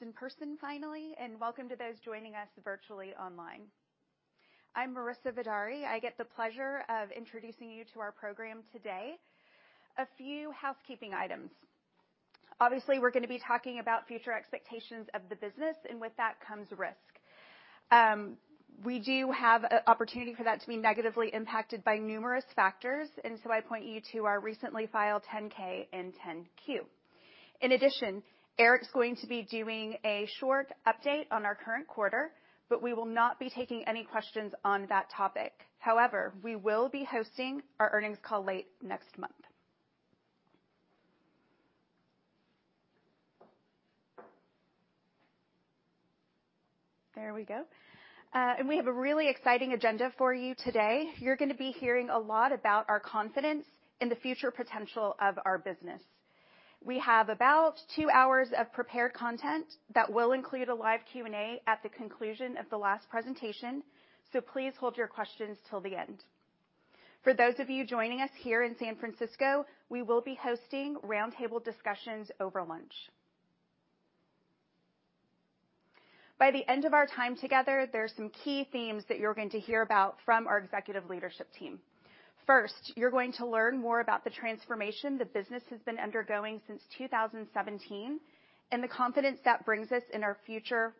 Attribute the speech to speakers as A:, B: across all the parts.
A: Many familiar faces in person finally, and welcome to those joining us virtually online. I'm Marissa Vidaurri. I get the pleasure of introducing you to our program today. A few housekeeping items. Obviously, we're gonna be talking about future expectations of the business, and with that comes risk. We do have an opportunity for that to be negatively impacted by numerous factors, and so I point you to our recently filed 10-K and 10-Q. In addition, Eric's going to be doing a short update on our current quarter, but we will not be taking any questions on that topic. However, we will be hosting our earnings call late next month. There we go. We have a really exciting agenda for you today. You're gonna be hearing a lot about our confidence in the future potential of our business. We have about two hours of prepared content that will include a live Q&A at the conclusion of the last presentation, so please hold your questions till the end. For those of you joining us here in San Francisco, we will be hosting roundtable discussions over lunch. By the end of our time together, there are some key themes that you're going to hear about from our executive leadership team. First, you're going to learn more about the transformation the business has been undergoing since 2017 and the confidence that brings us in our future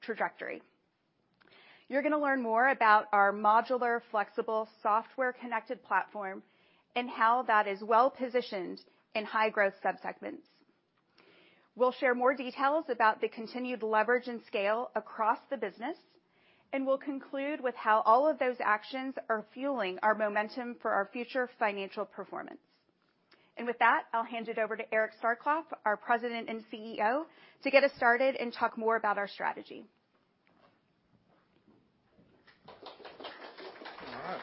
A: trajectory. You're gonna learn more about our modular, flexible, software-connected platform and how that is well-positioned in high-growth sub-segments. We'll share more details about the continued leverage and scale across the business, and we'll conclude with how all of those actions are fueling our momentum for our future financial performance. With that, I'll hand it over to Eric Starkloff, our President and CEO, to get us started and talk more about our strategy.
B: All right.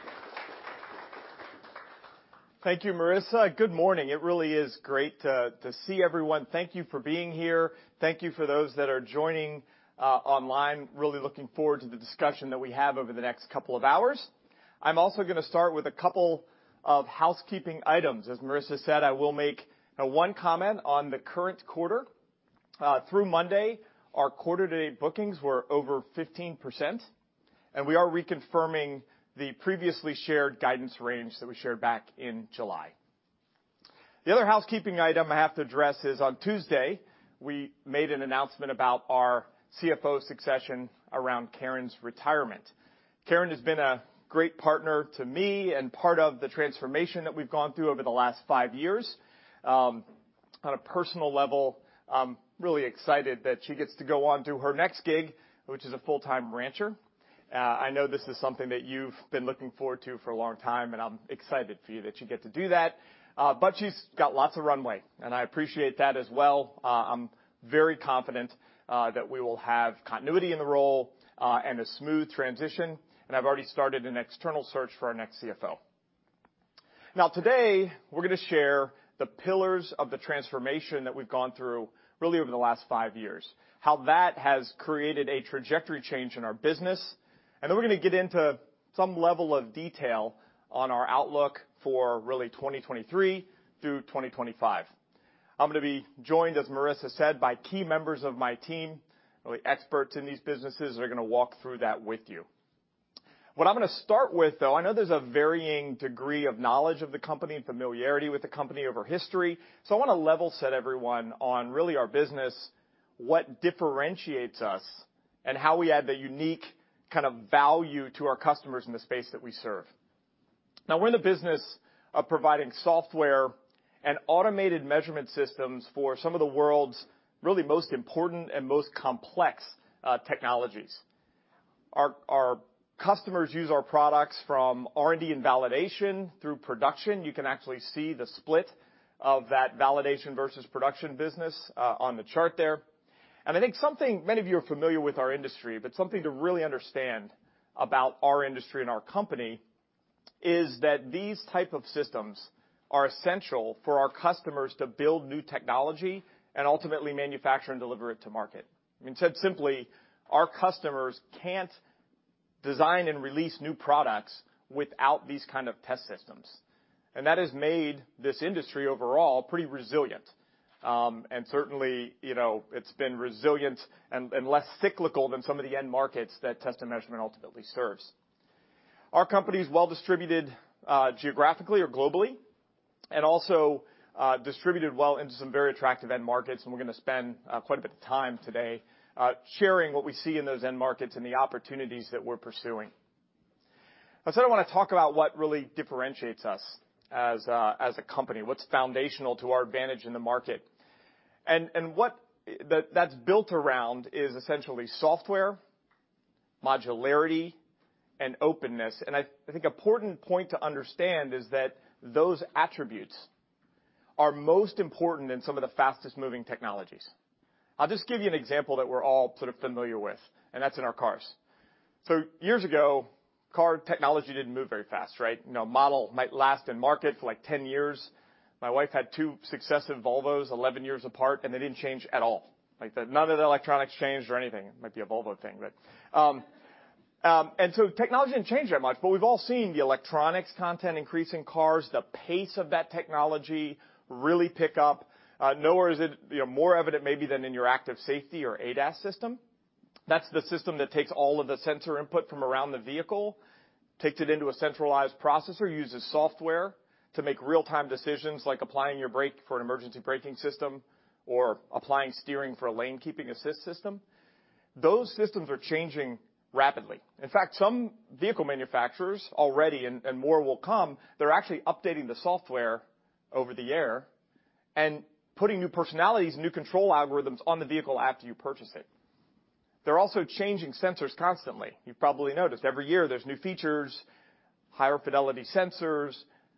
B: Thank you, Marissa. Good morning. It really is great to see everyone. Thank you for being here. Thank you for those that are joining online. Really looking forward to the discussion that we have over the next couple of hours. I'm also gonna start with a couple of housekeeping items. As Marissa said, I will make one comment on the current quarter. Through Monday, our quarter to date bookings were over 15%, and we are reconfirming the previously shared guidance range that we shared back in July. The other housekeeping item I have to address is, on Tuesday, we made an announcement about our CFO succession around Karen's retirement. Karen has been a great partner to me and part of the transformation that we've gone through over the last five years. On a personal level, I'm really excited that she gets to go on to her next gig, which is a full-time rancher. I know this is something that you've been looking forward to for a long time, and I'm excited for you that you get to do that. She's got lots of runway, and I appreciate that as well. I'm very confident that we will have continuity in the role, and a smooth transition, and I've already started an external search for our next CFO. Now today, we're gonna share the pillars of the transformation that we've gone through really over the last five years, how that has created a trajectory change in our business, and then we're gonna get into some level of detail on our outlook for really 2023 through 2025. I'm gonna be joined, as Marissa said, by key members of my team, really experts in these businesses that are gonna walk through that with you. What I'm gonna start with though, I know there's a varying degree of knowledge of the company and familiarity with the company over history, so I wanna level set everyone on really our business, what differentiates us, and how we add the unique kind of value to our customers in the space that we serve. Now we're in the business of providing software and automated measurement systems for some of the world's really most important and most complex technologies. Our customers use our products from R&D and validation through production. You can actually see the split of that validation versus production business on the chart there. I think something many of you are familiar with our industry, but something to really understand about our industry and our company is that these type of systems are essential for our customers to build new technology and ultimately manufacture and deliver it to market. I mean, said simply, our customers can't design and release new products without these kind of test systems. That has made this industry overall pretty resilient. Certainly, you know, it's been resilient and less cyclical than some of the end markets that test and measurement ultimately serves. Our company is well-distributed, geographically or globally, and also, distributed well into some very attractive end markets, and we're gonna spend, quite a bit of time today, sharing what we see in those end markets and the opportunities that we're pursuing. I said I wanna talk about what really differentiates us as a company. What's foundational to our advantage in the market. What that's built around is essentially software, modularity, and openness. I think important point to understand is that those attributes are most important in some of the fastest moving technologies. I'll just give you an example that we're all sort of familiar with, and that's in our cars. Years ago, car technology didn't move very fast, right? You know, a model might last in market for, like, 10 years. My wife had two successive Volvos 11 years apart, and they didn't change at all. Like, none of the electronics changed or anything. It might be a Volvo thing, but technology didn't change that much, but we've all seen the electronics content increase in cars, the pace of that technology really pick up. Nowhere is it, you know, more evident maybe than in your active safety or ADAS system. That's the system that takes all of the sensor input from around the vehicle, takes it into a centralized processor, uses software to make real-time decisions like applying your brake for an emergency braking system or applying steering for a lane-keeping assist system. Those systems are changing rapidly. In fact, some vehicle manufacturers already, and more will come, they're actually updating the software over the air and putting new personalities, new control algorithms on the vehicle after you purchase it. They're also changing sensors constantly. You've probably noticed every year there's new features, higher fidelity sensors,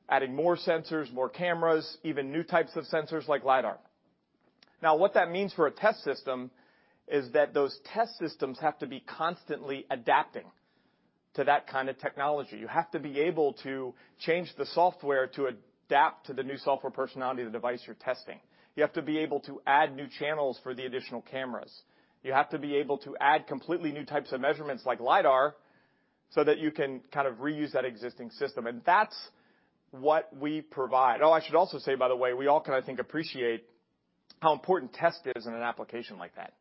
B: adding more sensors, more cameras, even new types of sensors like LIDAR. Now, what that means for a test system is that those test systems have to be constantly adapting to that kind of technology. You have to be able to change the software to adapt to the new software personality of the device you're testing. You have to be able to add new channels for the additional cameras. You have to be able to add completely new types of measurements like LIDAR so that you can kind of reuse that existing system, and that's what we provide. Oh, I should also say, by the way, we all can, I think, appreciate how important test is in an application like that.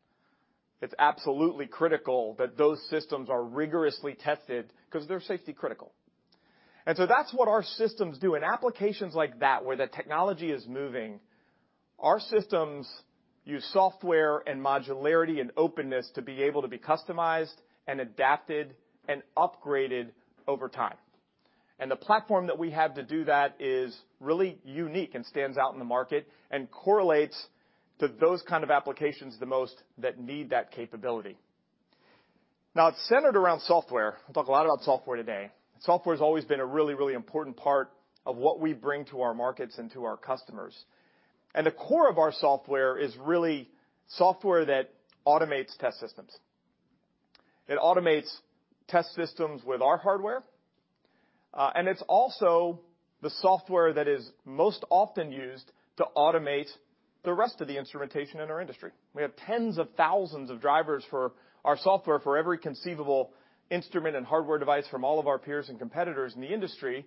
B: It's absolutely critical that those systems are rigorously tested 'cause they're safety-critical. That's what our systems do. In applications like that where the technology is moving, our systems use software and modularity and openness to be able to be customized and adapted and upgraded over time. The platform that we have to do that is really unique and stands out in the market and correlates to those kind of applications the most that need that capability. Now, it's centered around software. We'll talk a lot about software today. Software's always been a really, really important part of what we bring to our markets and to our customers. The core of our software is really software that automates test systems. It automates test systems with our hardware, and it's also the software that is most often used to automate the rest of the instrumentation in our industry. We have tens of thousands of drivers for our software for every conceivable instrument and hardware device from all of our peers and competitors in the industry,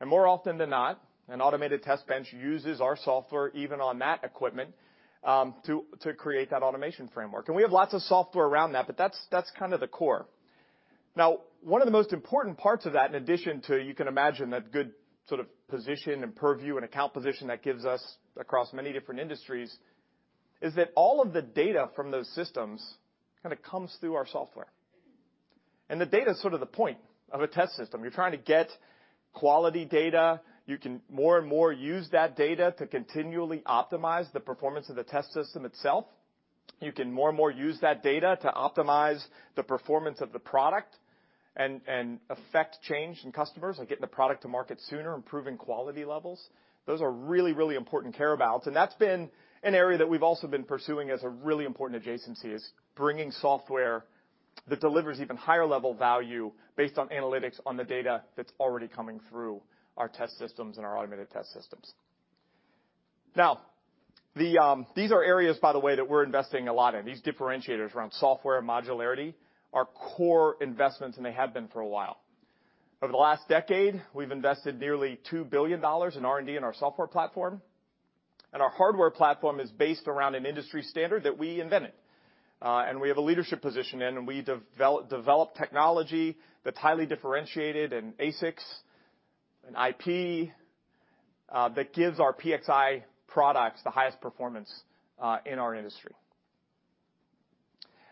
B: and more often than not, an automated test bench uses our software even on that equipment, to create that automation framework. We have lots of software around that, but that's kind of the core. Now, one of the most important parts of that, in addition to you can imagine that good sort of position and purview and account position that gives us across many different industries, is that all of the data from those systems kind of comes through our software. The data is sort of the point of a test system. You're trying to get quality data. You can more and more use that data to continually optimize the performance of the test system itself. You can more and more use that data to optimize the performance of the product and affect change in customers, like getting the product to market sooner, improving quality levels. Those are really important care abouts, and that's been an area that we've also been pursuing as a really important adjacency is bringing software that delivers even higher level value based on analytics on the data that's already coming through our test systems and our automated test systems. Now, these are areas, by the way, that we're investing a lot in. These differentiators around software modularity are core investments, and they have been for a while. Over the last decade, we've invested nearly $2 billion in R&D in our software platform, and our hardware platform is based around an industry standard that we invented. We have a leadership position in, and we develop technology that's highly differentiated in ASICs and IP, that gives our PXI products the highest performance in our industry.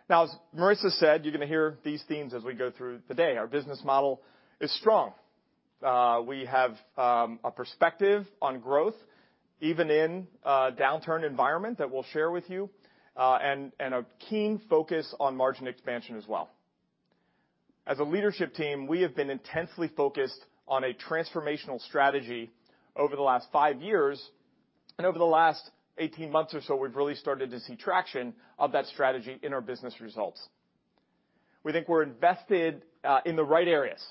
B: Now, as Marissa said, you're gonna hear these themes as we go through the day. Our business model is strong. We have a perspective on growth, even in a downturn environment that we'll share with you, and a keen focus on margin expansion as well. As a leadership team, we have been intensely focused on a transformational strategy over the last five years, and over the last 18 months or so, we've really started to see traction of that strategy in our business results. We think we're invested in the right areas.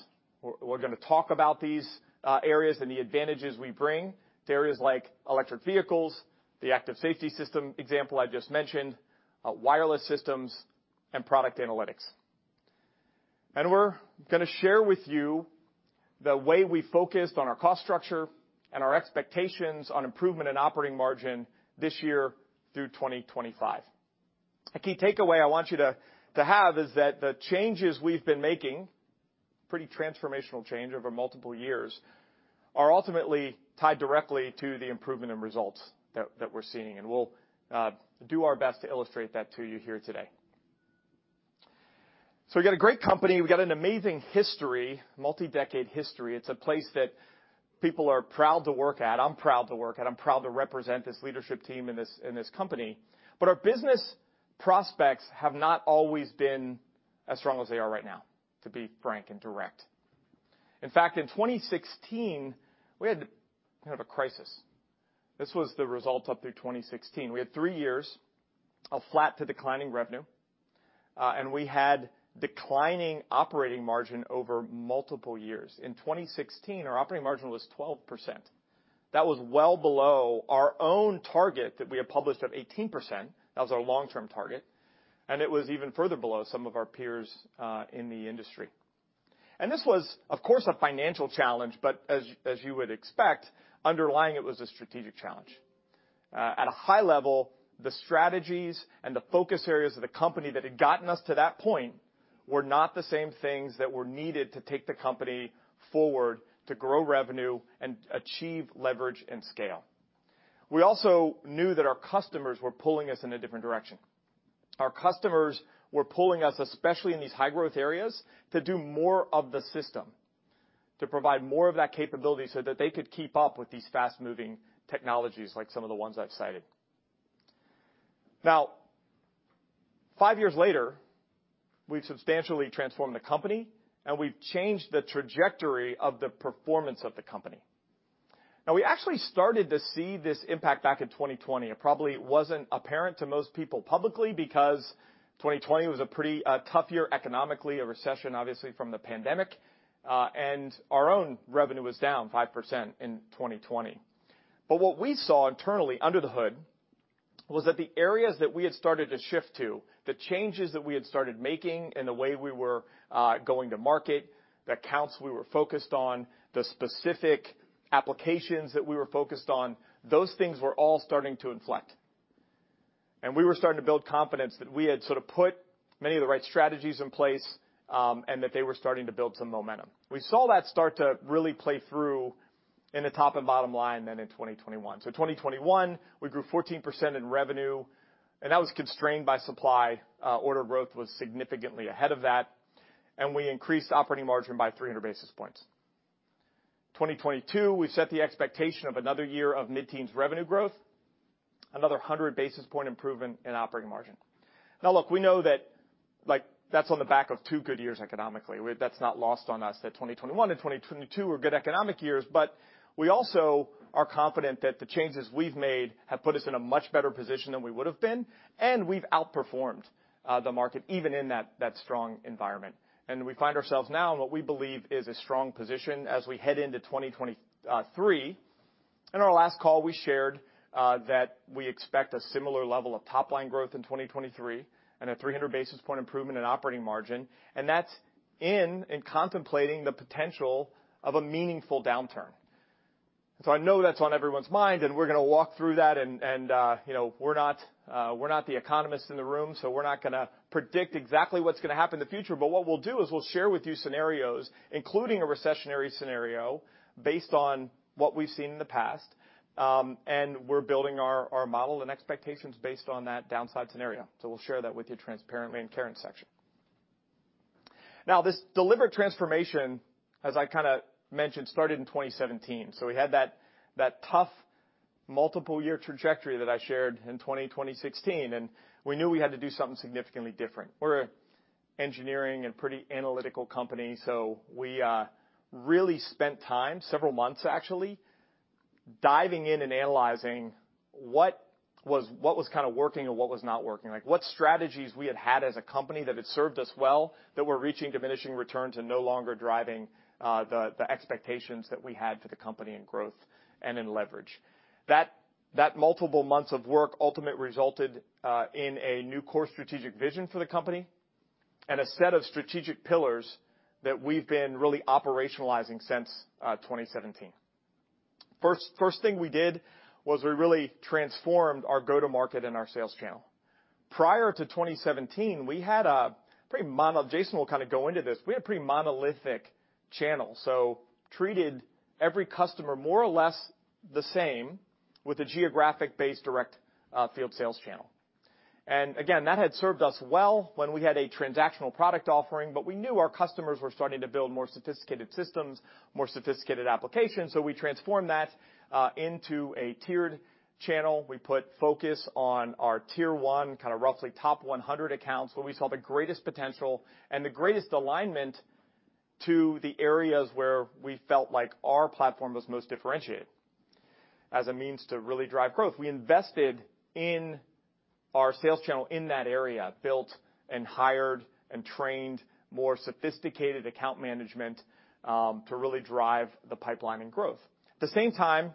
B: We're gonna talk about these areas and the advantages we bring to areas like electric vehicles, the active safety system example I just mentioned, wireless systems, and product analytics. We're gonna share with you the way we focused on our cost structure and our expectations on improvement in operating margin this year through 2025. A key takeaway I want you to have is that the changes we've been making, pretty transformational change over multiple years, are ultimately tied directly to the improvement in results that we're seeing. We'll do our best to illustrate that to you here today. We've got a great company. We've got an amazing history, multi-decade history. It's a place that people are proud to work at. I'm proud to work at. I'm proud to represent this leadership team and this company. Our business prospects have not always been as strong as they are right now, to be frank and direct. In fact, in 2016, we had kind of a crisis. This was the result up through 2016. We had three years of flat to declining revenue, and we had declining operating margin over multiple years. In 2016, our operating margin was 12%. That was well below our own target that we had published of 18%. That was our long-term target, and it was even further below some of our peers in the industry. This was, of course, a financial challenge, but as you would expect, underlying it was a strategic challenge. At a high level, the strategies and the focus areas of the company that had gotten us to that point were not the same things that were needed to take the company forward to grow revenue and achieve leverage and scale. We also knew that our customers were pulling us in a different direction. Our customers were pulling us, especially in these high growth areas, to do more of the system, to provide more of that capability so that they could keep up with these fast-moving technologies like some of the ones I've cited. Now, five years later, we've substantially transformed the company, and we've changed the trajectory of the performance of the company. Now we actually started to see this impact back in 2020. It probably wasn't apparent to most people publicly because 2020 was a pretty, tough year economically, a recession obviously from the pandemic. Our own revenue was down 5% in 2020. What we saw internally under the hood was that the areas that we had started to shift to, the changes that we had started making and the way we were going to market, the accounts we were focused on, the specific applications that we were focused on, those things were all starting to inflect. We were starting to build confidence that we had sort of put many of the right strategies in place, and that they were starting to build some momentum. We saw that start to really play through in the top and bottom line then in 2021. 2021, we grew 14% in revenue, and that was constrained by supply. Order growth was significantly ahead of that, and we increased operating margin by 300 basis points. 2022, we set the expectation of another year of mid-teens revenue growth, another 100 basis point improvement in operating margin. Now look, we know that, like, that's on the back of two good years economically. That's not lost on us, that 2021 and 2022 were good economic years, but we also are confident that the changes we've made have put us in a much better position than we would have been, and we've outperformed the market even in that strong environment. We find ourselves now in what we believe is a strong position as we head into 2023. In our last call, we shared that we expect a similar level of top-line growth in 2023 and a 300 basis point improvement in operating margin, and that's in contemplating the potential of a meaningful downturn. I know that's on everyone's mind, and we're gonna walk through that and, you know, we're not the economists in the room, so we're not gonna predict exactly what's gonna happen in the future, but what we'll do is we'll share with you scenarios, including a recessionary scenario based on what we've seen in the past, and we're building our model and expectations based on that downside scenario. We'll share that with you transparently in Karen's section. Now, this deliberate transformation, as I kinda mentioned, started in 2017. We had that tough multiple year trajectory that I shared in 2016, and we knew we had to do something significantly different. We're an engineering and pretty analytical company, so we really spent time, several months actually, diving in and analyzing what was kinda working and what was not working. Like, what strategies we had as a company that had served us well that were reaching diminishing return to no longer driving the expectations that we had for the company in growth and in leverage. That multiple months of work ultimately resulted in a new core strategic vision for the company and a set of strategic pillars that we've been really operationalizing since 2017. First thing we did was we really transformed our go-to-market and our sales channel. Prior to 2017, we had a pretty. Jason will kinda go into this. We had a pretty monolithic channel, so treated every customer more or less the same with a geographic-based direct field sales channel. That had served us well when we had a transactional product offering, but we knew our customers were starting to build more sophisticated systems, more sophisticated applications, so we transformed that into a tiered channel. We put focus on our tier one, kinda roughly top 100 accounts, where we saw the greatest potential and the greatest alignment to the areas where we felt like our platform was most differentiated as a means to really drive growth. We invested in our sales channel in that area, built and hired and trained more sophisticated account management to really drive the pipeline and growth. At the same time,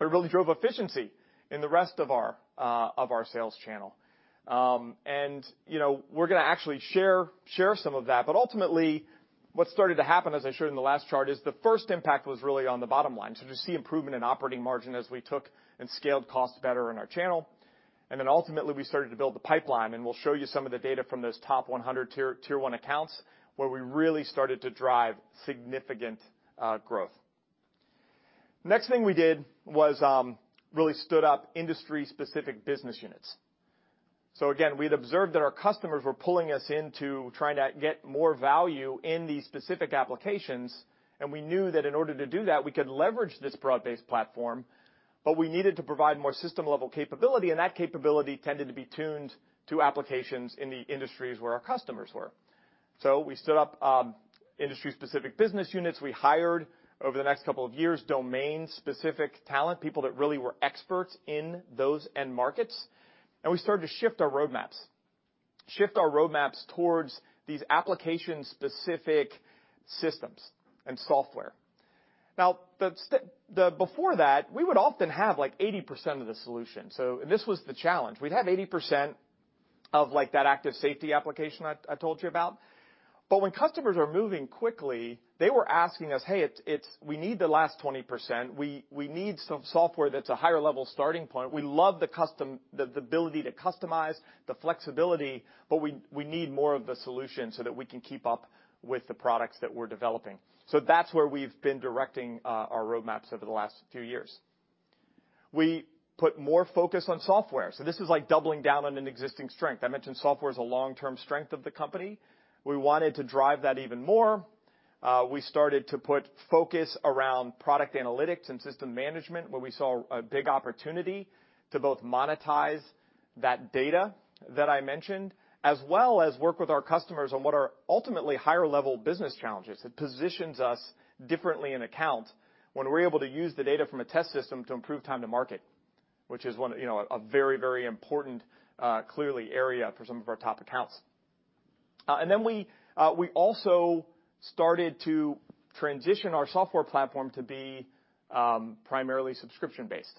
B: it really drove efficiency in the rest of our sales channel. You know, we're gonna actually share some of that. Ultimately, what started to happen, as I showed in the last chart, is the first impact was really on the bottom line. To see improvement in operating margin as we took and scaled costs better in our channel. Ultimately, we started to build the pipeline, and we'll show you some of the data from those top 100 tier one accounts, where we really started to drive significant growth. Next thing we did was really stood up industry-specific business units. Again, we'd observed that our customers were pulling us into trying to get more value in these specific applications, and we knew that in order to do that, we could leverage this broad-based platform, but we needed to provide more system-level capability, and that capability tended to be tuned to applications in the industries where our customers were. We stood up industry-specific business units. We hired over the next couple of years, domain-specific talent, people that really were experts in those end markets. We started to shift our roadmaps towards these application-specific systems and software. Now, before that, we would often have, like, 80% of the solution. This was the challenge. We'd have 80% of, like, that active safety application I told you about, but when customers are moving quickly, they were asking us, "Hey, we need the last 20%. We need some software that's a higher-level starting point. We love the ability to customize, the flexibility, but we need more of the solution so that we can keep up with the products that we're developing." That's where we've been directing our roadmaps over the last few years. We put more focus on software, so this is like doubling down on an existing strength. I mentioned software as a long-term strength of the company. We wanted to drive that even more. We started to put focus around product analytics and system management where we saw a big opportunity to both monetize that data that I mentioned, as well as work with our customers on what are ultimately higher-level business challenges that positions us differently in accounts when we're able to use the data from a test system to improve time to market, which is one of, you know, a very, very important, clearly area for some of our top accounts. We also started to transition our software platform to be primarily subscription-based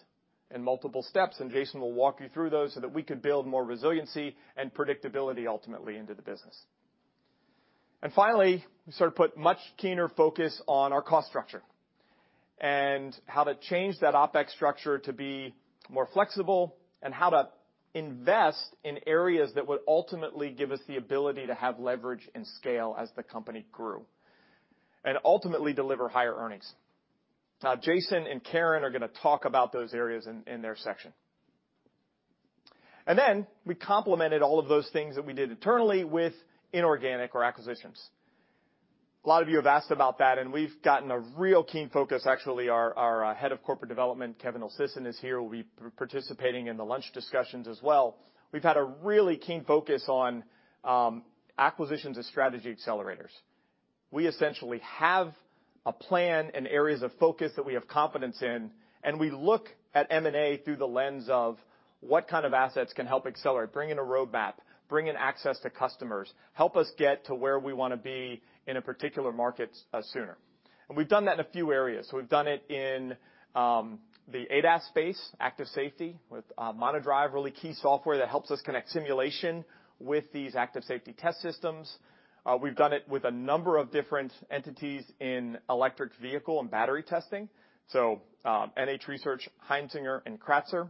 B: in multiple steps, and Jason will walk you through those, so that we could build more resiliency and predictability ultimately into the business. Finally, we sort of put much keener focus on our cost structure and how to change that OPEX structure to be more flexible and how to invest in areas that would ultimately give us the ability to have leverage and scale as the company grew, and ultimately deliver higher earnings. Now, Jason and Karen are gonna talk about those areas in their section. Then we complemented all of those things that we did internally with inorganic or acquisitions. A lot of you have asked about that, and we've gotten a real keen focus. Actually, our head of corporate development, Kevin Ilcisin, is here, will be participating in the lunch discussions as well. We've had a really keen focus on acquisitions as strategy accelerators. We essentially have a plan and areas of focus that we have confidence in, and we look at M&A through the lens of what kind of assets can help accelerate, bring in a roadmap, bring in access to customers, help us get to where we wanna be in a particular market, sooner. We've done that in a few areas. We've done it in the ADAS space, active safety, with monoDrive, really key software that helps us connect simulation with these active safety test systems. We've done it with a number of different entities in electric vehicle and battery testing, so NH Research, Heinzinger, and Kratzer,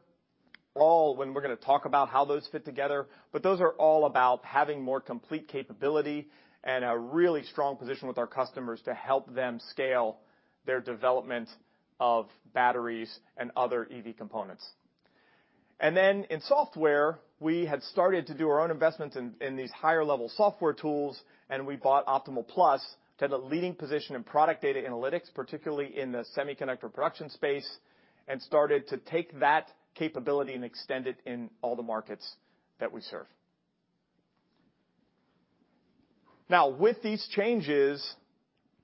B: all when we're gonna talk about how those fit together. Those are all about having more complete capability and a really strong position with our customers to help them scale their development of batteries and other EV components. Then in software, we had started to do our own investments in these higher-level software tools, and we bought Optimal+ to have a leading position in product data analytics, particularly in the semiconductor production space, and started to take that capability and extend it in all the markets that we serve. Now, with these changes,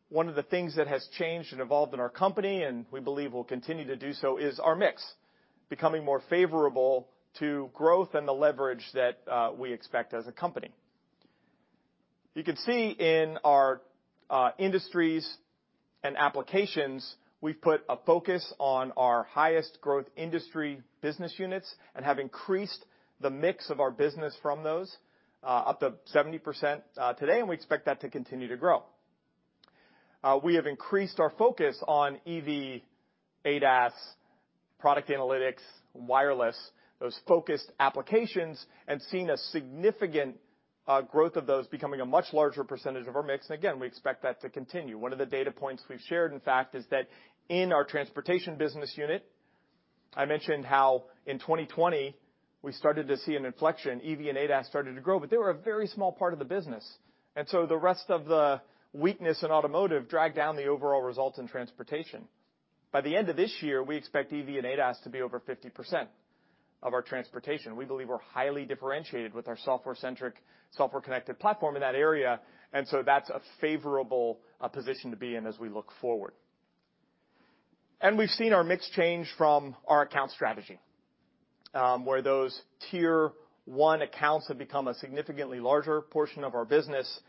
B: one of the things that has changed and evolved in our company, and we believe will continue to do so, is our mix becoming more favorable to growth and the leverage that we expect as a company. You can see in our industries and applications, we've put a focus on our highest growth industry business units and have increased the mix of our business from those up to 70%, today, and we expect that to continue to grow. We have increased our focus on EV, ADAS, product analytics, wireless, those focused applications, and seen a significant growth of those becoming a much larger percentage of our mix. Again, we expect that to continue. One of the data points we've shared, in fact, is that in our transportation business unit, I mentioned how in 2020 we started to see an inflection. EV and ADAS started to grow, but they were a very small part of the business. The rest of the weakness in automotive dragged down the overall results in transportation. By the end of this year, we expect EV and ADAS to be over 50% of our transportation. We believe we're highly differentiated with our software-centric, software-connected platform in that area. That's a favorable position to be in as we look forward. We've seen our mix change from our account strategy, where those tier one accounts have become a significantly larger portion of our business.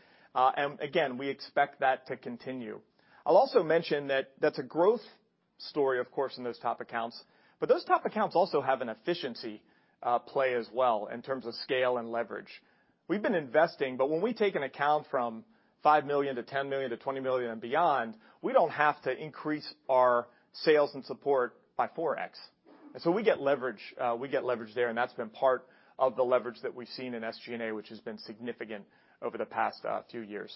B: We expect that to continue. I'll also mention that that's a growth story, of course, in those top accounts, but those top accounts also have an efficiency play as well in terms of scale and leverage. We've been investing, but when we take an account from $5 million to $10 million to $20 million and beyond, we don't have to increase our sales and support by 4x. We get leverage there, and that's been part of the leverage that we've seen in SG&A, which has been significant over the past few years.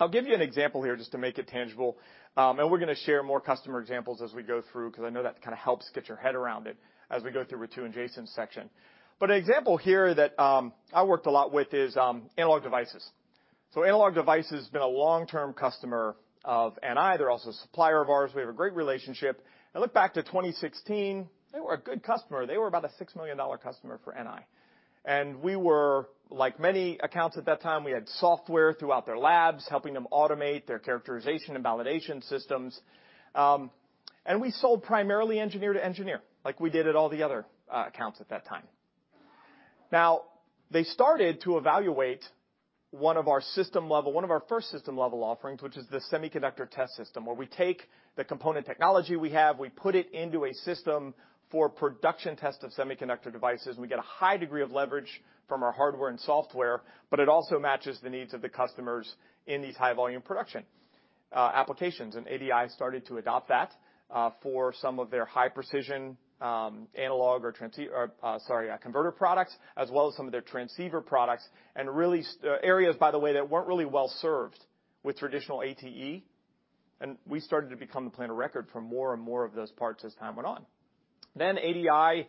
B: I'll give you an example here just to make it tangible, and we're gonna share more customer examples as we go through, because I know that kind of helps get your head around it as we go through Ritu and Jason's section. An example here that I worked a lot with is Analog Devices. Analog Devices has been a long-term customer of NI. They're also a supplier of ours. We have a great relationship. Look back to 2016, they were a good customer. They were about a $6 million customer for NI. We were, like many accounts at that time, we had software throughout their labs, helping them automate their characterization and validation systems. We sold primarily engineer to engineer, like we did at all the other accounts at that time. Now, they started to evaluate one of our first system-level offerings, which is the semiconductor test system, where we take the component technology we have, we put it into a system for production test of semiconductor devices. We get a high degree of leverage from our hardware and software, but it also matches the needs of the customers in these high-volume production applications. ADI started to adopt that for some of their high-precision analog or converter products, as well as some of their transceiver products, and really such areas, by the way, that weren't really well-served with traditional ATE, and we started to become the plan of record for more and more of those parts as time went on. ADI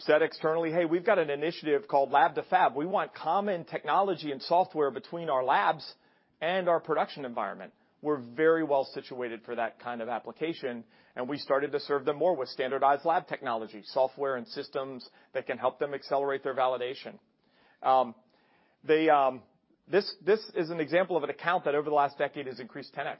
B: said externally, "Hey, we've got an initiative called Lab to Fab. We want common technology and software between our labs and our production environment." We're very well situated for that kind of application, and we started to serve them more with standardized lab technology, software and systems that can help them accelerate their validation. They This is an example of an account that over the last decade has increased 10x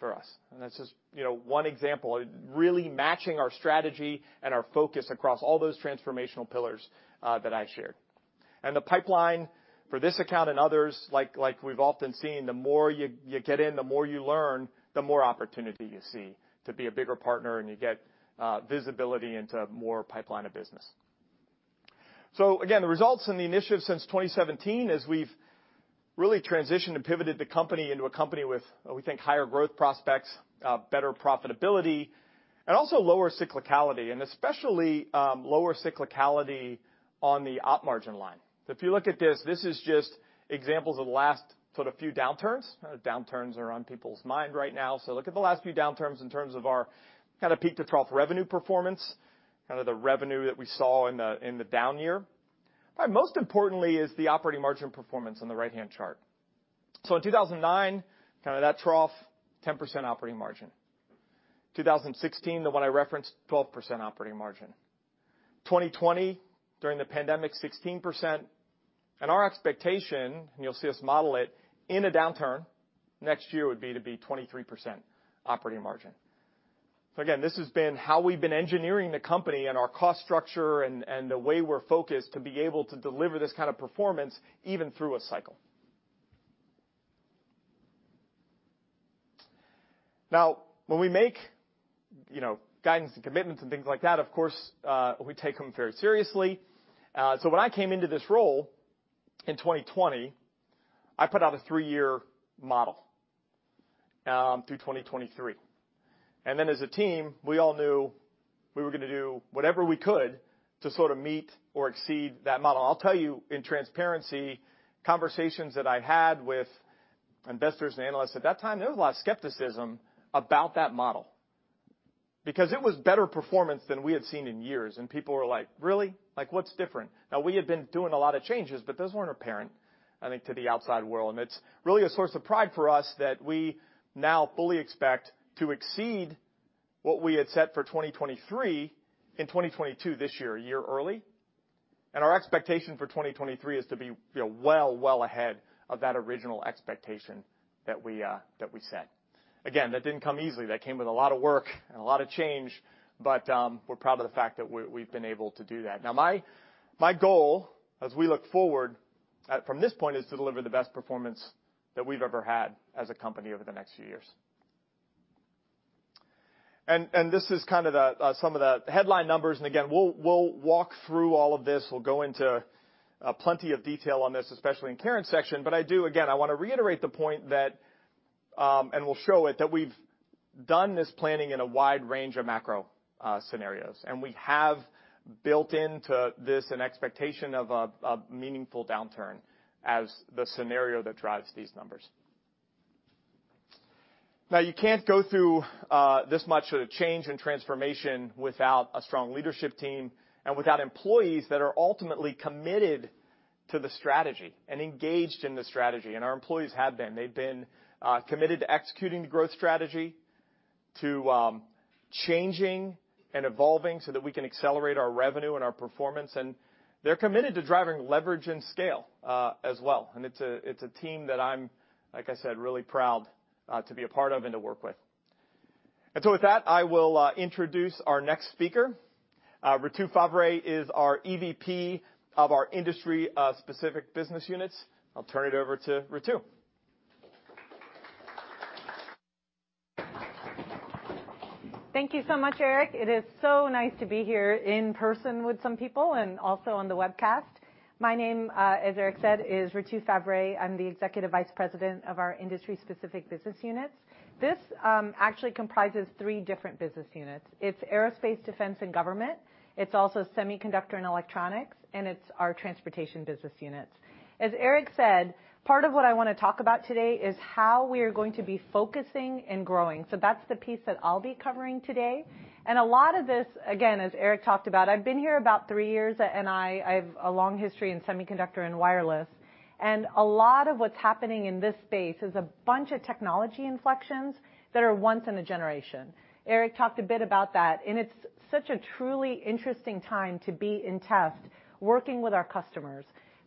B: for us, and that's just, you know, one example of really matching our strategy and our focus across all those transformational pillars that I shared. The pipeline for this account and others, like we've often seen, the more you get in, the more you learn, the more opportunity you see to be a bigger partner, and you get visibility into more pipeline of business. Again, the results and the initiatives since 2017 as we've really transitioned and pivoted the company into a company with, we think, higher growth prospects, better profitability, and also lower cyclicality, and especially lower cyclicality on the operating margin line. If you look at this is just examples of the last sort of few downturns. Downturns are on people's mind right now, so look at the last few downturns in terms of our kind of peak-to-trough revenue performance, kind of the revenue that we saw in the down year. Most importantly is the operating margin performance on the right-hand chart. In 2009, kind of that trough, 10% operating margin. 2016, the one I referenced, 12% operating margin. 2020, during the pandemic, 16%. Our expectation, and you'll see us model it, in a downturn next year would be to be 23% operating margin. Again, this has been how we've been engineering the company and our cost structure and the way we're focused to be able to deliver this kind of performance even through a cycle. Now, when we make, you know, guidance and commitments and things like that, of course, we take them very seriously. So when I came into this role in 2020, I put out a three-year model through 2023. As a team, we all knew we were gonna do whatever we could to sort of meet or exceed that model. I'll tell you in transparency, conversations that I had with investors and analysts at that time, there was a lot of skepticism about that model because it was better performance than we had seen in years, and people were like, "Really?" Like, "What's different?" Now, we had been doing a lot of changes, but those weren't apparent, I think, to the outside world, and it's really a source of pride for us that we now fully expect to exceed what we had set for 2023 in 2022 this year, a year early. Our expectation for 2023 is to be, you know, well, well ahead of that original expectation that we set. Again, that didn't come easily. That came with a lot of work and a lot of change, but we're proud of the fact that we've been able to do that. My goal as we look forward from this point is to deliver the best performance that we've ever had as a company over the next few years. This is kind of some of the headline numbers, and again, we'll walk through all of this. We'll go into plenty of detail on this, especially in Karen's section. I do, again, I want to reiterate the point that, and we'll show it, that we've done this planning in a wide range of macro scenarios, and we have built into this an expectation of a meaningful downturn as the scenario that drives these numbers. Now, you can't go through this much change and transformation without a strong leadership team and without employees that are ultimately committed to the strategy and engaged in the strategy, and our employees have been. They've been committed to executing the growth strategy, to changing and evolving so that we can accelerate our revenue and our performance, and they're committed to driving leverage and scale, as well. It's a team that I'm, like I said, really proud to be a part of and to work with. With that, I will introduce our next speaker. Ritu Favre is our EVP of our industry specific business units. I'll turn it over to Ritu.
C: Thank you so much, Eric. It is so nice to be here in person with some people and also on the webcast. My name, as Eric said, is Ritu Favre. I'm the Executive Vice President of our industry-specific business units. This actually comprises three different business units. It's aerospace, defense, and government, it's also semiconductor and electronics, and it's our transportation business units. As Eric said, part of what I wanna talk about today is how we are going to be focusing and growing. That's the piece that I'll be covering today. A lot of this, again, as Eric talked about, I've been here about three years, and I have a long history in semiconductor and wireless. A lot of what's happening in this space is a bunch of technology inflections that are once in a generation. Eric talked a bit about that, and it's such a truly interesting time to be in test working with our customers.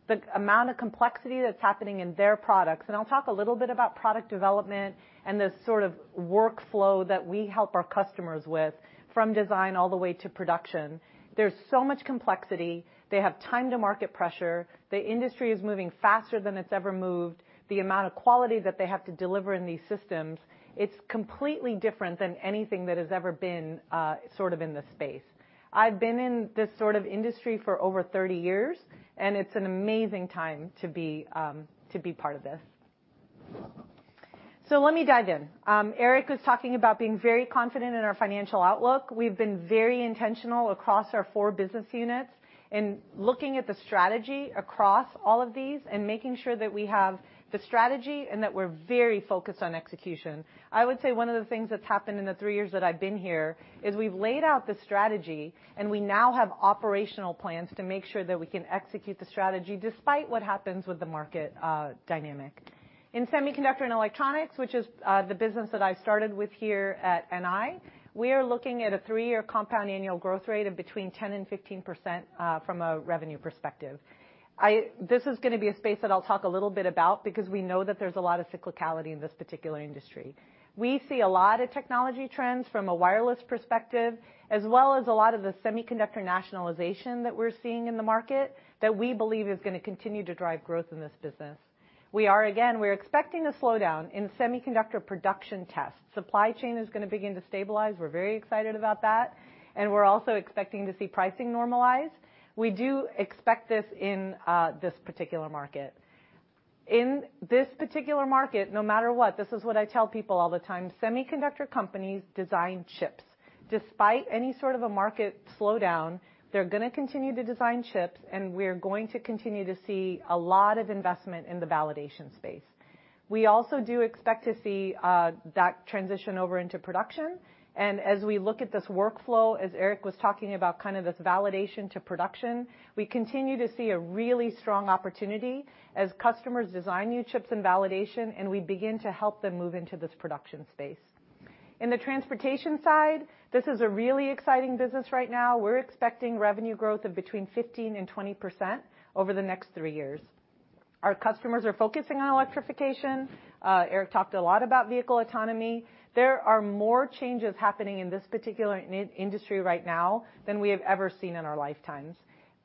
C: The amount of complexity that's happening in their products, and I'll talk a little bit about product development and the sort of workflow that we help our customers with, from design all the way to production. There's so much complexity. They have time to market pressure. The industry is moving faster than it's ever moved. The amount of quality that they have to deliver in these systems, it's completely different than anything that has ever been, sort of in this space. I've been in this sort of industry for over 30 years, and it's an amazing time to be part of this. Let me dive in. Eric was talking about being very confident in our financial outlook. We've been very intentional across our four business units in looking at the strategy across all of these and making sure that we have the strategy and that we're very focused on execution. I would say one of the things that's happened in the three years that I've been here is we've laid out the strategy, and we now have operational plans to make sure that we can execute the strategy despite what happens with the market dynamic. In Semiconductor and Electronics, which is the business that I started with here at NI, we are looking at a three-year compound annual growth rate of between 10% and 15% from a revenue perspective. This is gonna be a space that I'll talk a little bit about because we know that there's a lot of cyclicality in this particular industry. We see a lot of technology trends from a wireless perspective, as well as a lot of the semiconductor nationalization that we're seeing in the market that we believe is gonna continue to drive growth in this business. We are, again, expecting a slowdown in semiconductor production tests. Supply chain is gonna begin to stabilize. We're very excited about that, and we're also expecting to see pricing normalize. We do expect this in this particular market. In this particular market, no matter what, this is what I tell people all the time, semiconductor companies design chips. Despite any sort of a market slowdown, they're gonna continue to design chips, and we're going to continue to see a lot of investment in the validation space. We also do expect to see that transition over into production, and as we look at this workflow, as Eric was talking about kind of this validation to production, we continue to see a really strong opportunity as customers design new chips and validation, and we begin to help them move into this production space. In the transportation side, this is a really exciting business right now. We're expecting revenue growth of between 15% and 20% over the next three years. Our customers are focusing on electrification. Eric talked a lot about vehicle autonomy. There are more changes happening in this particular in-industry right now than we have ever seen in our lifetimes.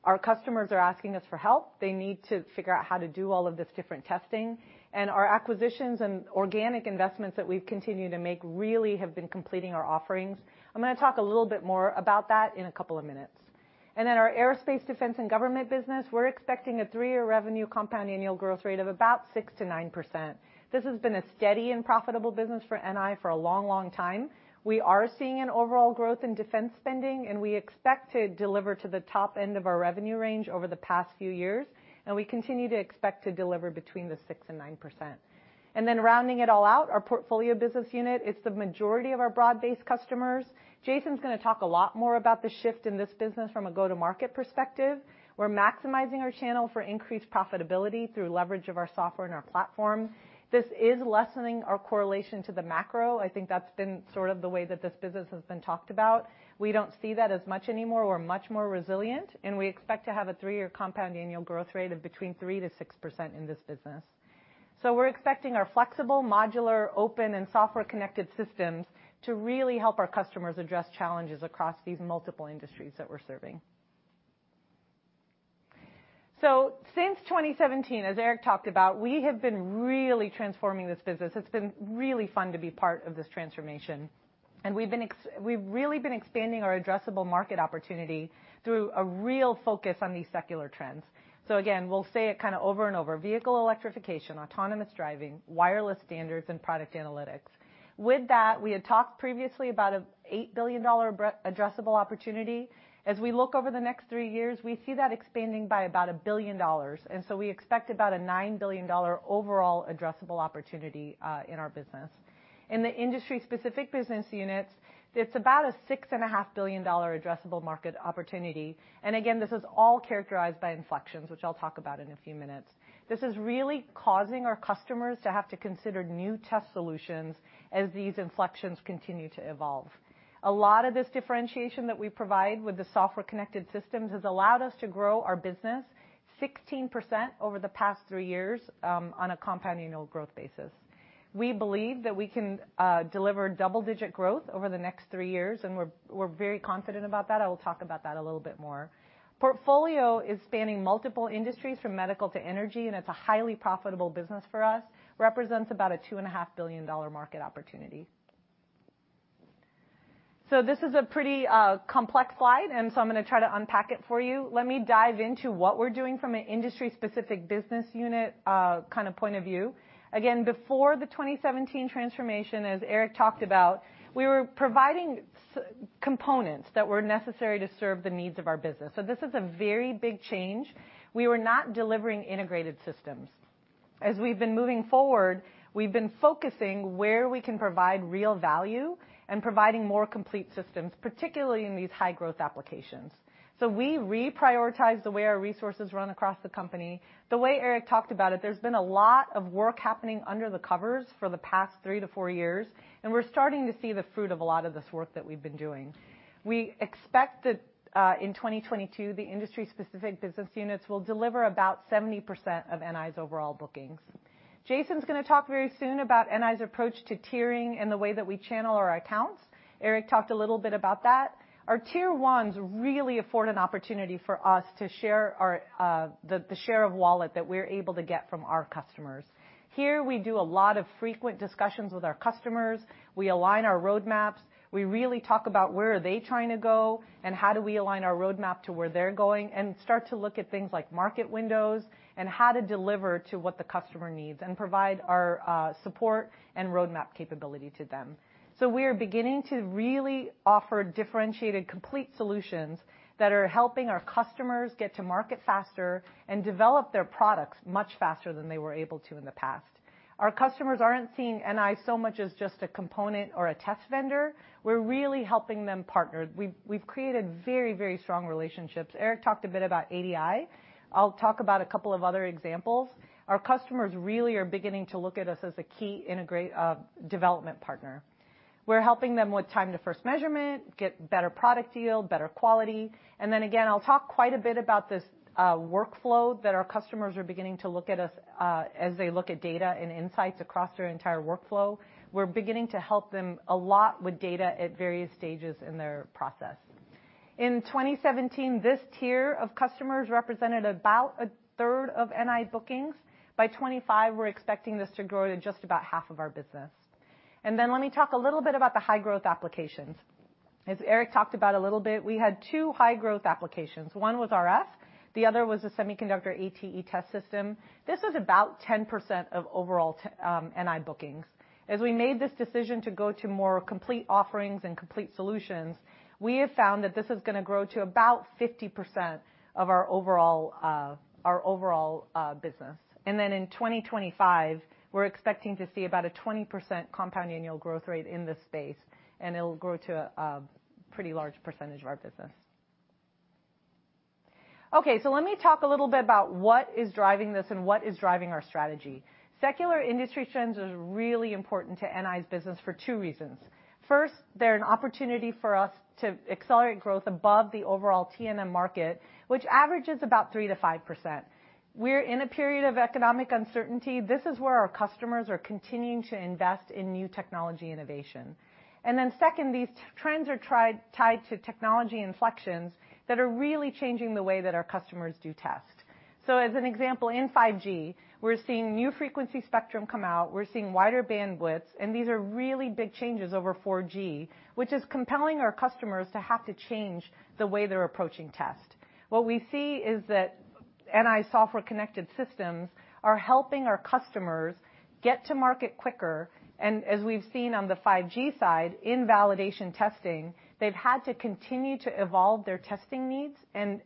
C: Our customers are asking us for help. They need to figure out how to do all of this different testing, and our acquisitions and organic investments that we've continued to make really have been completing our offerings. I'm gonna talk a little bit more about that in a couple of minutes. Our Aerospace, Defense and Government business, we're expecting a three year revenue compound annual growth rate of about 6%-9%. This has been a steady and profitable business for NI for a long, long time. We are seeing an overall growth in defense spending, and we expect to deliver to the top end of our revenue range over the past few years, and we continue to expect to deliver between the 6% and 9%. Rounding it all out, our Portfolio business unit, it's the majority of our broad-based customers. Jason's gonna talk a lot more about the shift in this business from a go-to-market perspective. We're maximizing our channel for increased profitability through leverage of our software and our platform. This is lessening our correlation to the macro. I think that's been sort of the way that this business has been talked about. We don't see that as much anymore. We're much more resilient, and we expect to have a three year compound annual growth rate of between 3%-6% in this business. We're expecting our flexible, modular, open and software-connected systems to really help our customers address challenges across these multiple industries that we're serving. Since 2017, as Eric talked about, we have been really transforming this business. It's been really fun to be part of this transformation. We've really been expanding our addressable market opportunity through a real focus on these secular trends. Again, we'll say it kinda over and over, vehicle electrification, autonomous driving, wireless standards, and product analytics. With that, we had talked previously about an $8 billion addressable opportunity. As we look over the next three years, we see that expanding by about $1 billion, and so we expect about a $9 billion overall addressable opportunity in our business. In the industry-specific business units, it's about a $6.5 billion addressable market opportunity. Again, this is all characterized by inflections, which I'll talk about in a few minutes. This is really causing our customers to have to consider new test solutions as these inflections continue to evolve. A lot of this differentiation that we provide with the software-connected systems has allowed us to grow our business 16% over the past three years on a compound annual growth basis. We believe that we can deliver double-digit growth over the next three years, and we're very confident about that. I will talk about that a little bit more. Portfolio is spanning multiple industries from medical to energy, and it's a highly profitable business for us. Represents about a $2.5 billion market opportunity. This is a pretty complex slide, and so I'm gonna try to unpack it for you. Let me dive into what we're doing from an industry-specific business unit kind of point of view. Again, before the 2017 transformation, as Eric talked about, we were providing s-components that were necessary to serve the needs of our business. This is a very big change. We were not delivering integrated systems. As we've been moving forward, we've been focusing where we can provide real value and providing more complete systems, particularly in these high-growth applications. We reprioritized the way our resources run across the company. The way Eric talked about it, there's been a lot of work happening under the covers for the past three to four years, and we're starting to see the fruit of a lot of this work that we've been doing. We expect that in 2022, the industry-specific business units will deliver about 70% of NI's overall bookings. Jason's gonna talk very soon about NI's approach to tiering and the way that we channel our accounts. Eric talked a little bit about that. Our tier ones really afford an opportunity for us to share our share of wallet that we're able to get from our customers. Here, we do a lot of frequent discussions with our customers. We align our roadmaps. We really talk about where are they trying to go and how do we align our roadmap to where they're going and start to look at things like market windows and how to deliver to what the customer needs and provide our support and roadmap capability to them. We are beginning to really offer differentiated complete solutions that are helping our customers get to market faster and develop their products much faster than they were able to in the past. Our customers aren't seeing NI so much as just a component or a test vendor. We're really helping them partner. We've created very, very strong relationships. Eric talked a bit about ADI. I'll talk about a couple of other examples. Our customers really are beginning to look at us as a key integrated development partner. We're helping them with time to first measurement, get better product yield, better quality, and then again, I'll talk quite a bit about this workflow that our customers are beginning to look at us as they look at data and insights across their entire workflow. We're beginning to help them a lot with data at various stages in their process. In 2017, this tier of customers represented about 1/3 of NI bookings. By 2025, we're expecting this to grow to just about 1/2 of our business. Let me talk a little bit about the high growth applications. As Eric talked about a little bit, we had two high-growth applications. One was RF, the other was a semiconductor ATE test system. This was about 10% of overall NI bookings. As we made this decision to go to more complete offerings and complete solutions, we have found that this is gonna grow to about 50% of our overall business. In 2025, we're expecting to see about a 20% compound annual growth rate in this space, and it'll grow to a pretty large percentage of our business. Okay, so let me talk a little bit about what is driving this and what is driving our strategy. Secular industry trends are really important to NI's business for two reasons. First, they're an opportunity for us to accelerate growth above the overall T&M market, which averages about 3%-5%. We're in a period of economic uncertainty. This is where our customers are continuing to invest in new technology innovation. Then second, these trends are tied to technology inflections that are really changing the way that our customers do test. As an example, in 5G, we're seeing new frequency spectrum come out, we're seeing wider bandwidth, and these are really big changes over 4G, which is compelling our customers to have to change the way they're approaching test. What we see is that NI software-connected systems are helping our customers get to market quicker. As we've seen on the 5G side, in validation testing, they've had to continue to evolve their testing needs.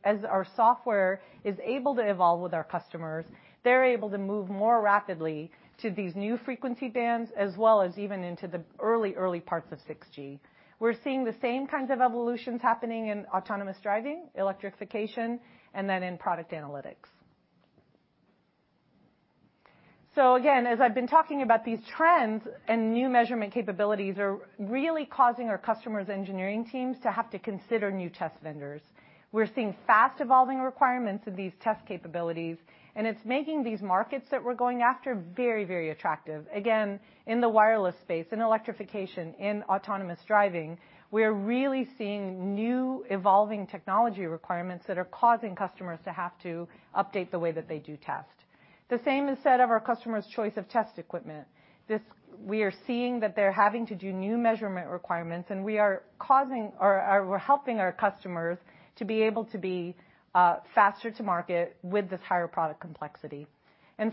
C: As our software is able to evolve with our customers, they're able to move more rapidly to these new frequency bands, as well as even into the early parts of 6G. We're seeing the same kinds of evolutions happening in autonomous driving, electrification, and then in product analytics. Again, as I've been talking about these trends and new measurement capabilities are really causing our customers' engineering teams to have to consider new test vendors. We're seeing fast-evolving requirements of these test capabilities, and it's making these markets that we're going after very, very attractive. Again, in the wireless space, in electrification, in autonomous driving, we're really seeing new evolving technology requirements that are causing customers to have to update the way that they do test. The same is said of our customers' choice of test equipment. We're seeing that they're having to do new measurement requirements, and we're helping our customers to be able to be faster to market with this higher product complexity.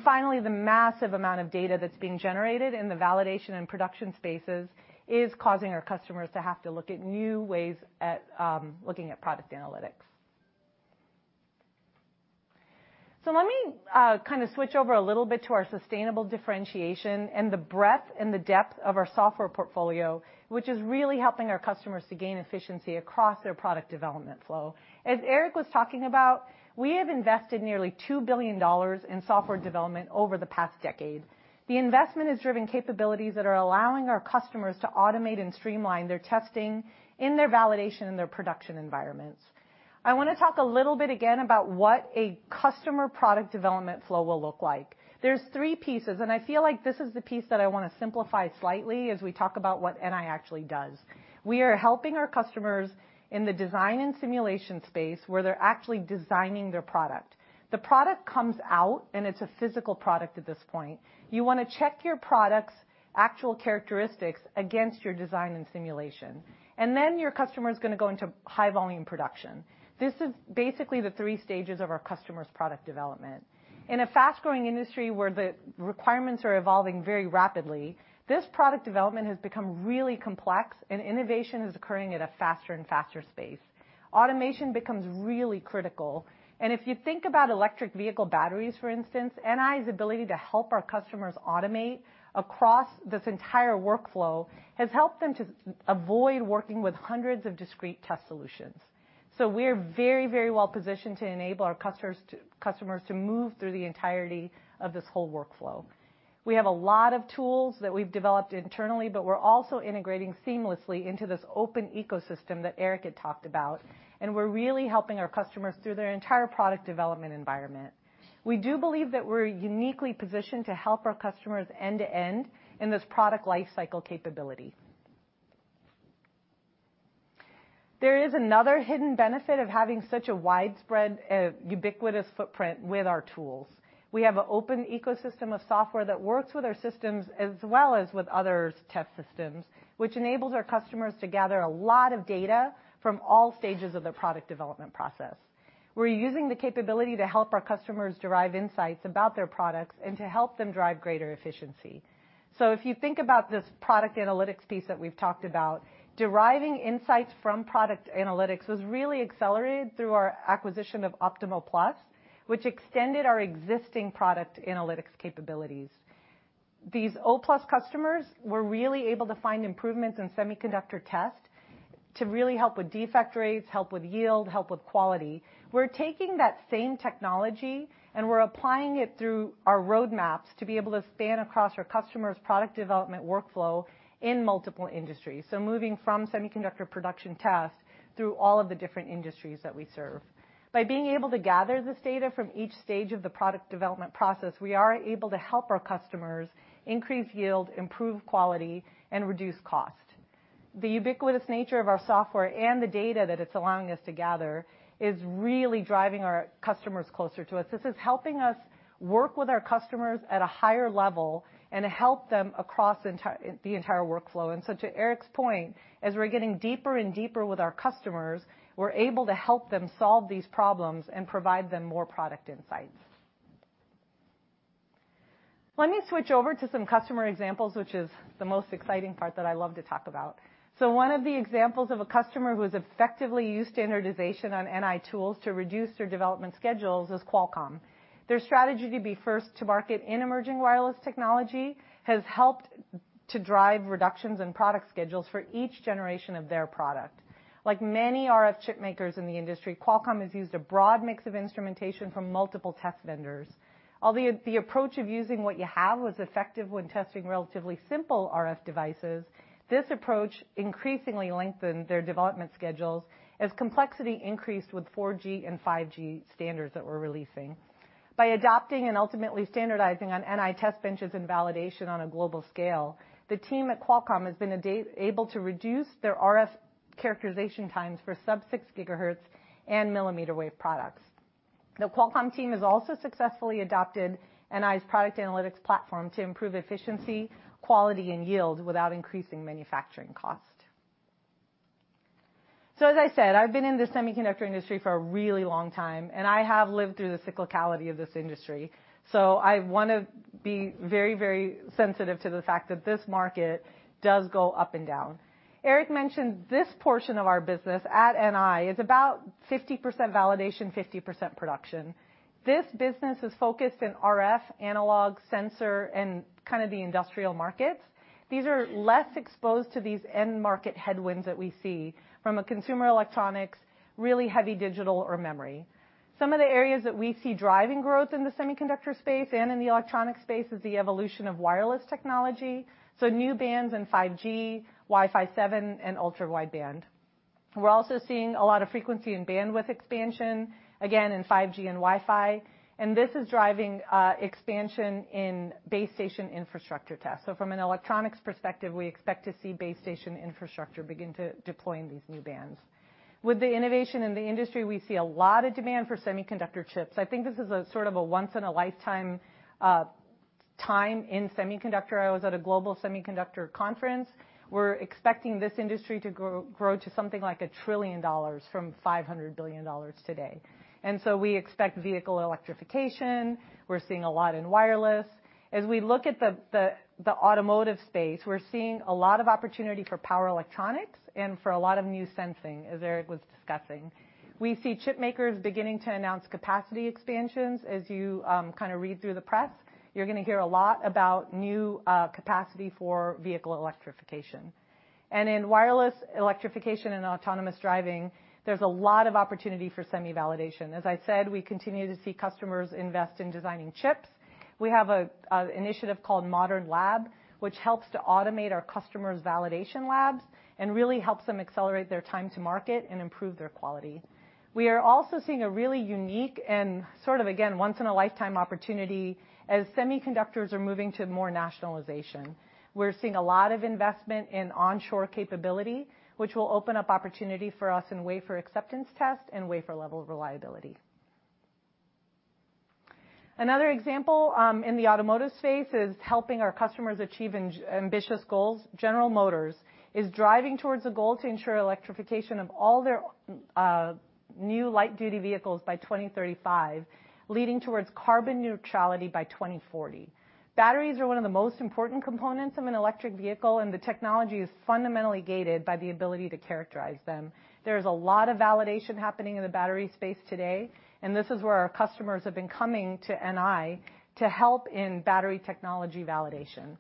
C: Finally, the massive amount of data that's being generated in the validation and production spaces is causing our customers to have to look at new ways at looking at product analytics. Let me kind of switch over a little bit to our sustainable differentiation and the breadth and the depth of our software portfolio, which is really helping our customers to gain efficiency across their product development flow. As Eric was talking about, we have invested nearly $2 billion in software development over the past decade. The investment has driven capabilities that are allowing our customers to automate and streamline their testing in their validation and their production environments. I wanna talk a little bit again about what a customer product development flow will look like. There's three pieces, and I feel like this is the piece that I wanna simplify slightly as we talk about what NI actually does. We are helping our customers in the design and simulation space where they're actually designing their product. The product comes out, and it's a physical product at this point. You wanna check your product's actual characteristics against your design and simulation. Then your customer's gonna go into high-volume production. This is basically the three stages of our customer's product development. In a fast-growing industry where the requirements are evolving very rapidly, this product development has become really complex, and innovation is occurring at a faster and faster pace. Automation becomes really critical. If you think about electric vehicle batteries, for instance, NI's ability to help our customers automate across this entire workflow has helped them to avoid working with hundreds of discrete test solutions. We're very, very well positioned to enable our customers to move through the entirety of this whole workflow. We have a lot of tools that we've developed internally, but we're also integrating seamlessly into this open ecosystem that Eric had talked about, and we're really helping our customers through their entire product development environment. We do believe that we're uniquely positioned to help our customers end to end in this product lifecycle capability. There is another hidden benefit of having such a widespread, ubiquitous footprint with our tools. We have a open ecosystem of software that works with our systems as well as with others' test systems, which enables our customers to gather a lot of data from all stages of the product development process. We're using the capability to help our customers derive insights about their products and to help them drive greater efficiency. If you think about this product analytics piece that we've talked about, deriving insights from product analytics was really accelerated through our acquisition of Optimal+, which extended our existing product analytics capabilities. These O+ customers were really able to find improvements in semiconductor test to really help with defect rates, help with yield, help with quality. We're taking that same technology and we're applying it through our roadmaps to be able to span across our customers' product development workflow in multiple industries. Moving from semiconductor production tasks through all of the different industries that we serve. By being able to gather this data from each stage of the product development process, we are able to help our customers increase yield, improve quality, and reduce cost. The ubiquitous nature of our software and the data that it's allowing us to gather is really driving our customers closer to us. This is helping us work with our customers at a higher level and to help them across the entire workflow. To Eric's point, as we're getting deeper and deeper with our customers, we're able to help them solve these problems and provide them more product insights. Let me switch over to some customer examples, which is the most exciting part that I love to talk about. One of the examples of a customer who has effectively used standardization on NI tools to reduce their development schedules is Qualcomm. Their strategy to be first to market in emerging wireless technology has helped to drive reductions in product schedules for each generation of their product. Like many RF chip makers in the industry, Qualcomm has used a broad mix of instrumentation from multiple test vendors. Although the approach of using what you have was effective when testing relatively simple RF devices, this approach increasingly lengthened their development schedules as complexity increased with 4G and 5G standards that we're releasing. By adopting and ultimately standardizing on NI test benches and validation on a global scale, the team at Qualcomm has been able to reduce their RF characterization times for sub six gigahertz and millimeter wave products. The Qualcomm team has also successfully adopted NI's product analytics platform to improve efficiency, quality, and yield without increasing manufacturing cost. As I said, I've been in the semiconductor industry for a really long time, and I have lived through the cyclicality of this industry. I wanna be very, very sensitive to the fact that this market does go up and down. Eric mentioned this portion of our business at NI is about 50% validation, 50% production. This business is focused in RF, analog, sensor, and kind of the industrial markets. These are less exposed to these end market headwinds that we see from a consumer electronics, really heavy digital or memory. Some of the areas that we see driving growth in the semiconductor space and in the electronic space is the evolution of wireless technology, so new bands in 5G, Wi-Fi 7, and ultra-wideband. We're also seeing a lot of frequency in bandwidth expansion, again, in 5G and Wi-Fi, and this is driving expansion in base station infrastructure tasks. From an electronics perspective, we expect to see base station infrastructure begin to deploy in these new bands. With the innovation in the industry, we see a lot of demand for semiconductor chips. I think this is a sort of a once in a lifetime time in semiconductor. I was at a global semiconductor conference. We're expecting this industry to grow to something like $1 trillion from $500 billion today. We expect vehicle electrification. We're seeing a lot in wireless. As we look at the automotive space, we're seeing a lot of opportunity for power electronics and for a lot of new sensing, as Eric was discussing. We see chip makers beginning to announce capacity expansions. As you kind of read through the press, you're gonna hear a lot about new capacity for vehicle electrification. In wireless electrification and autonomous driving, there's a lot of opportunity for semi-validation. As I said, we continue to see customers invest in designing chips. We have an initiative called Modern Lab, which helps to automate our customers' validation labs and really helps them accelerate their time to market and improve their quality. We are also seeing a really unique and sort of again, once in a lifetime opportunity as semiconductors are moving to more nationalization. We're seeing a lot of investment in onshore capability, which will open up opportunity for us in wafer acceptance test and wafer level reliability. Another example, in the automotive space is helping our customers achieve ambitious goals. General Motors is driving towards a goal to ensure electrification of all their new light duty vehicles by 2035, leading towards carbon neutrality by 2040. Batteries are one of the most important components of an electric vehicle, and the technology is fundamentally gated by the ability to characterize them. There's a lot of validation happening in the battery space today, and this is where our customers have been coming to NI to help in battery technology validation.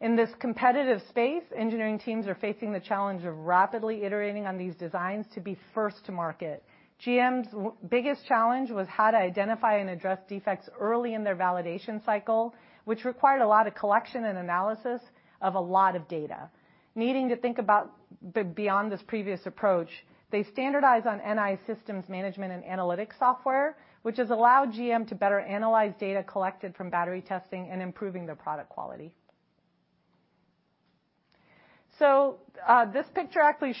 C: In this competitive space, engineering teams are facing the challenge of rapidly iterating on these designs to be first to market. GM's biggest challenge was how to identify and address defects early in their validation cycle, which required a lot of collection and analysis of a lot of data. Needing to think about beyond this previous approach, they standardize on NI systems management and analytics software, which has allowed GM to better analyze data collected from battery testing and improving their product quality. This picture actually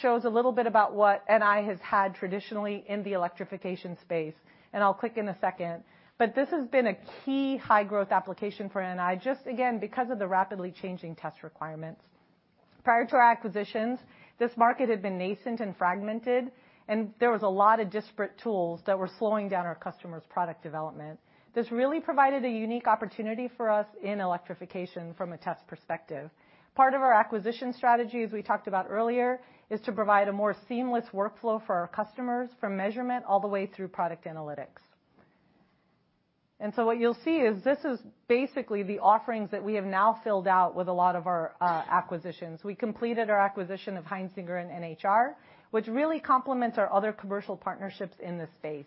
C: shows a little bit about what NI has had traditionally in the electrification space, and I'll click in a second. This has been a key high growth application for NI just again, because of the rapidly changing test requirements. Prior to our acquisitions, this market had been nascent and fragmented, and there was a lot of disparate tools that were slowing down our customers' product development. This really provided a unique opportunity for us in electrification from a test perspective. Part of our acquisition strategy, as we talked about earlier, is to provide a more seamless workflow for our customers from measurement all the way through product analytics. What you'll see is this is basically the offerings that we have now filled out with a lot of our acquisitions. We completed our acquisition of Heinzinger and NHR, which really complements our other commercial partnerships in this space.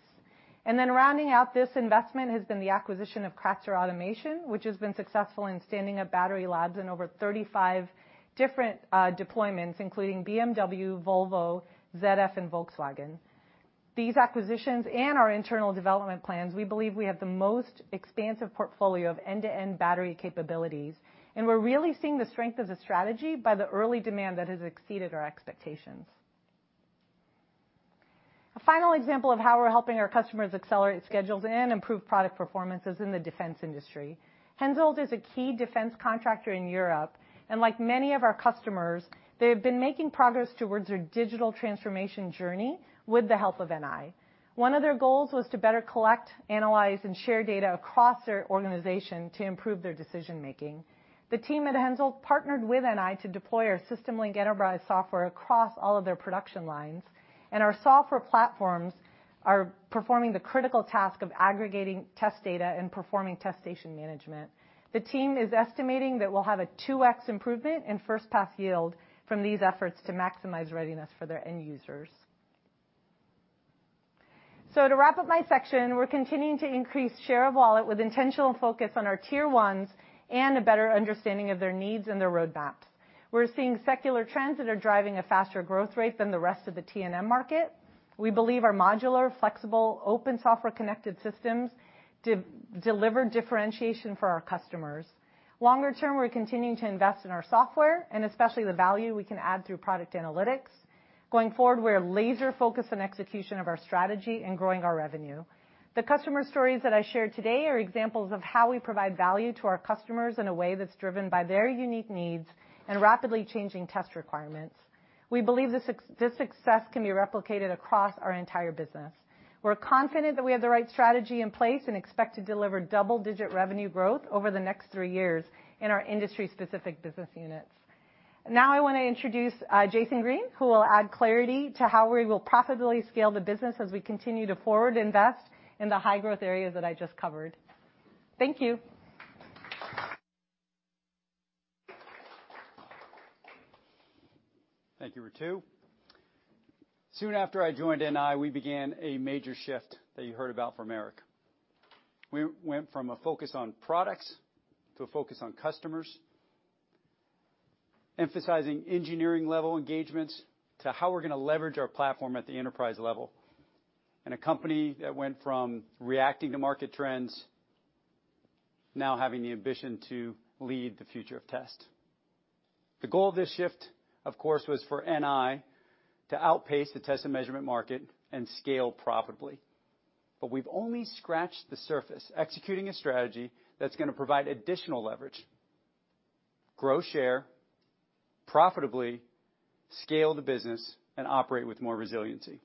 C: Rounding out this investment has been the acquisition of Kratzer Automation, which has been successful in standing up battery labs in over 35 different deployments, including BMW, Volvo, ZF, and Volkswagen. These acquisitions and our internal development plans, we believe we have the most expansive portfolio of end-to-end battery capabilities, and we're really seeing the strength of the strategy by the early demand that has exceeded our expectations. A final example of how we're helping our customers accelerate schedules and improve product performance is in the defense industry. HENSOLDT is a key defense contractor in Europe, and like many of our customers, they have been making progress towards their digital transformation journey with the help of NI. One of their goals was to better collect, analyze, and share data across their organization to improve their decision-making. The team at HENSOLDT partnered with NI to deploy our SystemLink Enterprise software across all of their production lines, and our software platforms are performing the critical task of aggregating test data and performing test station management. The team is estimating that we'll have a 2x improvement in first pass yield from these efforts to maximize readiness for their end users. To wrap up my section, we're continuing to increase share of wallet with intentional focus on our tier ones and a better understanding of their needs and their roadmaps. We're seeing secular trends that are driving a faster growth rate than the rest of the T&M market. We believe our modular, flexible, open software connected systems deliver differentiation for our customers. Longer term, we're continuing to invest in our software and especially the value we can add through product analytics. Going forward, we're laser-focused on execution of our strategy and growing our revenue. The customer stories that I shared today are examples of how we provide value to our customers in a way that's driven by their unique needs and rapidly changing test requirements. We believe this success can be replicated across our entire business. We're confident that we have the right strategy in place and expect to deliver double-digit revenue growth over the next three years in our industry-specific business units. Now, I wanna introduce Jason Green, who will add clarity to how we will profitably scale the business as we continue to forward invest in the high-growth areas that I just covered. Thank you.
D: Thank you, Ritu. Soon after I joined NI, we began a major shift that you heard about from Eric. We went from a focus on products to a focus on customers, emphasizing engineering-level engagements to how we're gonna leverage our platform at the enterprise level. A company that went from reacting to market trends, now having the ambition to lead the future of test. The goal of this shift, of course, was for NI to outpace the test and measurement market and scale profitably. We've only scratched the surface, executing a strategy that's gonna provide additional leverage, grow share profitably, scale the business, and operate with more resiliency.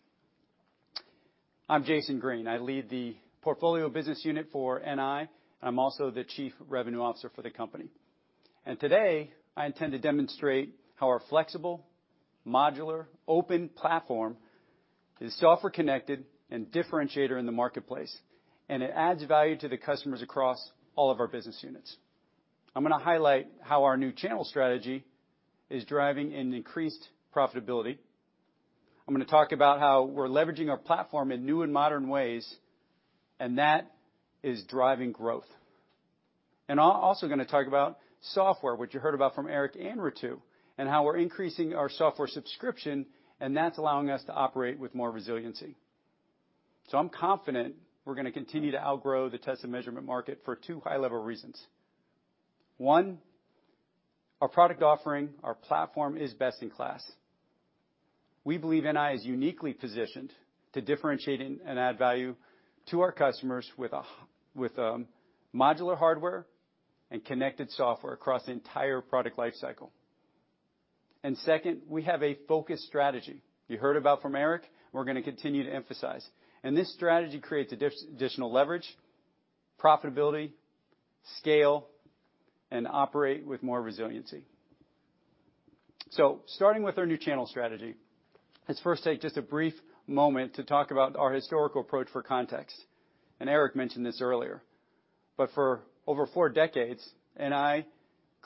D: I'm Jason Green. I lead the portfolio business unit for NI. I'm also the chief revenue officer for the company. Today, I intend to demonstrate how our flexible, modular, open platform is software connected and differentiator in the marketplace, and it adds value to the customers across all of our business units. I'm gonna highlight how our new channel strategy is driving an increased profitability. I'm gonna talk about how we're leveraging our platform in new and modern ways, and that is driving growth. I'll also gonna talk about software, which you heard about from Eric and Ritu, and how we're increasing our software subscription, and that's allowing us to operate with more resiliency. I'm confident we're gonna continue to outgrow the test and measurement market for two high-level reasons. One, our product offering, our platform is best in class. We believe NI is uniquely positioned to differentiate and add value to our customers with a modular hardware and connected software across the entire product life cycle. Second, we have a focused strategy. You heard about from Eric, we're gonna continue to emphasize. This strategy creates additional leverage, profitability, scale, and operate with more resiliency. Starting with our new channel strategy, let's first take just a brief moment to talk about our historical approach for context. Eric mentioned this earlier. For over four decades, NI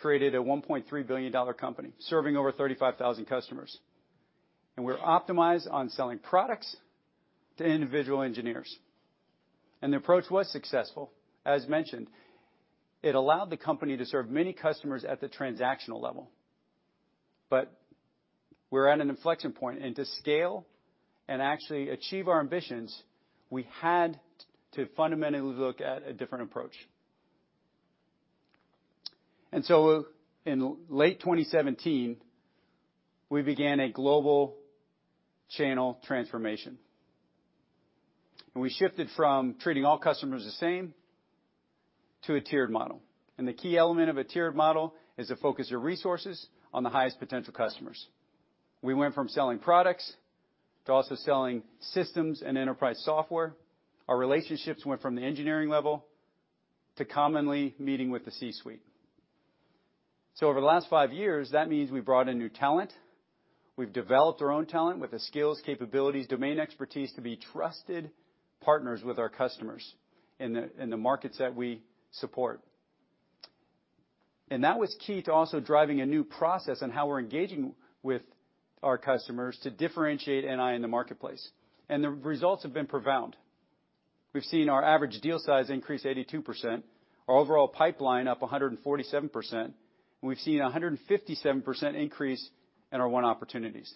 D: created a $1.3 billion company serving over 35,000 customers, and we're optimized on selling products to individual engineers. The approach was successful. As mentioned, it allowed the company to serve many customers at the transactional level. We're at an inflection point, and to scale and actually achieve our ambitions, we had to fundamentally look at a different approach. In late 2017, we began a global channel transformation. We shifted from treating all customers the same to a tiered model, and the key element of a tiered model is to focus your resources on the highest potential customers. We went from selling products to also selling systems and enterprise software. Our relationships went from the engineering level to commonly meeting with the C-suite. Over the last five years, that means we brought in new talent. We've developed our own talent with the skills, capabilities, domain expertise to be trusted partners with our customers in the markets that we support. That was key to also driving a new process on how we're engaging with our customers to differentiate NI in the marketplace, and the results have been profound. We've seen our average deal size increase 82%, our overall pipeline up 147%, and we've seen a 157% increase in our won opportunities.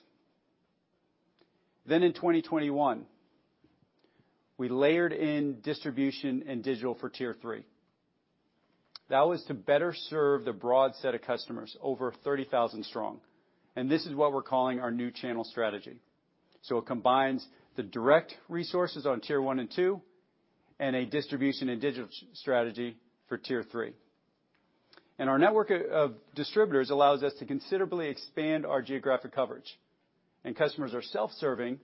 D: In 2021, we layered in distribution and digital for tier three. That was to better serve the broad set of customers, over 30,000 strong, and this is what we're calling our new channel strategy. It combines the direct resources on tier one and two and a distribution and digital strategy for tier three. Our network of distributors allows us to considerably expand our geographic coverage, and customers are self-serving.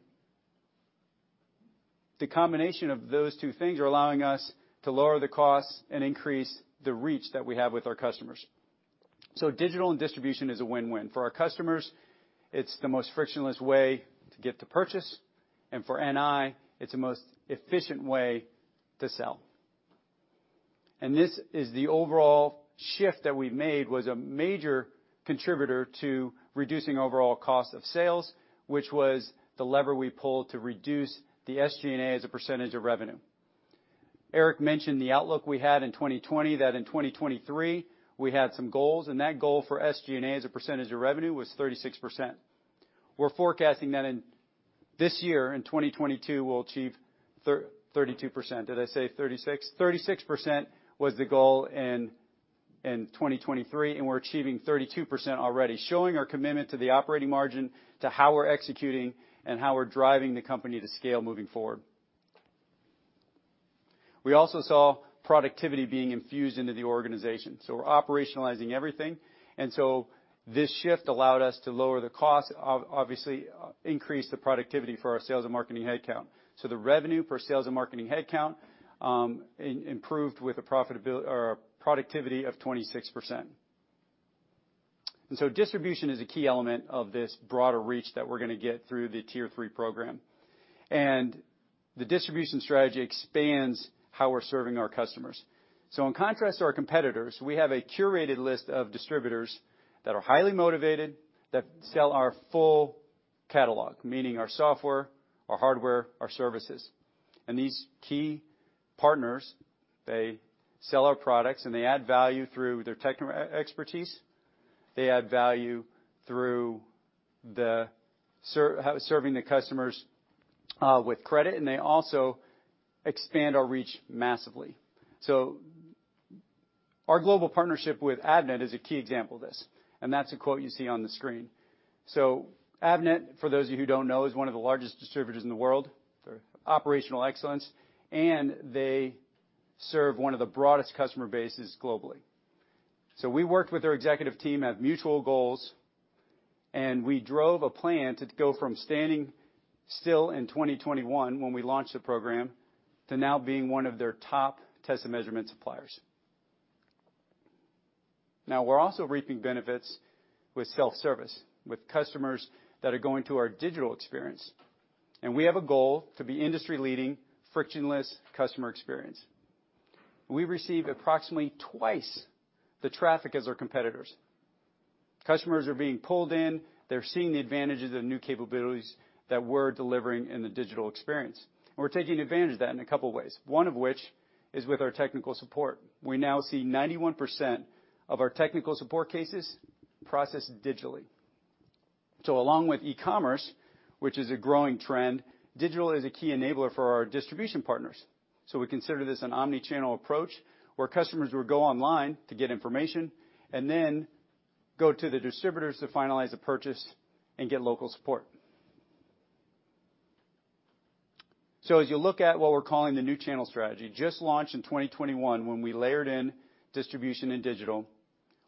D: The combination of those two things are allowing us to lower the costs and increase the reach that we have with our customers. Digital and distribution is a win-win. For our customers, it's the most frictionless way to get to purchase, and for NI, it's the most efficient way to sell. This is the overall shift that we made, was a major contributor to reducing overall cost of sales, which was the lever we pulled to reduce the SG&A as a percentage of revenue. Eric mentioned the outlook we had in 2020, that in 2023 we had some goals, and that goal for SG&A as a percentage of revenue was 36%. We're forecasting that in this year, in 2022, we'll achieve thirty-two percent. Did I say 36? 36% was the goal in 2023, and we're achieving 32% already, showing our commitment to the operating margin, to how we're executing, and how we're driving the company to scale moving forward. We also saw productivity being infused into the organization, so we're operationalizing everything. This shift allowed us to lower the cost, obviously increase the productivity for our sales and marketing headcount. The revenue per sales and marketing headcount improved, with a productivity of 26%. Distribution is a key element of this broader reach that we're gonna get through the tier three program. The distribution strategy expands how we're serving our customers. In contrast to our competitors, we have a curated list of distributors that are highly motivated, that sell our full catalog, meaning our software, our hardware, our services. These key partners, they sell our products, and they add value through their expertise. They add value through serving the customers with credit, and they also expand our reach massively. Our global partnership with Avnet is a key example of this, and that's the quote you see on the screen. Avnet, for those of you who don't know, is one of the largest distributors in the world for operational excellence, and they serve one of the broadest customer bases globally. We worked with their executive team, have mutual goals, and we drove a plan to go from standing still in 2021 when we launched the program to now being one of their top test and measurement suppliers. Now, we're also reaping benefits with self-service, with customers that are going to our digital experience, and we have a goal to be industry-leading frictionless customer experience. We receive approximately twice the traffic as our competitors. Customers are being pulled in. They're seeing the advantages of new capabilities that we're delivering in the digital experience. We're taking advantage of that in a couple ways, one of which is with our technical support. We now see 91% of our technical support cases processed digitally. Along with e-commerce, which is a growing trend, digital is a key enabler for our distribution partners. We consider this an omni-channel approach where customers will go online to get information and then go to the distributors to finalize a purchase and get local support. As you look at what we're calling the new channel strategy, just launched in 2021 when we layered in distribution and digital,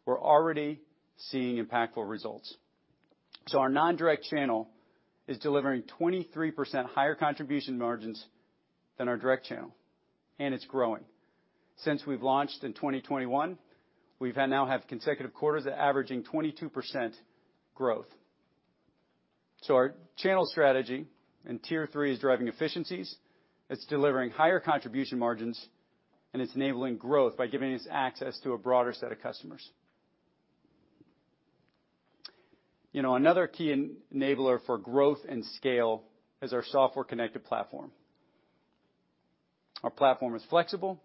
D: we're already seeing impactful results. Our non-direct channel is delivering 23% higher contribution margins than our direct channel, and it's growing. Since we've launched in 2021, we've had, now have consecutive quarters averaging 22% growth. Our channel strategy in tier three is driving efficiencies, it's delivering higher contribution margins, and it's enabling growth by giving us access to a broader set of customers. You know, another key enabler for growth and scale is our software-connected platform. Our platform is flexible,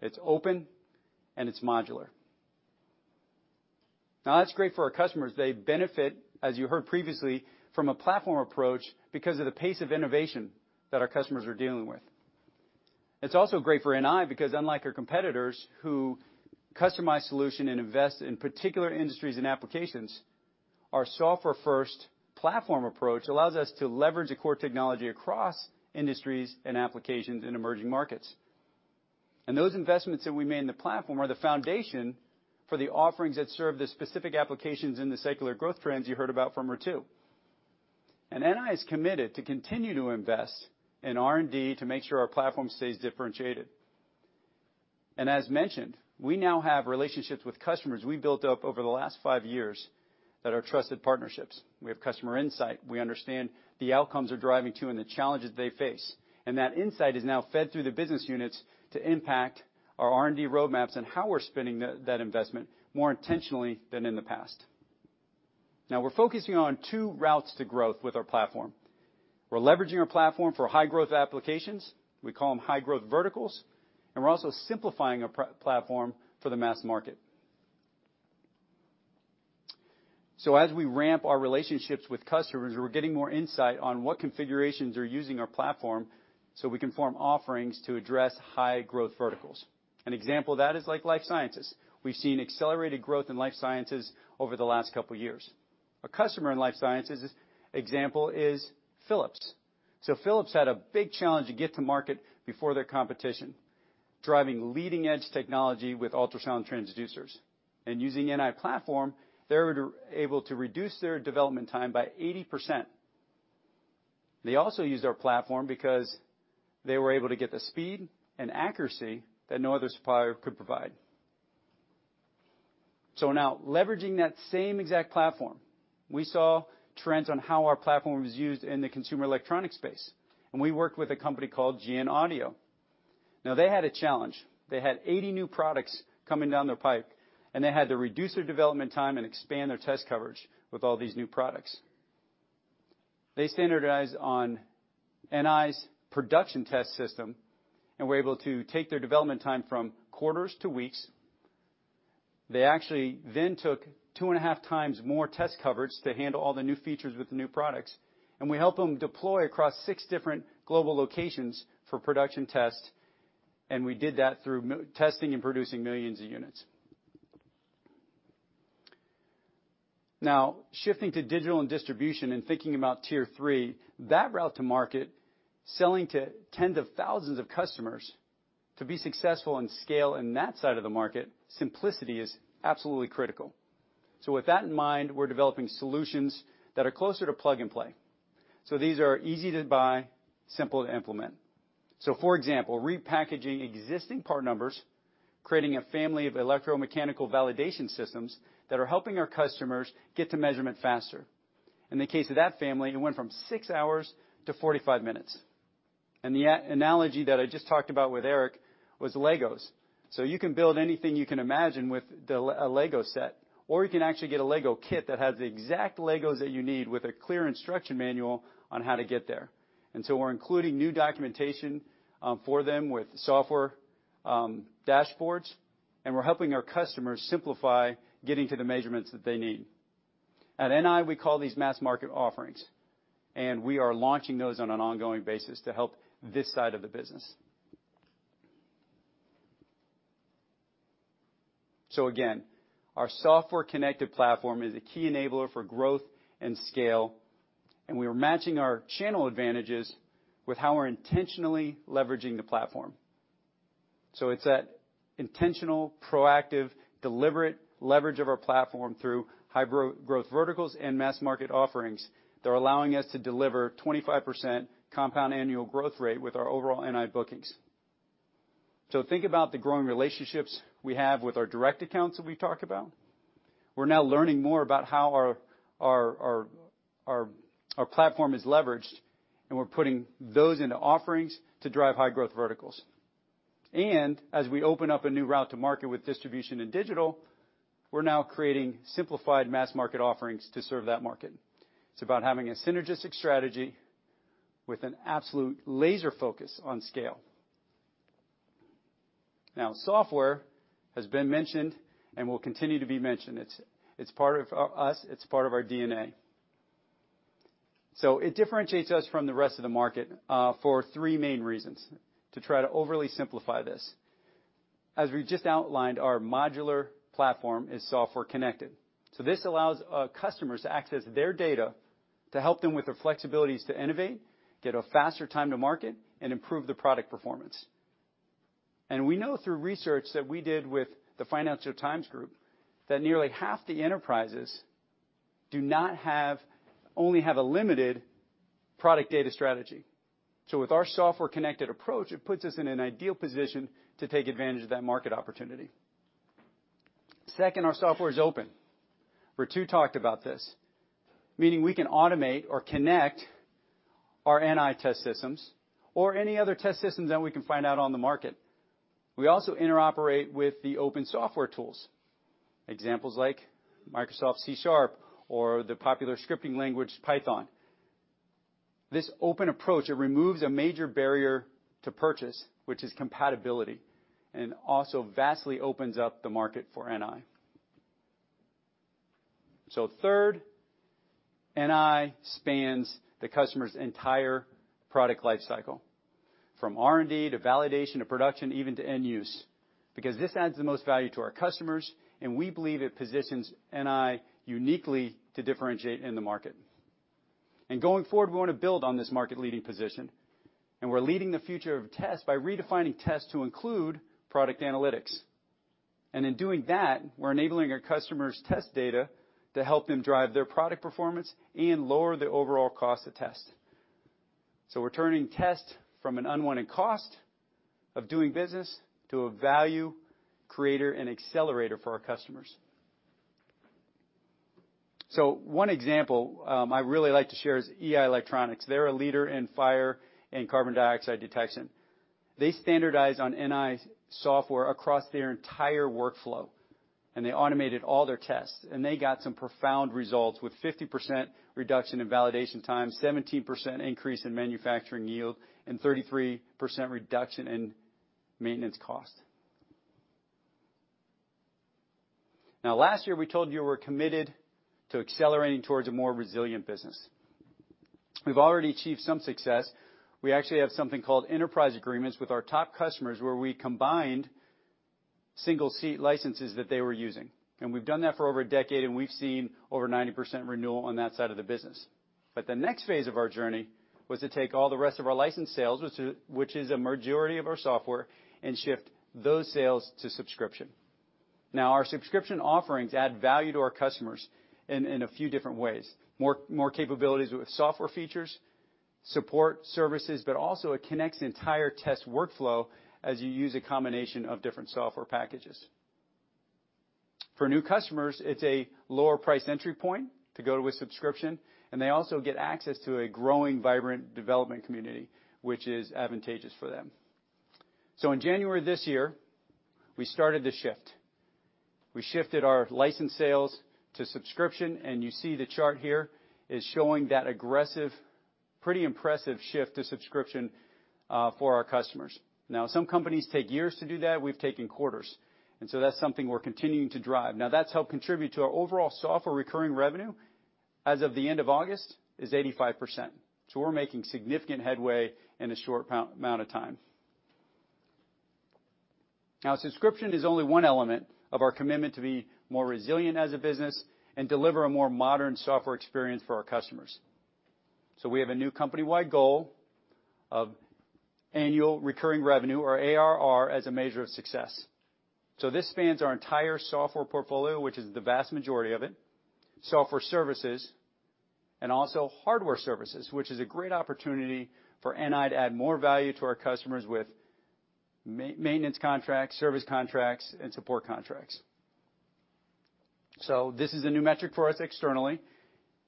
D: it's open, and it's modular. Now that's great for our customers. They benefit, as you heard previously, from a platform approach because of the pace of innovation that our customers are dealing with. It's also great for NI because unlike our competitors who customize solutions and invest in particular industries and applications, our software-first platform approach allows us to leverage the core technology across industries and applications in emerging markets. Those investments that we made in the platform are the foundation for the offerings that serve the specific applications in the secular growth trends you heard about from Ritu Favre. NI is committed to continue to invest in R&D to make sure our platform stays differentiated. As mentioned, we now have relationships with customers we built up over the last five years that are trusted partnerships. We have customer insight, we understand the outcomes they're driving to and the challenges they face, and that insight is now fed through the business units to impact our R&D roadmaps and how we're spending that investment more intentionally than in the past. Now we're focusing on two routes to growth with our platform. We're leveraging our platform for high growth applications, we call them high growth verticals, and we're also simplifying our platform for the mass market. As we ramp our relationships with customers, we're getting more insight on what configurations are using our platform, so we can form offerings to address high growth verticals. An example of that is like life sciences. We've seen accelerated growth in life sciences over the last couple of years. A customer in life sciences example is Philips. Philips had a big challenge to get to market before their competition, driving leading-edge technology with ultrasound transducers. Using NI platform, they were able to reduce their development time by 80%. They also used our platform because they were able to get the speed and accuracy that no other supplier could provide. Now leveraging that same exact platform, we saw trends on how our platform was used in the consumer electronics space, and we worked with a company called GN Audio. Now they had a challenge. They had 80 new products coming down the pipeline, and they had to reduce their development time and expand their test coverage with all these new products. They standardized on NI's production test system and were able to take their development time from quarters to weeks. They actually then took 2.5x more test coverage to handle all the new features with the new products, and we helped them deploy across six different global locations for production tests, and we did that through manufacturing testing and producing millions of units. Now, shifting to digital and distribution and thinking about tier three, that route to market, selling to tens of thousands of customers, to be successful and scale in that side of the market, simplicity is absolutely critical. With that in mind, we're developing solutions that are closer to plug-and-play. These are easy to buy, simple to implement. For example, repackaging existing part numbers, creating a family of electromechanical validation systems that are helping our customers get to measurement faster. In the case of that family, it went from six hours to 45 minutes. The analogy that I just talked about with Eric was Legos. You can build anything you can imagine with a Lego set, or you can actually get a Lego kit that has the exact Legos that you need with a clear instruction manual on how to get there. We're including new documentation for them with software dashboards, and we're helping our customers simplify getting to the measurements that they need. At NI, we call these mass market offerings, and we are launching those on an ongoing basis to help this side of the business. Our software-connected platform is a key enabler for growth and scale, and we are matching our channel advantages with how we're intentionally leveraging the platform. It's that intentional, proactive, deliberate leverage of our platform through high growth verticals and mass market offerings that are allowing us to deliver 25% compound annual growth rate with our overall NI bookings. Think about the growing relationships we have with our direct accounts that we've talked about. We're now learning more about how our platform is leveraged, and we're putting those into offerings to drive high growth verticals. As we open up a new route to market with distribution and digital, we're now creating simplified mass market offerings to serve that market. It's about having a synergistic strategy with an absolute laser focus on scale. Now software has been mentioned and will continue to be mentioned. It's part of our DNA. So it differentiates us from the rest of the market for three main reasons, to try to overly simplify this. As we just outlined, our modular platform is software connected. So this allows our customers to access their data to help them with the flexibilities to innovate, get a faster time to market and improve the product performance. We know through research that we did with the Financial Times Group that nearly half the enterprises only have a limited product data strategy. With our software connected approach, it puts us in an ideal position to take advantage of that market opportunity. Second, our software is open. Ritu talked about this. Meaning we can automate or connect our NI test systems or any other test systems that we can find out on the market. We also interoperate with the open software tools. Examples like Microsoft C# or the popular scripting language, Python. This open approach, it removes a major barrier to purchase, which is compatibility, and also vastly opens up the market for NI. Third, NI spans the customer's entire product life cycle, from R&D to validation to production, even to end use, because this adds the most value to our customers, and we believe it positions NI uniquely to differentiate in the market. Going forward, we wanna build on this market-leading position, and we're leading the future of test by redefining tests to include product analytics. In doing that, we're enabling our customers' test data to help them drive their product performance and lower the overall cost of test. We're turning test from an unwanted cost of doing business to a value creator and accelerator for our customers. One example, I really like to share is Ei Electronics. They're a leader in fire and carbon monoxide detection. They standardize on NI software across their entire workflow, and they automated all their tests, and they got some profound results with 50% reduction in validation time, 17% increase in manufacturing yield, and 33% reduction in maintenance cost. Now, last year, we told you we're committed to accelerating towards a more resilient business. We've already achieved some success. We actually have something called enterprise agreements with our top customers, where we combined single-seat licenses that they were using. We've done that for over a decade, and we've seen over 90% renewal on that side of the business. The next phase of our journey was to take all the rest of our licensed sales, which is a majority of our software, and shift those sales to subscription. Now, our subscription offerings add value to our customers in a few different ways. More, more capabilities with software features, support services, but also it connects the entire test workflow as you use a combination of different software packages. For new customers, it's a lower-priced entry point to go to a subscription, and they also get access to a growing, vibrant development community, which is advantageous for them. In January this year, we started the shift. We shifted our license sales to subscription, and you see the chart here is showing that aggressive, pretty impressive shift to subscription, for our customers. Now, some companies take years to do that. We've taken quarters. That's something we're continuing to drive. Now, that's helped contribute to our overall software recurring revenue, as of the end of August, is 85%. We're making significant headway in a short amount of time. Now, subscription is only one element of our commitment to be more resilient as a business and deliver a more modern software experience for our customers. We have a new company-wide goal of Annual Recurring Revenue or ARR as a measure of success. This spans our entire software portfolio, which is the vast majority of it, software services, and also hardware services, which is a great opportunity for NI to add more value to our customers with maintenance contracts, service contracts, and support contracts. This is a new metric for us externally,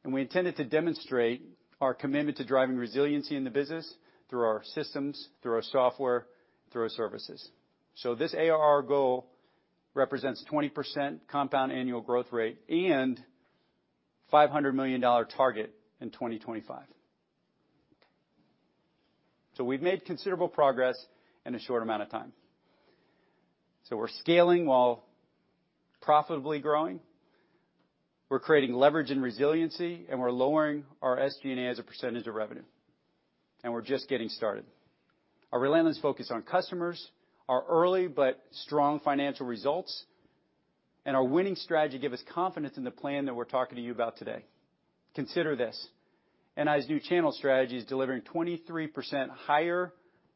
D: and we intended to demonstrate our commitment to driving resiliency in the business through our systems, through our software, through our services. This ARR goal represents 20% compound annual growth rate and $500 million target in 2025. We've made considerable progress in a short amount of time. We're scaling while profitably growing, we're creating leverage and resiliency, and we're lowering our SG&A as a percentage of revenue, and we're just getting started. Our relentless focus on customers, our early but strong financial results, and our winning strategy give us confidence in the plan that we're talking to you about today. Consider this, NI's new channel strategy is delivering 23% higher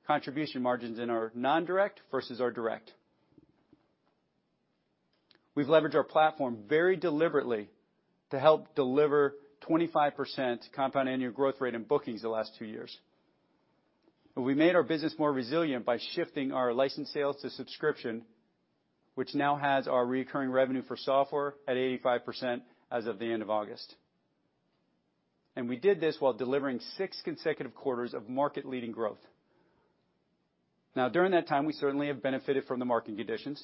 D: contribution margins in our non-direct versus our direct. We've leveraged our platform very deliberately to help deliver 25% compound annual growth rate in bookings the last two years. We made our business more resilient by shifting our license sales to subscription, which now has our recurring revenue for software at 85% as of the end of August. We did this while delivering six consecutive quarters of market-leading growth. Now, during that time, we certainly have benefited from the market conditions,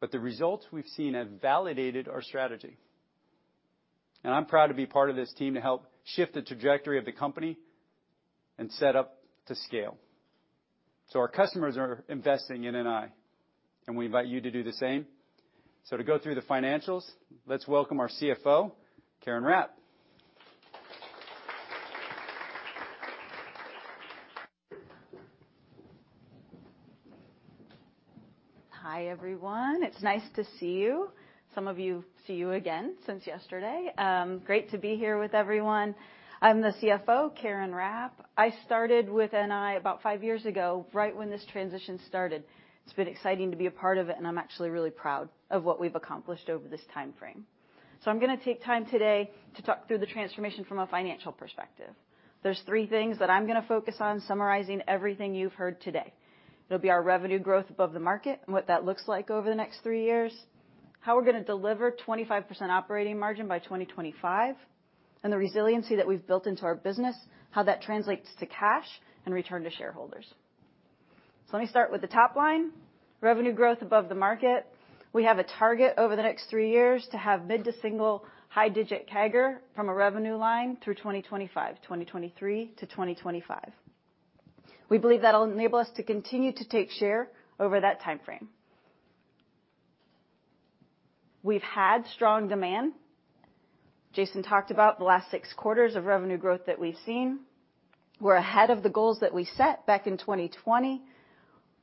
D: but the results we've seen have validated our strategy. I'm proud to be part of this team to help shift the trajectory of the company and set up to scale. Our customers are investing in NI, and we invite you to do the same. To go through the financials, let's welcome our CFO, Karen Rapp.
E: Hi, everyone. It's nice to see you. Some of you, see you again since yesterday. Great to be here with everyone. I'm the CFO, Karen Rapp. I started with NI about five years ago, right when this transition started. It's been exciting to be a part of it, and I'm actually really proud of what we've accomplished over this timeframe. I'm gonna take time today to talk through the transformation from a financial perspective. There's three things that I'm gonna focus on summarizing everything you've heard today. It'll be our revenue growth above the market and what that looks like over the next three years, how we're gonna deliver 25% operating margin by 2025, and the resiliency that we've built into our business, how that translates to cash and return to shareholders. Let me start with the top line, revenue growth above the market. We have a target over the next three years to have mid- to high single-digit CAGR from a revenue line through 2025, 2023 to 2025. We believe that'll enable us to continue to take share over that timeframe. We've had strong demand. Jason talked about the last six quarters of revenue growth that we've seen. We're ahead of the goals that we set back in 2020.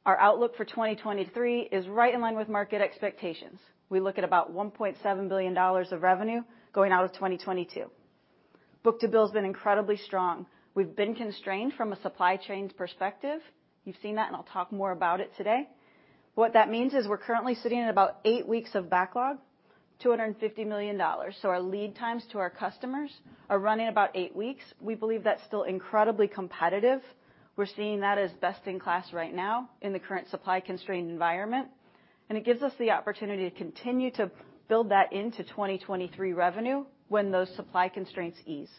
E: Our outlook for 2023 is right in line with market expectations. We look at about $1.7 billion of revenue going out of 2022. Book-to-bill has been incredibly strong. We've been constrained from a supply chains perspective. You've seen that, and I'll talk more about it today. What that means is we're currently sitting at about eight weeks of backlog, $250 million. Our lead times to our customers are running about eight weeks. We believe that's still incredibly competitive. We're seeing that as best in class right now in the current supply-constrained environment, and it gives us the opportunity to continue to build that into 2023 revenue when those supply constraints ease.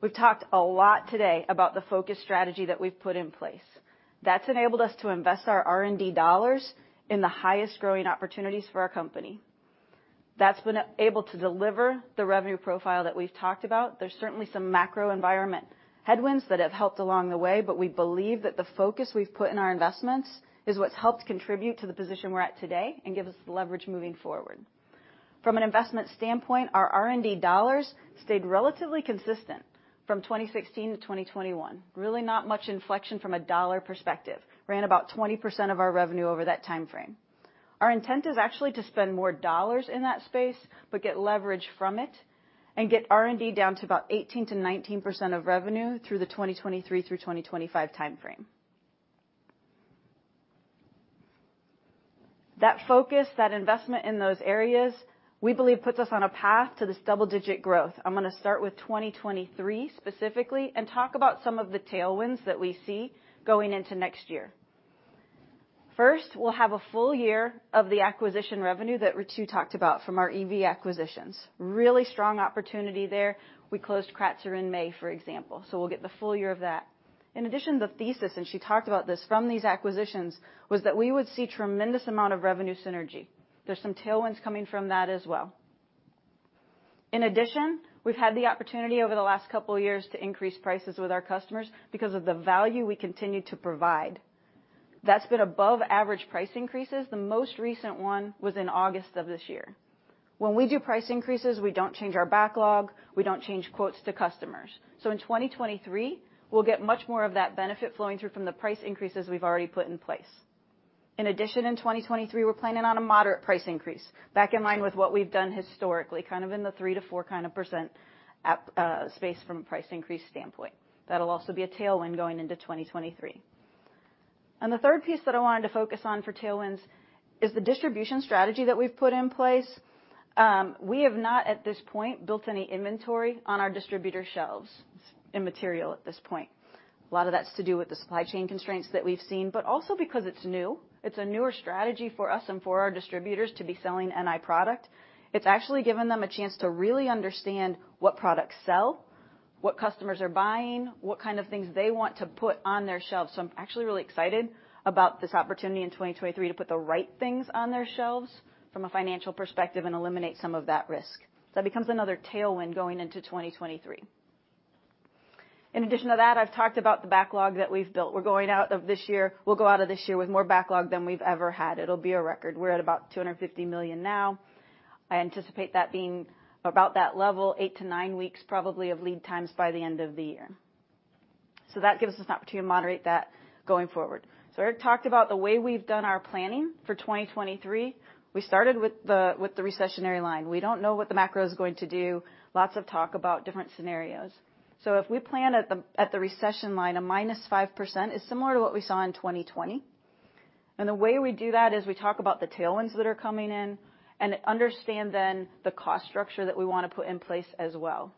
E: We've talked a lot today about the focus strategy that we've put in place. That's enabled us to invest our R&D dollars in the highest growing opportunities for our company. That's been able to deliver the revenue profile that we've talked about. There's certainly some macro environment headwinds that have helped along the way, but we believe that the focus we've put in our investments is what's helped contribute to the position we're at today and gives us the leverage moving forward. From an investment standpoint, our R&D dollars stayed relatively consistent from 2016 to 2021. Really not much inflection from a dollar perspective. Ran about 20% of our revenue over that timeframe. Our intent is actually to spend more dollars in that space but get leverage from it and get R&D down to about 18%-19% of revenue through the 2023 through 2025 time frame. That focus, that investment in those areas, we believe puts us on a path to this double-digit growth. I'm gonna start with 2023 specifically and talk about some of the tailwinds that we see going into next year. First, we'll have a full-year of the acquisition revenue that Ritu talked about from our EV acquisitions. Really strong opportunity there. We closed Kratzer in May, for example. We'll get the full-year of that. In addition, the thesis, and she talked about this from these acquisitions, was that we would see tremendous amount of revenue synergy. There's some tailwinds coming from that as well. In addition, we've had the opportunity over the last couple of years to increase prices with our customers because of the value we continue to provide. That's been above average price increases. The most recent one was in August of this year. When we do price increases, we don't change our backlog, we don't change quotes to customers. In 2023, we'll get much more of that benefit flowing through from the price increases we've already put in place. In addition, in 2023, we're planning on a moderate price increase, back in line with what we've done historically, kind of in the 3%-4% space from a price increase standpoint. That'll also be a tailwind going into 2023. The third piece that I wanted to focus on for tailwinds is the distribution strategy that we've put in place. We have not, at this point, built any inventory on our distributor shelves in material at this point. A lot of that's to do with the supply chain constraints that we've seen, but also because it's new. It's a newer strategy for us and for our distributors to be selling NI product. It's actually given them a chance to really understand what products sell, what customers are buying, what kind of things they want to put on their shelves. I'm actually really excited about this opportunity in 2023 to put the right things on their shelves from a financial perspective and eliminate some of that risk. It becomes another tailwind going into 2023. In addition to that, I've talked about the backlog that we've built. We're going out of this year. We'll go out of this year with more backlog than we've ever had. It'll be a record. We're at about $250 million now. I anticipate that being about that level, eight to nine weeks probably, of lead times by the end of the year. That gives us an opportunity to moderate that going forward. Eric talked about the way we've done our planning for 2023. We started with the recessionary line. We don't know what the macro is going to do. Lots of talk about different scenarios. If we plan at the recession line, a -5% is similar to what we saw in 2020. The way we do that is we talk about the tailwinds that are coming in and understand then the cost structure that we wanna put in place as well.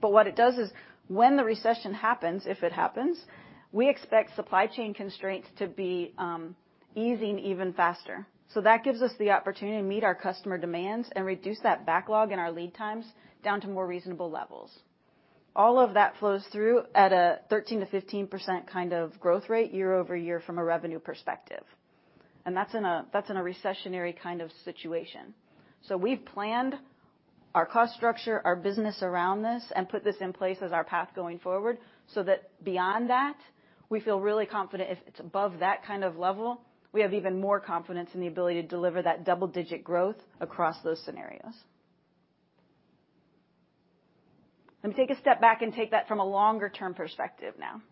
E: What it does is when the recession happens, if it happens, we expect supply chain constraints to be easing even faster. That gives us the opportunity to meet our customer demands and reduce that backlog and our lead times down to more reasonable levels. All of that flows through at a 13%-15% kind of growth rate year-over-year from a revenue perspective. That's in a recessionary kind of situation. We've planned our cost structure, our business around this and put this in place as our path going forward so that beyond that, we feel really confident if it's above that kind of level, we have even more confidence in the ability to deliver that double-digit growth across those scenarios. Let me take a step back and take that from a longer term perspective now.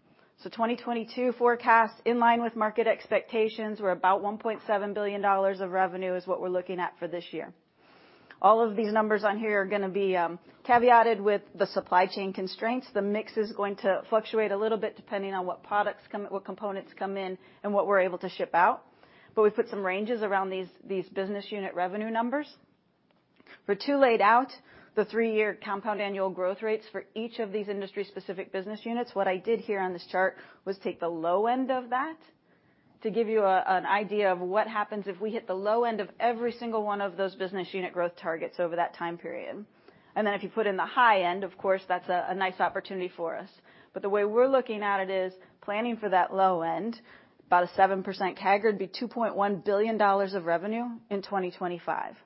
E: 2022 forecast in line with market expectations, we're about $1.7 billion of revenue is what we're looking at for this year. All of these numbers on here are gonna be caveated with the supply chain constraints. The mix is going to fluctuate a little bit depending on what components come in and what we're able to ship out. We've put some ranges around these business unit revenue numbers. Ritu laid out the three-year compound annual growth rates for each of these industry-specific business units. What I did here on this chart was take the low end of that to give you an idea of what happens if we hit the low end of every single one of those business unit growth targets over that time period. Then if you put in the high end, of course, that's a nice opportunity for us. The way we're looking at it is planning for that low end, about a 7% CAGR, it'd be $2.1 billion of revenue in 2025.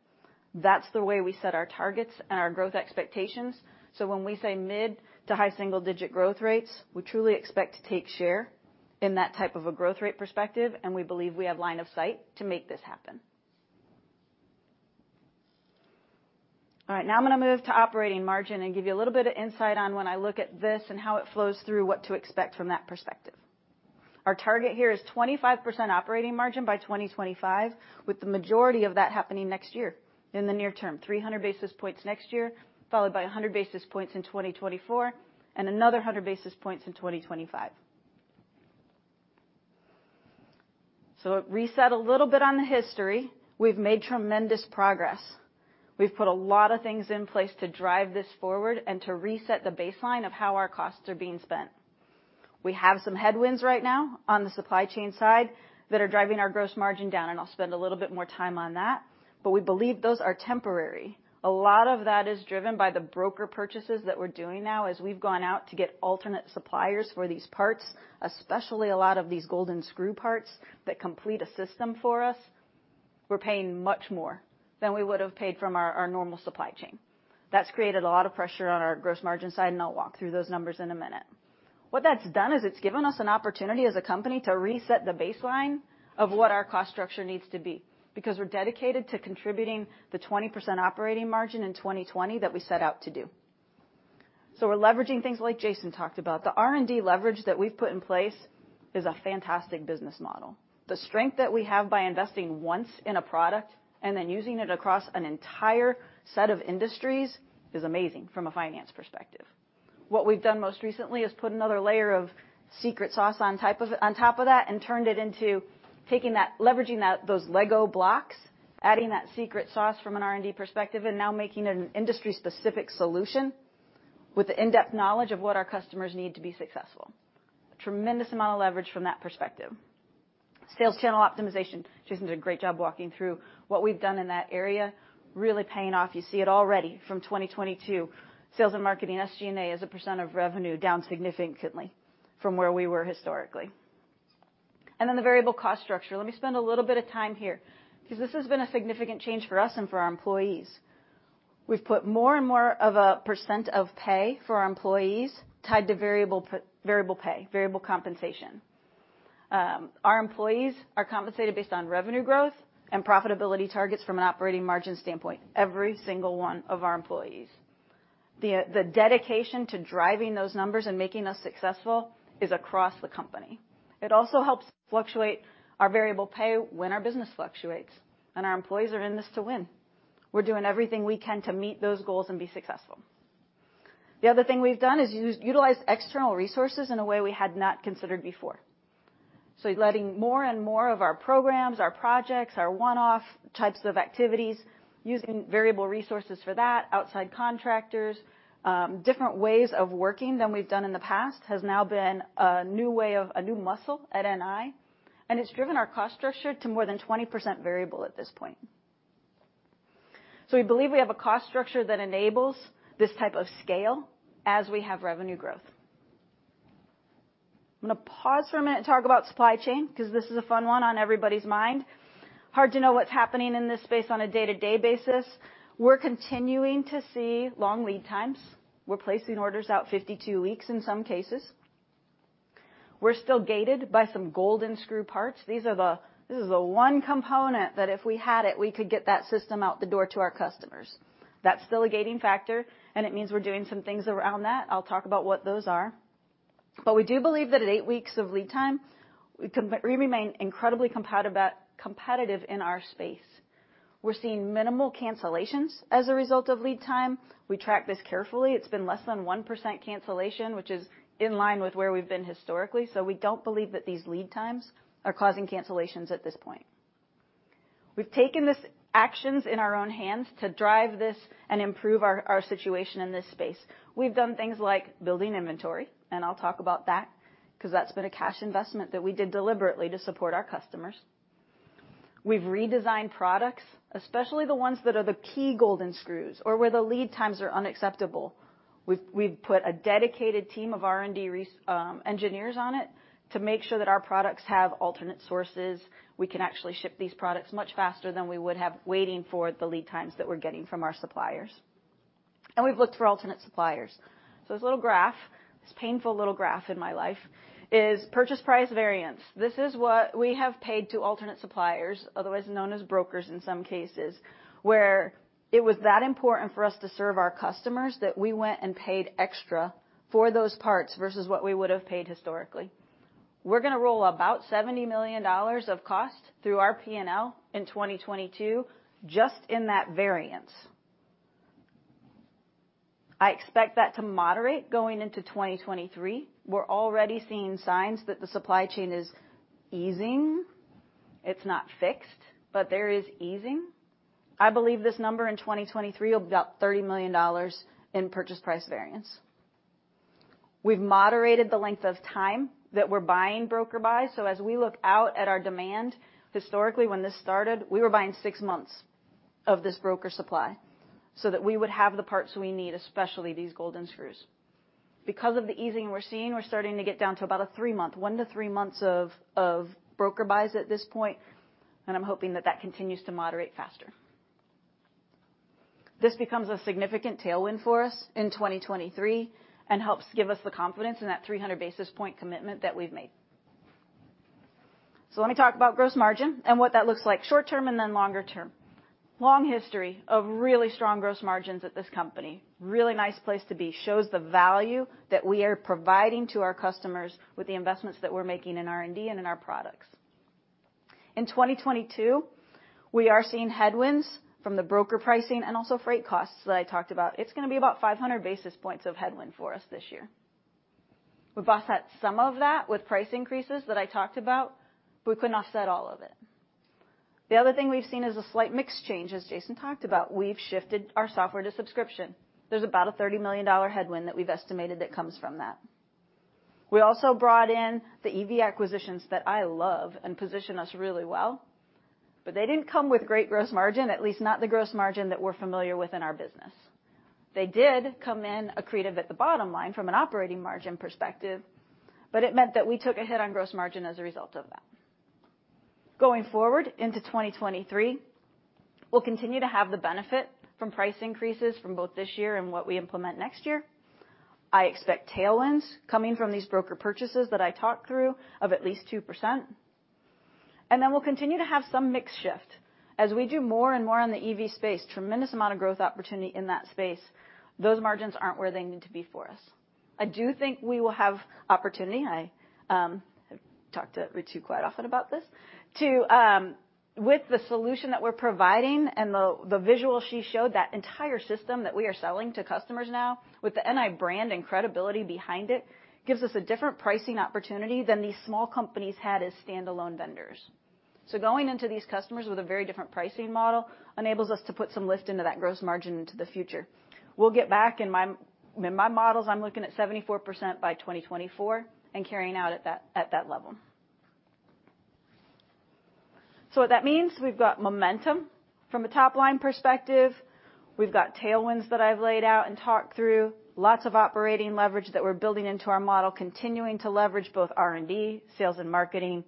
E: That's the way we set our targets and our growth expectations. When we say mid to high single digit growth rates, we truly expect to take share in that type of a growth rate perspective, and we believe we have line of sight to make this happen. All right. Now I'm gonna move to operating margin and give you a little bit of insight on when I look at this and how it flows through what to expect from that perspective. Our target here is 25% operating margin by 2025, with the majority of that happening next year in the near term. 300 basis points next year, followed by 100 basis points in 2024, and another 100 basis points in 2025. Reset a little bit on the history. We've made tremendous progress. We've put a lot of things in place to drive this forward and to reset the baseline of how our costs are being spent. We have some headwinds right now on the supply chain side that are driving our gross margin down, and I'll spend a little bit more time on that, but we believe those are temporary. A lot of that is driven by the broker purchases that we're doing now as we've gone out to get alternate suppliers for these parts, especially a lot of these golden screw parts that complete a system for us. We're paying much more than we would have paid from our normal supply chain. That's created a lot of pressure on our gross margin side, and I'll walk through those numbers in a minute. What that's done is it's given us an opportunity as a company to reset the baseline of what our cost structure needs to be because we're dedicated to contributing the 20% operating margin in 2020 that we set out to do. We're leveraging things like Jason talked about. The R&D leverage that we've put in place is a fantastic business model. The strength that we have by investing once in a product and then using it across an entire set of industries is amazing from a finance perspective. What we've done most recently is put another layer of secret sauce on top of that and turned it into leveraging those Lego blocks, adding that secret sauce from an R&D perspective, and now making it an industry-specific solution with the in-depth knowledge of what our customers need to be successful. Tremendous amount of leverage from that perspective. Sales channel optimization. Jason did a great job walking through what we've done in that area, really paying off. You see it already from 2022 sales and marketing SG&A as a percent of revenue down significantly from where we were historically. The variable cost structure. Let me spend a little bit of time here because this has been a significant change for us and for our employees. We've put more and more of a percent of pay for our employees tied to variable pay, variable compensation. Our employees are compensated based on revenue growth and profitability targets from an operating margin standpoint, every single one of our employees. The dedication to driving those numbers and making us successful is across the company. It also helps fluctuate our variable pay when our business fluctuates, and our employees are in this to win. We're doing everything we can to meet those goals and be successful. The other thing we've done is utilize external resources in a way we had not considered before. Letting more and more of our programs, our projects, our one-off types of activities, using variable resources for that, outside contractors, different ways of working than we've done in the past, has now been a new muscle at NI, and it's driven our cost structure to more than 20% variable at this point. We believe we have a cost structure that enables this type of scale as we have revenue growth. I'm gonna pause for a minute and talk about supply chain because this is a fun one on everybody's mind. Hard to know what's happening in this space on a day-to-day basis. We're continuing to see long lead times. We're placing orders out 52 weeks in some cases. We're still gated by some golden screw parts. This is the one component that if we had it, we could get that system out the door to our customers. That's still a gating factor, and it means we're doing some things around that. I'll talk about what those are. We do believe that at eight weeks of lead time, we remain incredibly competitive in our space. We're seeing minimal cancellations as a result of lead time. We track this carefully. It's been less than 1% cancellation, which is in line with where we've been historically. We don't believe that these lead times are causing cancellations at this point. We've taken these actions in our own hands to drive this and improve our situation in this space. We've done things like building inventory, and I'll talk about that because that's been a cash investment that we did deliberately to support our customers. We've redesigned products, especially the ones that are the key golden screws or where the lead times are unacceptable. We've put a dedicated team of R&D engineers on it to make sure that our products have alternate sources. We can actually ship these products much faster than we would have waiting for the lead times that we're getting from our suppliers. We've looked for alternate suppliers. This little graph, this painful little graph in my life, is purchase price variance. This is what we have paid to alternate suppliers, otherwise known as brokers in some cases, where it was that important for us to serve our customers that we went and paid extra for those parts versus what we would have paid historically. We're gonna roll about $70 million of cost through our P&L in 2022 just in that variance. I expect that to moderate going into 2023. We're already seeing signs that the supply chain is easing. It's not fixed, but there is easing. I believe this number in 2023 will be about $30 million in purchase price variance. We've moderated the length of time that we're buying broker buy. As we look out at our demand, historically, when this started, we were buying six months of this broker supply so that we would have the parts we need, especially these golden screws. Because of the easing we're seeing, we're starting to get down to about a three month, one to three months of broker buys at this point, and I'm hoping that continues to moderate faster. This becomes a significant tailwind for us in 2023 and helps give us the confidence in that 300 basis point commitment that we've made. Let me talk about gross margin and what that looks like short term and then longer term. Long history of really strong gross margins at this company. Really nice place to be. Shows the value that we are providing to our customers with the investments that we're making in R&D and in our products. In 2022, we are seeing headwinds from the broker pricing and also freight costs that I talked about. It's gonna be about 500 basis points of headwind for us this year. We've offset some of that with price increases that I talked about, but we couldn't offset all of it. The other thing we've seen is a slight mix change, as Jason talked about. We've shifted our software to subscription. There's about a $30 million headwind that we've estimated that comes from that. We also brought in the EV acquisitions that I love and position us really well, but they didn't come with great gross margin, at least not the gross margin that we're familiar with in our business. They did come in accretive at the bottom line from an operating margin perspective, but it meant that we took a hit on gross margin as a result of that. Going forward into 2023, we'll continue to have the benefit from price increases from both this year and what we implement next year. I expect tailwinds coming from these broker purchases that I talked through of at least 2%, and then we'll continue to have some mix shift. As we do more and more on the EV space, tremendous amount of growth opportunity in that space, those margins aren't where they need to be for us. I do think we will have opportunity. I have talked to Ritu quite often about this, to with the solution that we're providing and the visual she showed, that entire system that we are selling to customers now with the NI brand and credibility behind it, gives us a different pricing opportunity than these small companies had as standalone vendors. Going into these customers with a very different pricing model enables us to put some lift into that gross margin into the future. In my models, I'm looking at 74% by 2024 and carrying out at that level. What that means, we've got momentum from a top-line perspective. We've got tailwinds that I've laid out and talked through. Lots of operating leverage that we're building into our model, continuing to leverage both R&D, sales, and marketing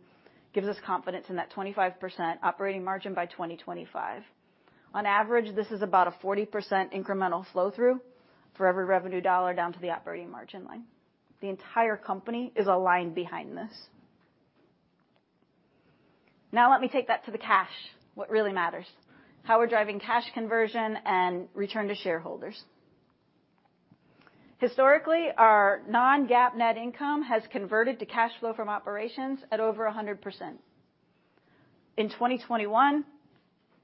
E: gives us confidence in that 25% operating margin by 2025. On average, this is about a 40% incremental flow-through for every revenue dollar down to the operating margin line. The entire company is aligned behind this. Now let me take that to the cash, what really matters. How we're driving cash conversion and return to shareholders. Historically, our non-GAAP net income has converted to cash flow from operations at over 100%. In 2021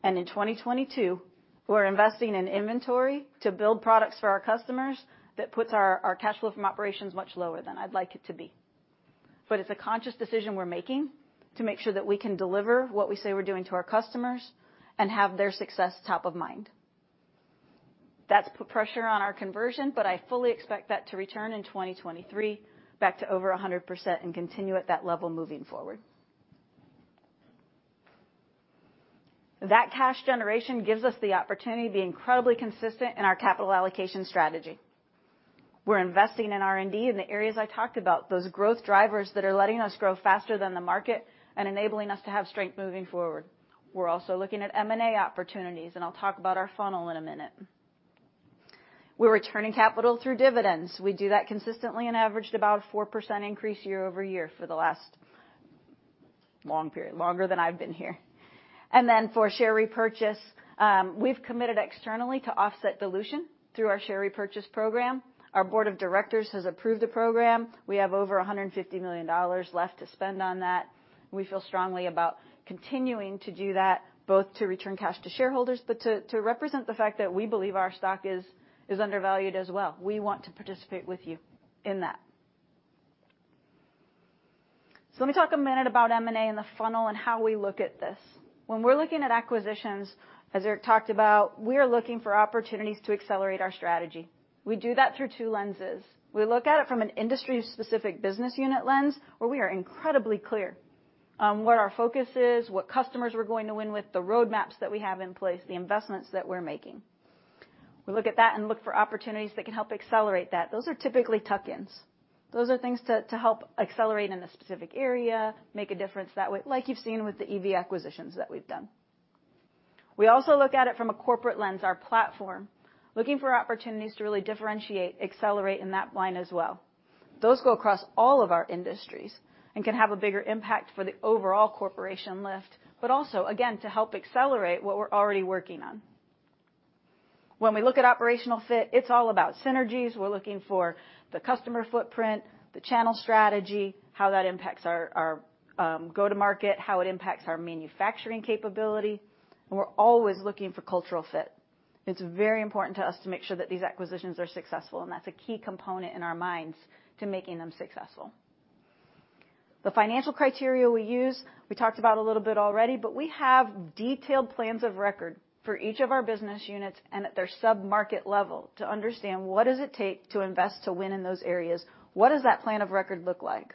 E: and in 2022, we're investing in inventory to build products for our customers that puts our cash flow from operations much lower than I'd like it to be. It's a conscious decision we're making to make sure that we can deliver what we say we're doing to our customers and have their success top of mind. That's put pressure on our conversion, but I fully expect that to return in 2023 back to over 100% and continue at that level moving forward. That cash generation gives us the opportunity to be incredibly consistent in our capital allocation strategy. We're investing in R&D in the areas I talked about, those growth drivers that are letting us grow faster than the market and enabling us to have strength moving forward. We're also looking at M&A opportunities, and I'll talk about our funnel in a minute. We're returning capital through dividends. We do that consistently and averaged about a 4% increase year-over-year for the last long period, longer than I've been here. For share repurchase, we've committed externally to offset dilution through our share repurchase program. Our board of directors has approved the program. We have over $150 million left to spend on that. We feel strongly about continuing to do that, both to return cash to shareholders, but to represent the fact that we believe our stock is undervalued as well. We want to participate with you in that. Let me talk a minute about M&A and the funnel and how we look at this. When we're looking at acquisitions, as Eric talked about, we are looking for opportunities to accelerate our strategy. We do that through two lenses. We look at it from an industry-specific business unit lens, where we are incredibly clear on what our focus is, what customers we're going to win with, the road maps that we have in place, the investments that we're making. We look at that and look for opportunities that can help accelerate that. Those are typically tuck-ins. Those are things to help accelerate in a specific area, make a difference that way, like you've seen with the EV acquisitions that we've done. We also look at it from a corporate lens, our platform, looking for opportunities to really differentiate, accelerate in that line as well. Those go across all of our industries and can have a bigger impact for the overall corporation lift, but also, again, to help accelerate what we're already working on. When we look at operational fit, it's all about synergies. We're looking for the customer footprint, the channel strategy, how that impacts our go-to-market, how it impacts our manufacturing capability, and we're always looking for cultural fit. It's very important to us to make sure that these acquisitions are successful, and that's a key component in our minds to making them successful. The financial criteria we use, we talked about a little bit already, but we have detailed plans of record for each of our business units and at their sub-market level to understand what does it take to invest to win in those areas? What does that plan of record look like?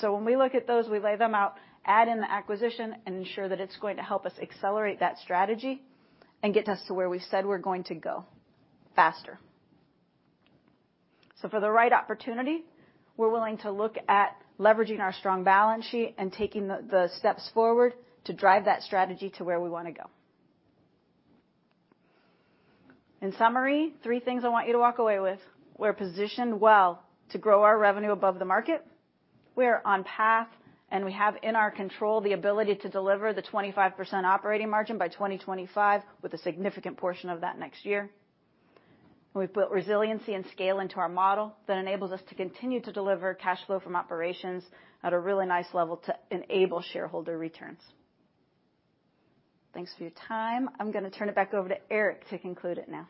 E: When we look at those, we lay them out, add in the acquisition, and ensure that it's going to help us accelerate that strategy and get us to where we said we're going to go, faster. For the right opportunity, we're willing to look at leveraging our strong balance sheet and taking the steps forward to drive that strategy to where we wanna go. In summary, three things I want you to walk away with. We're positioned well to grow our revenue above the market. We're on path, and we have in our control the ability to deliver the 25% operating margin by 2025, with a significant portion of that next year. We've built resiliency and scale into our model that enables us to continue to deliver cash flow from operations at a really nice level to enable shareholder returns. Thanks for your time. I'm gonna turn it back over to Eric to conclude it now.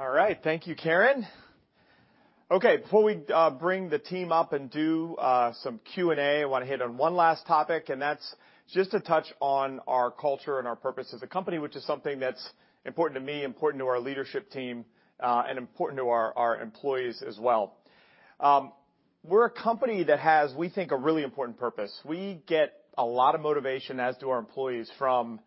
B: All right. Thank you, Karen. Okay, before we bring the team up and do some Q&A, I wanna hit on one last topic, and that's just to touch on our culture and our purpose as a company, which is something that's important to me, important to our leadership team, and important to our employees as well. We're a company that has, we think, a really important purpose. We get a lot of motivation, as do our employees, from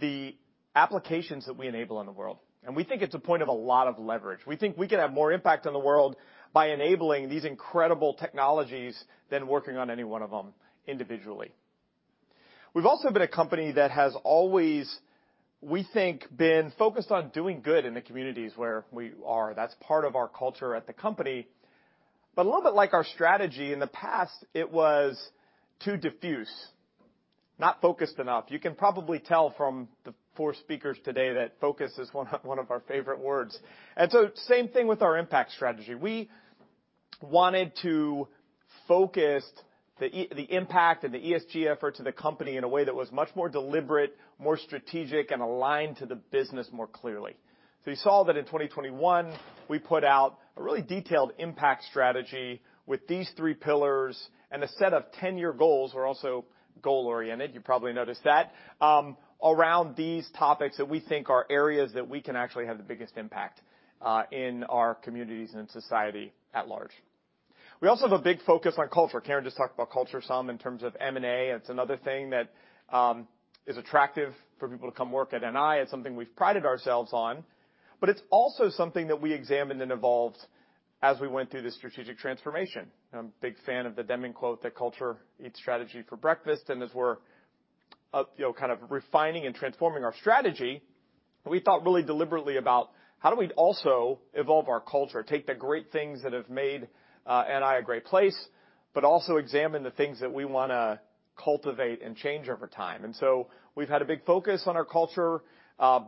B: the applications that we enable in the world, and we think it's a point of a lot of leverage. We think we can have more impact on the world by enabling these incredible technologies than working on any one of them individually. We've also been a company that has always, we think, been focused on doing good in the communities where we are. That's part of our culture at the company. A little bit like our strategy in the past, it was too diffuse, not focused enough. You can probably tell from the four speakers today that focus is one of our favorite words. Same thing with our impact strategy. We wanted to focus the impact and the ESG effort to the company in a way that was much more deliberate, more strategic, and aligned to the business more clearly. You saw that in 2021, we put out a really detailed impact strategy with these three pillars and a set of 10 year goals. We're also goal-oriented, you probably noticed that, around these topics that we think are areas that we can actually have the biggest impact, in our communities and society at large. We also have a big focus on culture. Karen just talked about culture some in terms of M&A. It's another thing that is attractive for people to come work at NI. It's something we've prided ourselves on, but it's also something that we examined and evolved as we went through this strategic transformation. I'm a big fan of the Deming quote, that culture eats strategy for breakfast. As we're, you know, kind of refining and transforming our strategy, we thought really deliberately about how do we also evolve our culture, take the great things that have made NI a great place, but also examine the things that we wanna cultivate and change over time. We've had a big focus on our culture,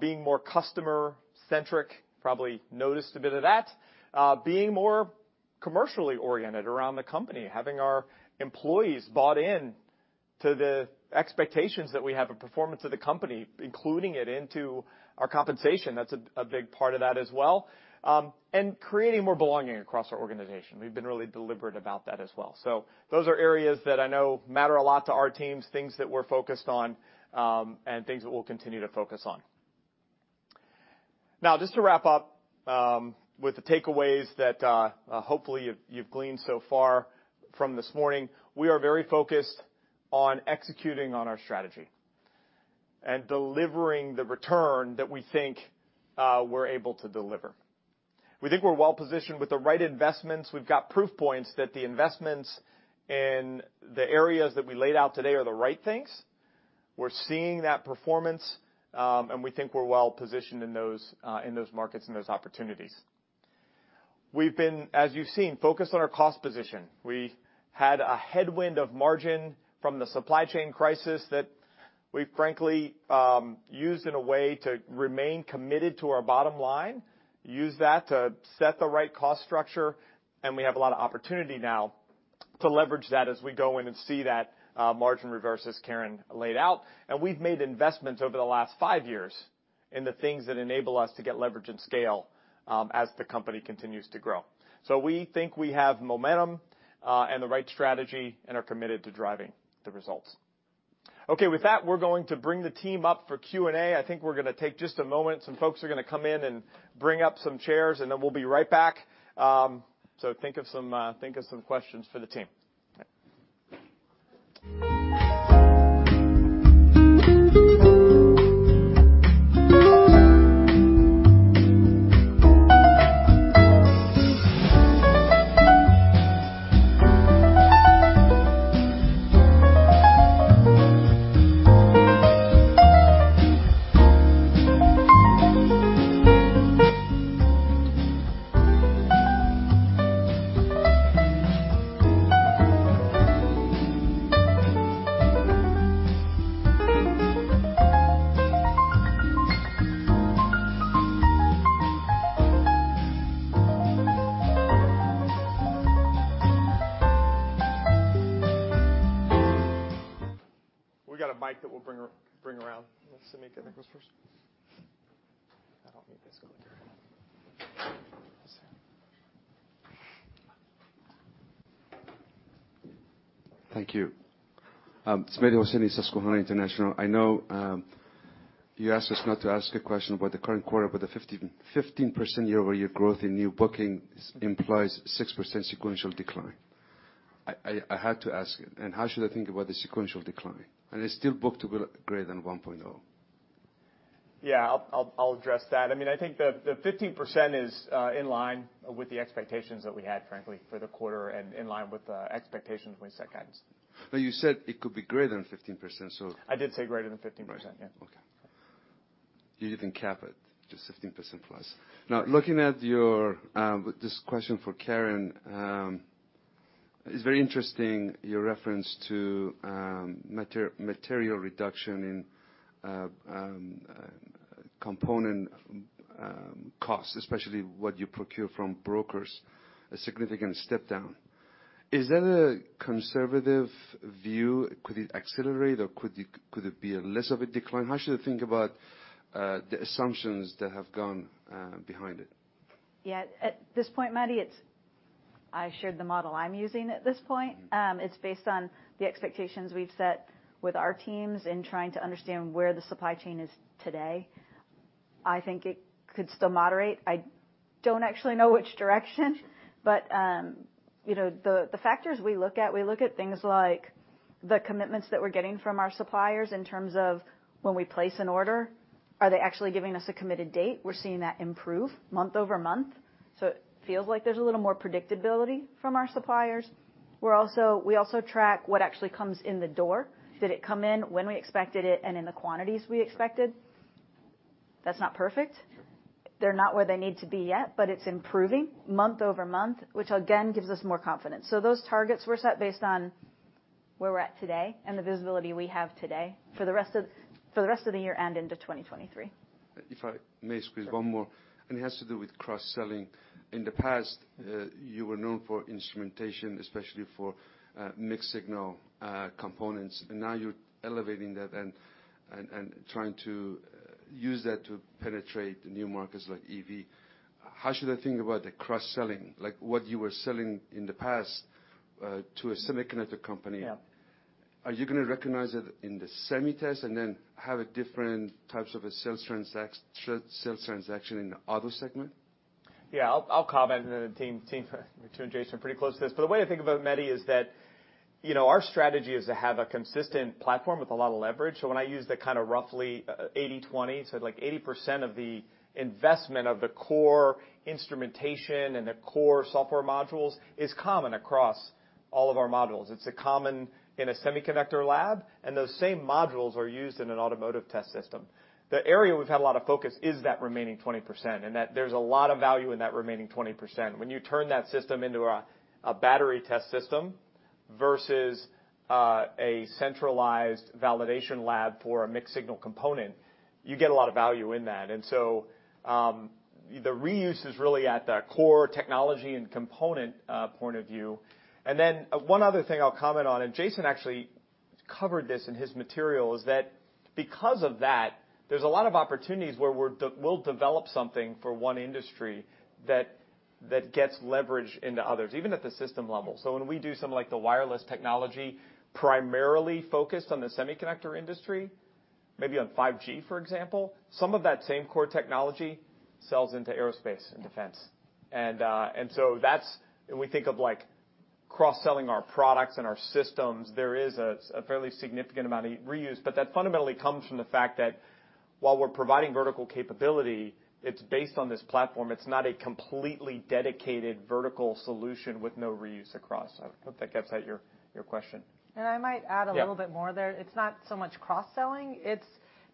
B: being more customer-centric. Probably noticed a bit of that. Being more commercially oriented around the company, having our employees bought in to the expectations that we have of performance of the company, including it into our compensation. That's a big part of that as well. Creating more belonging across our organization. We've been really deliberate about that as well. Those are areas that I know matter a lot to our teams, things that we're focused on, and things that we'll continue to focus on. Now, just to wrap up, with the takeaways that hopefully you've gleaned so far from this morning, we are very focused on executing on our strategy and delivering the return that we think we're able to deliver. We think we're well positioned with the right investments. We've got proof points that the investments in the areas that we laid out today are the right things. We're seeing that performance, and we think we're well positioned in those markets and those opportunities. We've been, as you've seen, focused on our cost position. We had a headwind of margin from the supply chain crisis that we've frankly used in a way to remain committed to our bottom line, used that to set the right cost structure, and we have a lot of opportunity now to leverage that as we go in and see that margin reverse, as Karen laid out. We've made investments over the last five years in the things that enable us to get leverage and scale, as the company continues to grow. We think we have momentum, and the right strategy and are committed to driving the results. Okay. With that, we're going to bring the team up for Q&A. I think we're gonna take just a moment. Some folks are gonna come in and bring up some chairs, and then we'll be right back. Think of some questions for the team. Okay. We got a mic that we'll bring around. Samik, you go first. I don't need this. Go ahead.
F: Thank you. Mehdi Hosseini, Susquehanna International Group. I know you asked us not to ask a question about the current quarter, but the 15% year-over-year growth in new bookings implies 6% sequential decline. I had to ask it. How should I think about the sequential decline? It's still book-to-bill greater than 1.0.
B: Yeah, I'll address that. I mean, I think the 15% is in line with the expectations that we had, frankly, for the quarter and in line with expectations when we set guidance.
F: You said it could be greater than 15%, so.
B: I did say greater than 15%.
F: Right.
B: Yeah.
F: Okay. You didn't cap it, just 15%+. Now, looking at your this question for Karen, it's very interesting, your reference to material reduction in component costs, especially what you procure from brokers, a significant step down. Is that a conservative view? Could it accelerate, or could it be a less of a decline? How should I think about the assumptions that have gone behind it?
E: Yeah. At this point, Mehdi, it's. I shared the model I'm using at this point. It's based on the expectations we've set with our teams in trying to understand where the supply chain is today. I think it could still moderate. I don't actually know which direction, but you know, the factors we look at, we look at things like the commitments that we're getting from our suppliers in terms of when we place an order, are they actually giving us a committed date? We're seeing that improve month-over-month, so it feels like there's a little more predictability from our suppliers. We also track what actually comes in the door. Did it come in when we expected it and in the quantities we expected? That's not perfect. They're not where they need to be yet, but it's improving month-over-month, which again gives us more confidence. Those targets were set based on where we're at today and the visibility we have today for the rest of the year and into 2023.
F: If I may squeeze one more, and it has to do with cross-selling. In the past, you were known for instrumentation, especially for mixed signal components, and now you're elevating that and trying to use that to penetrate new markets like EV. How should I think about the cross-selling, like what you were selling in the past to a semiconductor company?
B: Yeah.
F: Are you gonna recognize it in the semi test and then have a different types of a sales transaction in the auto segment?
B: Yeah, I'll comment and then the team, Ritu and Jason are pretty close to this. The way I think about it, Mehdi, is that, you know, our strategy is to have a consistent platform with a lot of leverage. When I use the kinda roughly 80/20, so like 80% of the investment of the core instrumentation and the core software modules is common across all of our modules. It's common in a semiconductor lab, and those same modules are used in an automotive test system. The area we've had a lot of focus is that remaining 20%, and that there's a lot of value in that remaining 20%. When you turn that system into a battery test system versus a centralized validation lab for a mixed signal component, you get a lot of value in that. The reuse is really at the core technology and component point of view. Then one other thing I'll comment on, and Jason actually covered this in his material, is that because of that, there's a lot of opportunities where we'll develop something for one industry that gets leverage into others, even at the system level. When we do something like the wireless technology, primarily focused on the semiconductor industry, maybe on 5G, for example, some of that same core technology sells into aerospace and defense. That's when we think of, like, cross-selling our products and our systems, there is a fairly significant amount of reuse, but that fundamentally comes from the fact that while we're providing vertical capability, it's based on this platform. It's not a completely dedicated vertical solution with no reuse across. I hope that gets at your question.
C: I might add a little bit more there.
B: Yeah.
C: It's not so much cross-selling. It's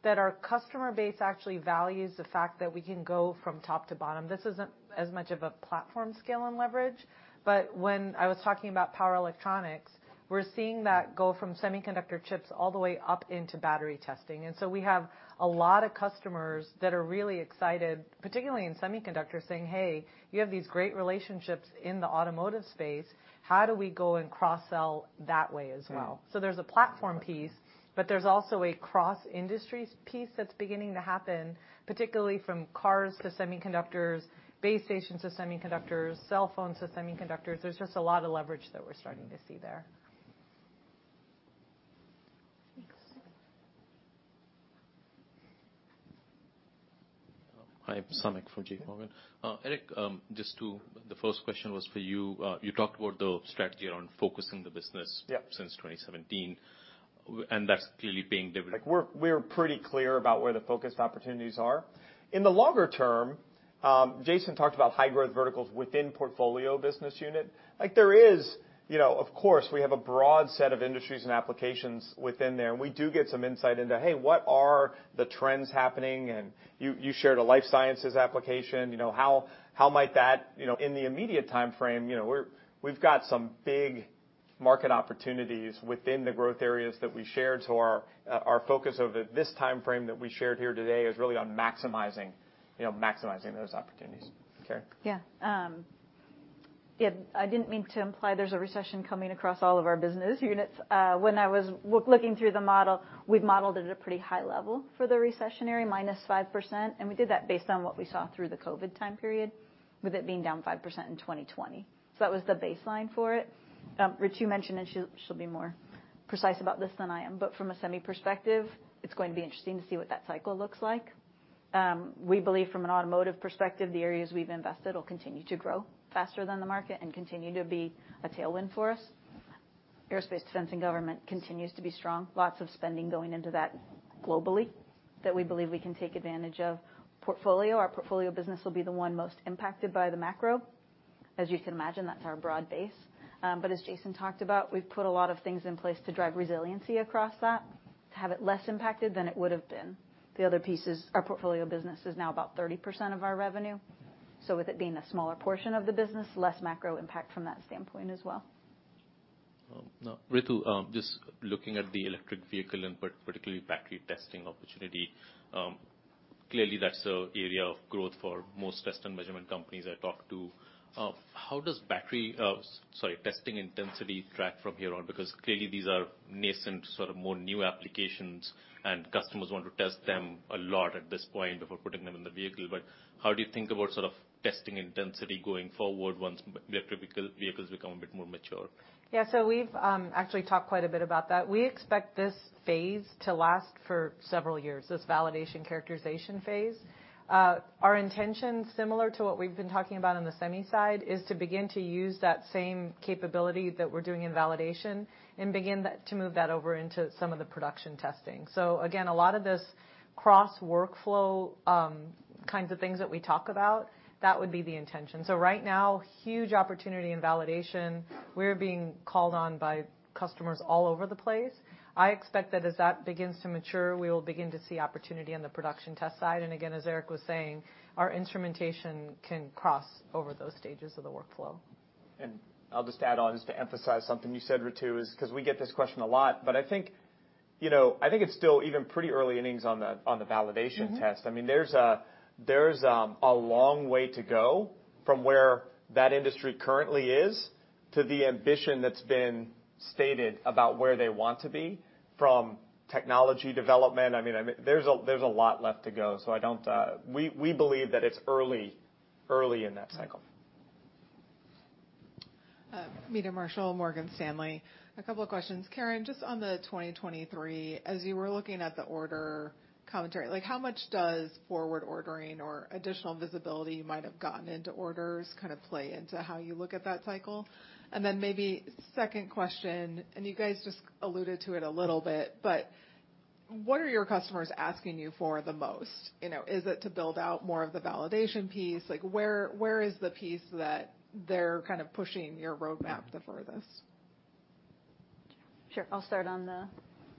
C: that our customer base actually values the fact that we can go from top to bottom. This isn't as much of a platform scale and leverage, but when I was talking about power electronics, we're seeing that go from semiconductor chips all the way up into battery testing. We have a lot of customers that are really excited, particularly in semiconductors, saying, "Hey, you have these great relationships in the automotive space. How do we go and cross-sell that way as well?
F: Yeah.
C: There's a platform piece, but there's also a cross-industries piece that's beginning to happen, particularly from cars to semiconductors, base stations to semiconductors, cell phones to semiconductors. There's just a lot of leverage that we're starting to see there.
F: Thanks.
G: Hi, I'm Samik from JPMorgan. Eric, just to the first question was for you. You talked about the strategy around focusing the business-
B: Yeah.
G: Since 2017, and that's clearly being delivered.
B: Like, we're pretty clear about where the focused opportunities are. In the longer term, Jason talked about high-growth verticals within Portfolio Business Unit. Like there is, you know, of course, we have a broad set of industries and applications within there, and we do get some insight into, hey, what are the trends happening? You shared a life sciences application. You know, how might that, you know, in the immediate timeframe, you know, we've got some big market opportunities within the growth areas that we shared. Our focus over this timeframe that we shared here today is really on maximizing, you know, maximizing those opportunities. Karen?
E: Yeah, I didn't mean to imply there's a recession coming across all of our business units. When I was looking through the model, we've modeled it at a pretty high level for the recessionary minus 5%, and we did that based on what we saw through the COVID time period, with it being down 5% in 2020. That was the baseline for it. Ritu mentioned, and she'll be more precise about this than I am, but from a semi perspective, it's going to be interesting to see what that cycle looks like. We believe from an automotive perspective, the areas we've invested will continue to grow faster than the market and continue to be a tailwind for us. Aerospace defense and government continues to be strong. Lots of spending going into that globally that we believe we can take advantage of. Portfolio, our portfolio business will be the one most impacted by the macro. As you can imagine, that's our broad base. As Jason talked about, we've put a lot of things in place to drive resiliency across that to have it less impacted than it would've been. The other piece is our portfolio business is now about 30% of our revenue, so with it being a smaller portion of the business, less macro impact from that standpoint as well.
G: Ritu, just looking at the electric vehicle and particularly battery testing opportunity, clearly that's an area of growth for most test and measurement companies I talk to. How does battery testing intensity track from here on? Because clearly these are nascent, sort of more new applications, and customers want to test them a lot at this point before putting them in the vehicle. How do you think about sort of testing intensity going forward once electric vehicles become a bit more mature?
C: Yeah. We've actually talked quite a bit about that. We expect this phase to last for several years, this validation characterization phase. Our intention, similar to what we've been talking about on the semi side, is to begin to use that same capability that we're doing in validation and begin that, to move that over into some of the production testing. Again, a lot of this cross-workflow kinds of things that we talk about, that would be the intention. Right now, huge opportunity in validation. We're being called on by customers all over the place. I expect that as that begins to mature, we will begin to see opportunity on the production test side. Again, as Eric was saying, our instrumentation can cross over those stages of the workflow.
B: I'll just add on, just to emphasize something you said, Ritu, is, 'cause we get this question a lot, but I think, you know, it's still even pretty early innings on the validation test.
C: Mm-hmm.
B: I mean, there's a long way to go from where that industry currently is to the ambition that's been stated about where they want to be from technology development. I mean, there's a lot left to go, so I don't. We believe that it's early in that cycle.
C: Mm-hmm.
H: Meta Marshall, Morgan Stanley. A couple of questions. Karen, just on the 2023, as you were looking at the order commentary, like, how much does forward ordering or additional visibility you might have gotten into orders kind of play into how you look at that cycle? Then maybe second question, and you guys just alluded to it a little bit, but what are your customers asking you for the most? You know, is it to build out more of the validation piece? Like, where is the piece that they're kind of pushing your roadmap the furthest?
E: Sure. I'll start on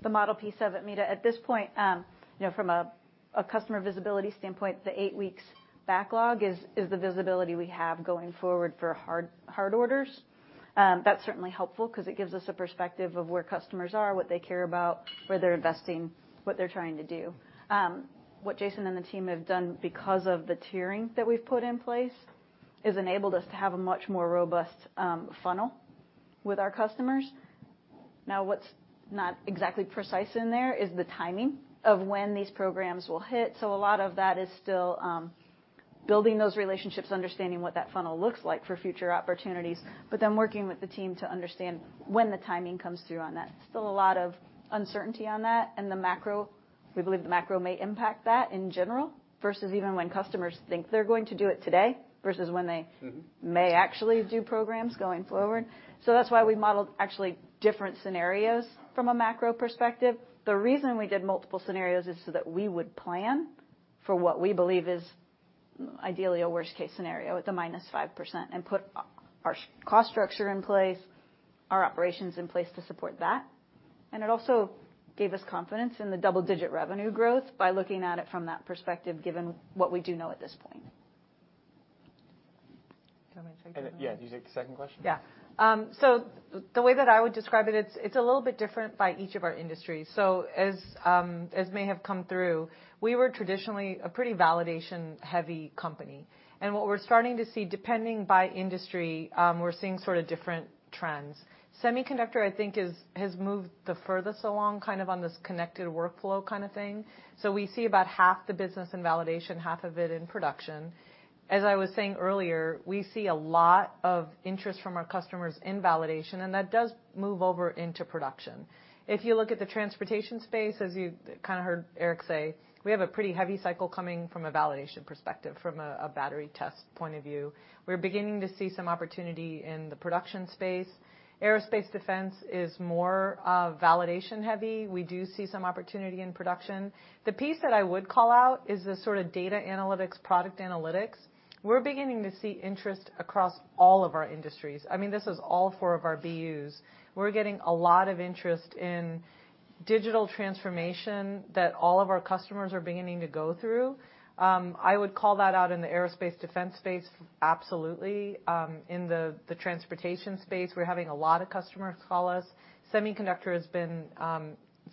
E: the model piece of it, Mita. At this point, you know, from a customer visibility standpoint, the 8 weeks backlog is the visibility we have going forward for hard orders. That's certainly helpful 'cause it gives us a perspective of where customers are, what they care about, where they're investing, what they're trying to do. What Jason and the team have done because of the tiering that we've put in place has enabled us to have a much more robust funnel with our customers. Now what's not exactly precise in there is the timing of when these programs will hit, so a lot of that is still building those relationships, understanding what that funnel looks like for future opportunities, but then working with the team to understand when the timing comes through on that. Still a lot of uncertainty on that, and the macro, we believe the macro may impact that in general versus even when customers think they're going to do it today versus when they.
H: Mm-hmm
E: ...may actually do programs going forward. That's why we modeled actually different scenarios from a macro perspective. The reason we did multiple scenarios is so that we would plan for what we believe is ideally a worst-case scenario at the minus 5% and put our cost structure in place, our operations in place to support that. It also gave us confidence in the double-digit revenue growth by looking at it from that perspective given what we do know at this point.
C: Do you want me to take the other one?
B: Yeah, do you take the second question?
C: Yeah. The way that I would describe it's a little bit different by each of our industries. As may have come through, we were traditionally a pretty validation-heavy company, and what we're starting to see, depending by industry, we're seeing sort of different trends. Semiconductor, I think, has moved the furthest along kind of on this connected workflow kind of thing. We see about half the business in validation, half of it in production. As I was saying earlier, we see a lot of interest from our customers in validation, and that does move over into production. If you look at the transportation space, as you kind of heard Eric say, we have a pretty heavy cycle coming from a validation perspective, from a battery test point of view. We're beginning to see some opportunity in the production space. Aerospace defense is more validation heavy. We do see some opportunity in production. The piece that I would call out is the sort of data analytics, product analytics. We're beginning to see interest across all of our industries. I mean, this is all four of our BUs. We're getting a lot of interest in digital transformation that all of our customers are beginning to go through. I would call that out in the aerospace defense space absolutely. In the transportation space, we're having a lot of customers call us. Semiconductor has been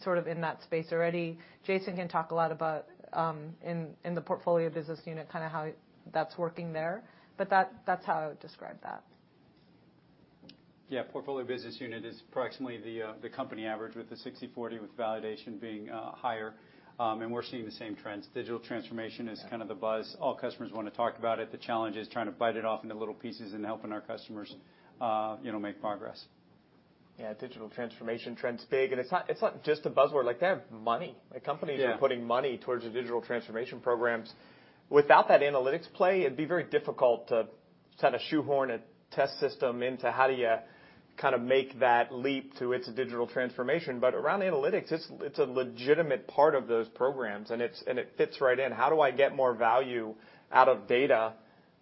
C: sort of in that space already. Jason can talk a lot about in the portfolio business unit, kind of how that's working there, but that's how I would describe that.
D: Portfolio Business Unit is approximately the company average with the 60/40 with validation being higher, and we're seeing the same trends. Digital transformation is kind of the buzz. All customers wanna talk about it. The challenge is trying to bite it off into little pieces and helping our customers, you know, make progress.
B: Yeah, digital transformation trend's big, and it's not just a buzzword. Like, they have money.
D: Yeah.
B: Like, companies are putting money towards the digital transformation programs. Without that analytics play, it'd be very difficult to kind of shoehorn a test system into how do you kind of make that leap to its digital transformation. Around analytics, it's a legitimate part of those programs, and it fits right in. How do I get more value out of data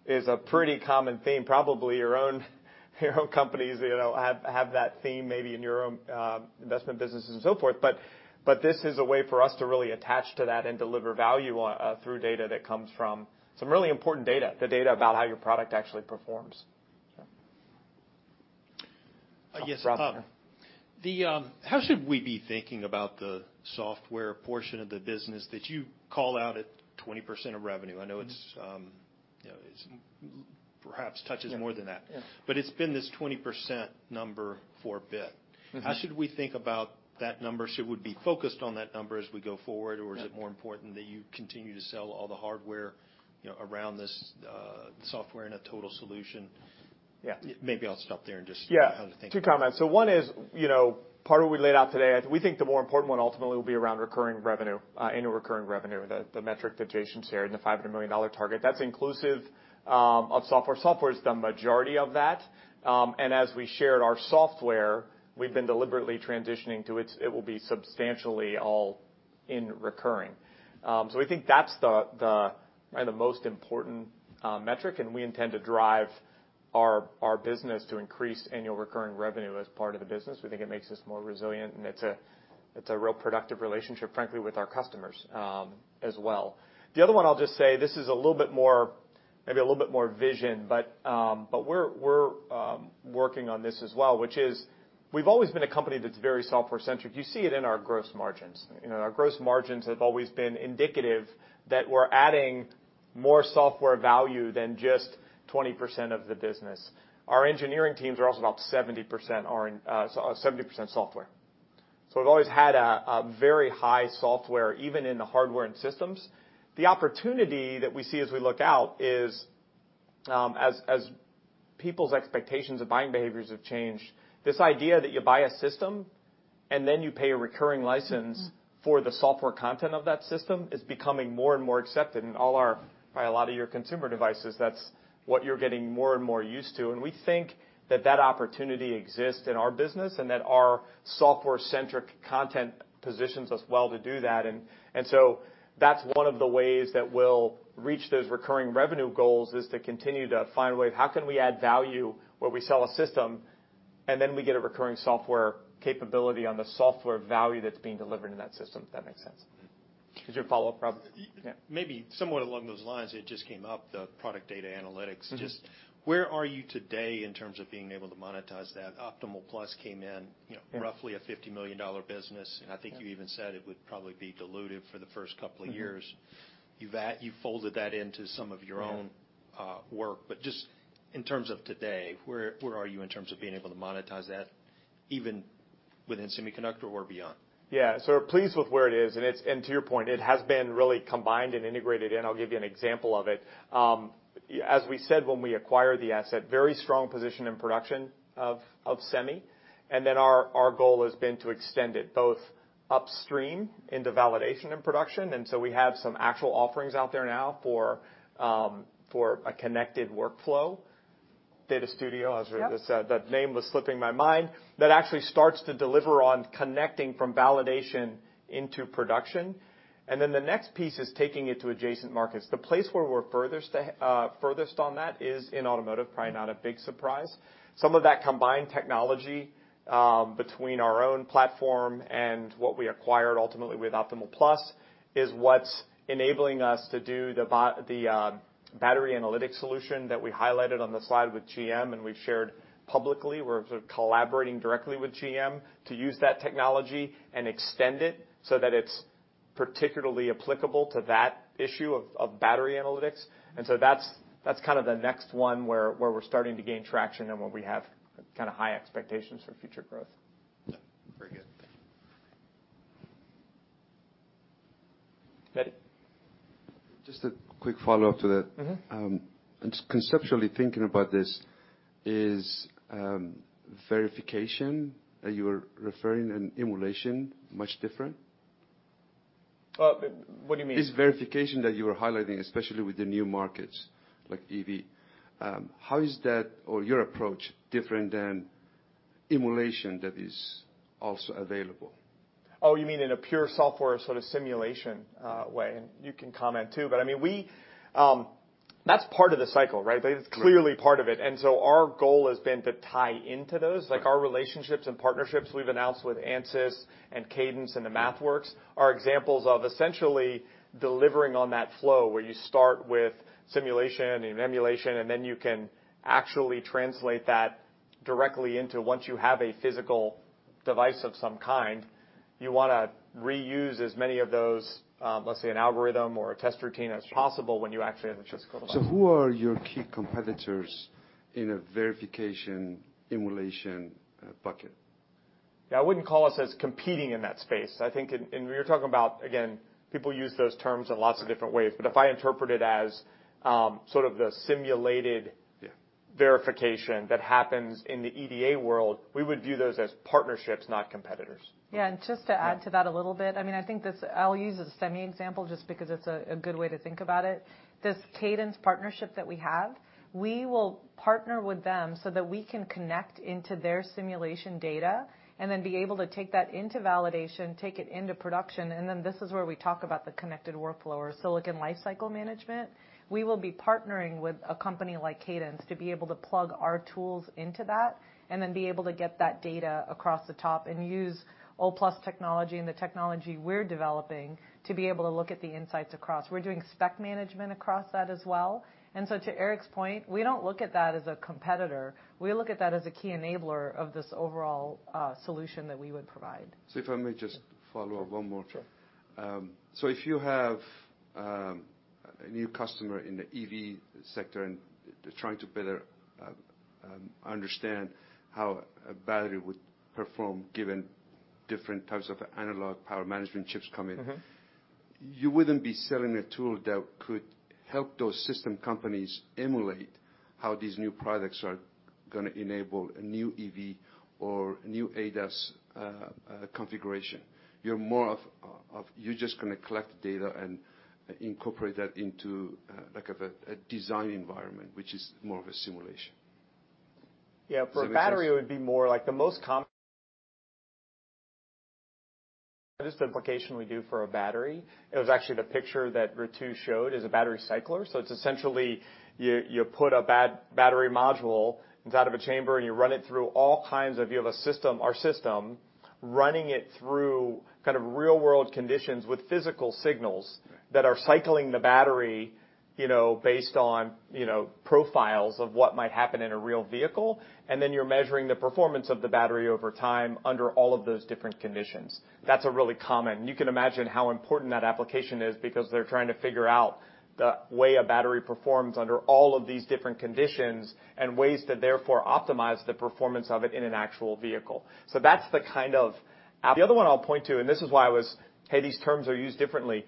B: is a pretty common theme. Probably your own companies, you know, have that theme, maybe in your own investment businesses and so forth. This is a way for us to really attach to that and deliver value through data that comes from some really important data, the data about how your product actually performs. Yes. Rob.
I: How should we be thinking about the software portion of the business that you call out at 20% of revenue? I know it's, you know, it's perhaps touches more than that.
B: Yeah.
I: It's been this 20% number for a bit.
B: Mm-hmm.
I: How should we think about that number? Should we be focused on that number as we go forward?
B: Yeah.
I: Is it more important that you continue to sell all the hardware, you know, around this, software in a total solution?
B: Yeah.
I: Maybe I'll stop there and just.
B: Yeah
I: How to think about it.
B: Two comments. One is, you know, part of what we laid out today, we think the more important one ultimately will be around recurring revenue, annual recurring revenue, the metric that Jason shared, the $500 million target. That's inclusive of software. Software is the majority of that. As we shared our software, we've been deliberately transitioning to it. It will be substantially all in recurring. We think that's the right, the most important metric, and we intend to drive our business to increase annual recurring revenue as part of the business. We think it makes us more resilient, and it's a real productive relationship, frankly, with our customers, as well. The other one, I'll just say, this is a little bit more, maybe a little bit more vision, but we're working on this as well, which is we've always been a company that's very software-centric. You see it in our gross margins. You know, our gross margins have always been indicative that we're adding more software value than just 20% of the business. Our engineering teams are also about 70% software. So we've always had a very high software, even in the hardware and systems. The opportunity that we see as we look out is, as people's expectations of buying behaviors have changed, this idea that you buy a system and then you pay a recurring license-
I: Mm-hmm
B: for the software content of that system is becoming more and more accepted in all areas by a lot of your consumer devices. That's what you're getting more and more used to. We think that that opportunity exists in our business and that our software-centric content positions us well to do that. So that's one of the ways that we'll reach those recurring revenue goals, is to continue to find a way of how can we add value, where we sell a system, and then we get a recurring software capability on the software value that's being delivered in that system, if that makes sense. Is your follow-up, Rob? Yeah.
I: Maybe somewhat along those lines, it just came up, the product data analytics.
B: Mm-hmm.
I: Just where are you today in terms of being able to monetize that? Optimal+ came in, you know.
B: Yeah
I: Roughly a $50 million business.
B: Yeah.
I: I think you even said it would probably be dilutive for the first couple of years.
B: Mm-hmm.
I: You've folded that into some of your own.
B: Yeah
I: work. Just in terms of today, where are you in terms of being able to monetize that even within semiconductor or beyond?
B: Yeah. We're pleased with where it is, and it's and to your point, it has been really combined and integrated, and I'll give you an example of it. As we said, when we acquired the asset, very strong position in production of Semi. Our goal has been to extend it both upstream into validation and production. We have some actual offerings out there now for a connected workflow. Data Studio, as I said.
I: Yep
B: The name was slipping my mind. That actually starts to deliver on connecting from validation into production. The next piece is taking it to adjacent markets. The place where we're furthest on that is in automotive. Probably not a big surprise. Some of that combined technology between our own platform and what we acquired ultimately with Optimal+ is what's enabling us to do the battery analytics solution that we highlighted on the slide with GM and we've shared publicly. We're sort of collaborating directly with GM to use that technology and extend it so that it's particularly applicable to that issue of battery analytics. That's kind of the next one where we're starting to gain traction and where we have kind of high expectations for future growth.
I: Very good. Thank you.
F: Betty. Just a quick follow-up to that.
B: Mm-hmm.
F: Just conceptually thinking about this, is verification that you are referring to and emulation much different?
B: What do you mean?
F: This verification that you were highlighting, especially with the new markets like EV, how is that or your approach different than emulation that is also available?
B: Oh, you mean in a pure software sort of simulation, way? You can comment too, but I mean, That's part of the cycle, right?
F: Right.
B: It's clearly part of it. Our goal has been to tie into those.
F: Right.
B: Like our relationships and partnerships we've announced with Ansys and Cadence and the MathWorks are examples of essentially delivering on that flow, where you start with simulation and emulation, and then you can actually translate that directly into once you have a physical device of some kind, you wanna reuse as many of those, let's say an algorithm or a test routine as possible when you actually have a physical device.
F: Who are your key competitors in a verification emulation bucket?
B: Yeah, I wouldn't call us as competing in that space. I think, and we were talking about, again, people use those terms in lots of different ways.
F: Right.
B: If I interpret it as sort of the simulated.
F: Yeah
B: Verification that happens in the EDA world, we would view those as partnerships, not competitors.
C: Yeah. Just to add to that a little bit, I mean, I think this. I'll use a semi example just because it's a good way to think about it. This Cadence partnership that we have, we will partner with them so that we can connect into their simulation data and then be able to take that into validation, take it into production, and then this is where we talk about the connected workflow or silicon lifecycle management. We will be partnering with a company like Cadence to be able to plug our tools into that, and then be able to get that data across the top and use Optimal+ technology and the technology we're developing to be able to look at the insights across. We're doing spec management across that as well. To Eric's point, we don't look at that as a competitor. We look at that as a key enabler of this overall solution that we would provide.
F: If I may just follow up one more time.
B: Sure.
F: If you have a new customer in the EV sector and they're trying to better understand how a battery would perform given different types of analog power management chips come in-
B: Mm-hmm.
F: You wouldn't be selling a tool that could help those system companies emulate how these new products are gonna enable a new EV or new ADAS configuration. You're more of, you're just gonna collect data and incorporate that into, like a design environment, which is more of a simulation.
B: Yeah. For a battery, it would be more like the most common. This application we do for a battery, it was actually the picture that Ritu showed is a battery cycler. It's essentially you put a battery module inside of a chamber, and you run it through our system running it through kind of real world conditions with physical signals that are cycling the battery, you know, based on, you know, profiles of what might happen in a real vehicle. You're measuring the performance of the battery over time under all of those different conditions. That's a really common. You can imagine how important that application is because they're trying to figure out the way a battery performs under all of these different conditions and ways to therefore optimize the performance of it in an actual vehicle. That's the kind of app. The other one I'll point to, and this is why I was, "Hey, these terms are used differently."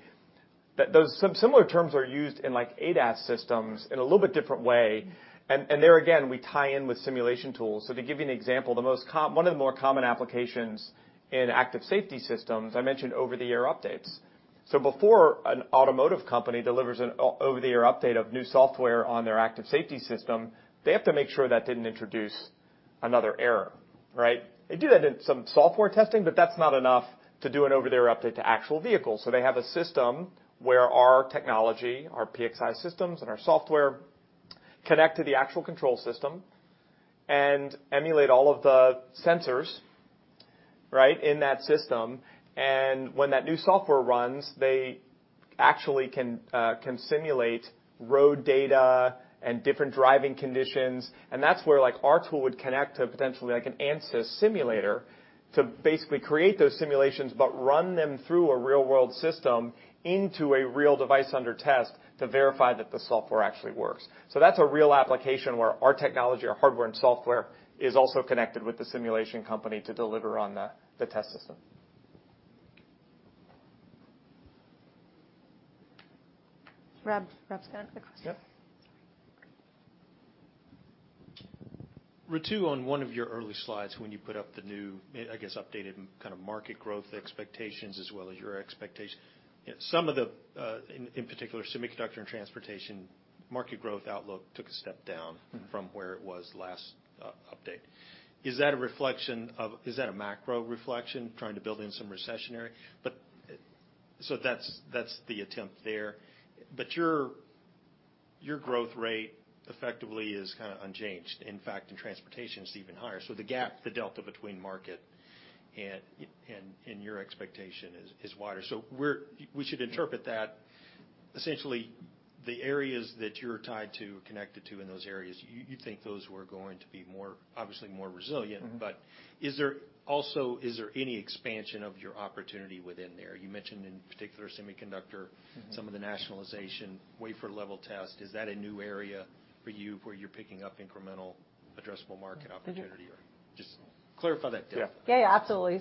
B: Some similar terms are used in like ADAS systems in a little bit different way. And there again, we tie in with simulation tools. To give you an example, one of the more common applications in active safety systems, I mentioned over the air updates. Before an automotive company delivers an over the air update of new software on their active safety system, they have to make sure that didn't introduce another error, right? They do that in some software testing, but that's not enough to do an over the air update to actual vehicles. They have a system where our technology, our PXI systems and our software connect to the actual control system and emulate all of the sensors, right, in that system. When that new software runs, they actually can simulate road data and different driving conditions, and that's where like our tool would connect to potentially like an Ansys simulator to basically create those simulations, but run them through a real-world system into a real device under test to verify that the software actually works. That's a real application where our technology, our hardware and software, is also connected with the simulation company to deliver on the test system.
C: Rob's got a question.
B: Yep.
I: Ritu, on one of your early slides when you put up the new, I guess, updated kind of market growth expectations as well as your expectations, some of the, in particular, semiconductor and transportation market growth outlook took a step down from where it was last update. Is that a macro reflection trying to build in some recessionary? So that's the attempt there. Your growth rate effectively is kinda unchanged. In fact, in transportation, it's even higher. The gap, the delta between market and your expectation is wider. We should interpret that essentially the areas that you're tied to or connected to in those areas, you think those were going to be more, obviously more resilient.
B: Mm-hmm.
I: Is there any expansion of your opportunity within there? You mentioned in particular semiconductor.
B: Mm-hmm.
I: Some of the NI acquisition, wafer level test, is that a new area for you where you're picking up incremental addressable market opportunity?
B: Mm-hmm.
I: Just clarify that delta.
B: Yeah.
C: Yeah, absolutely.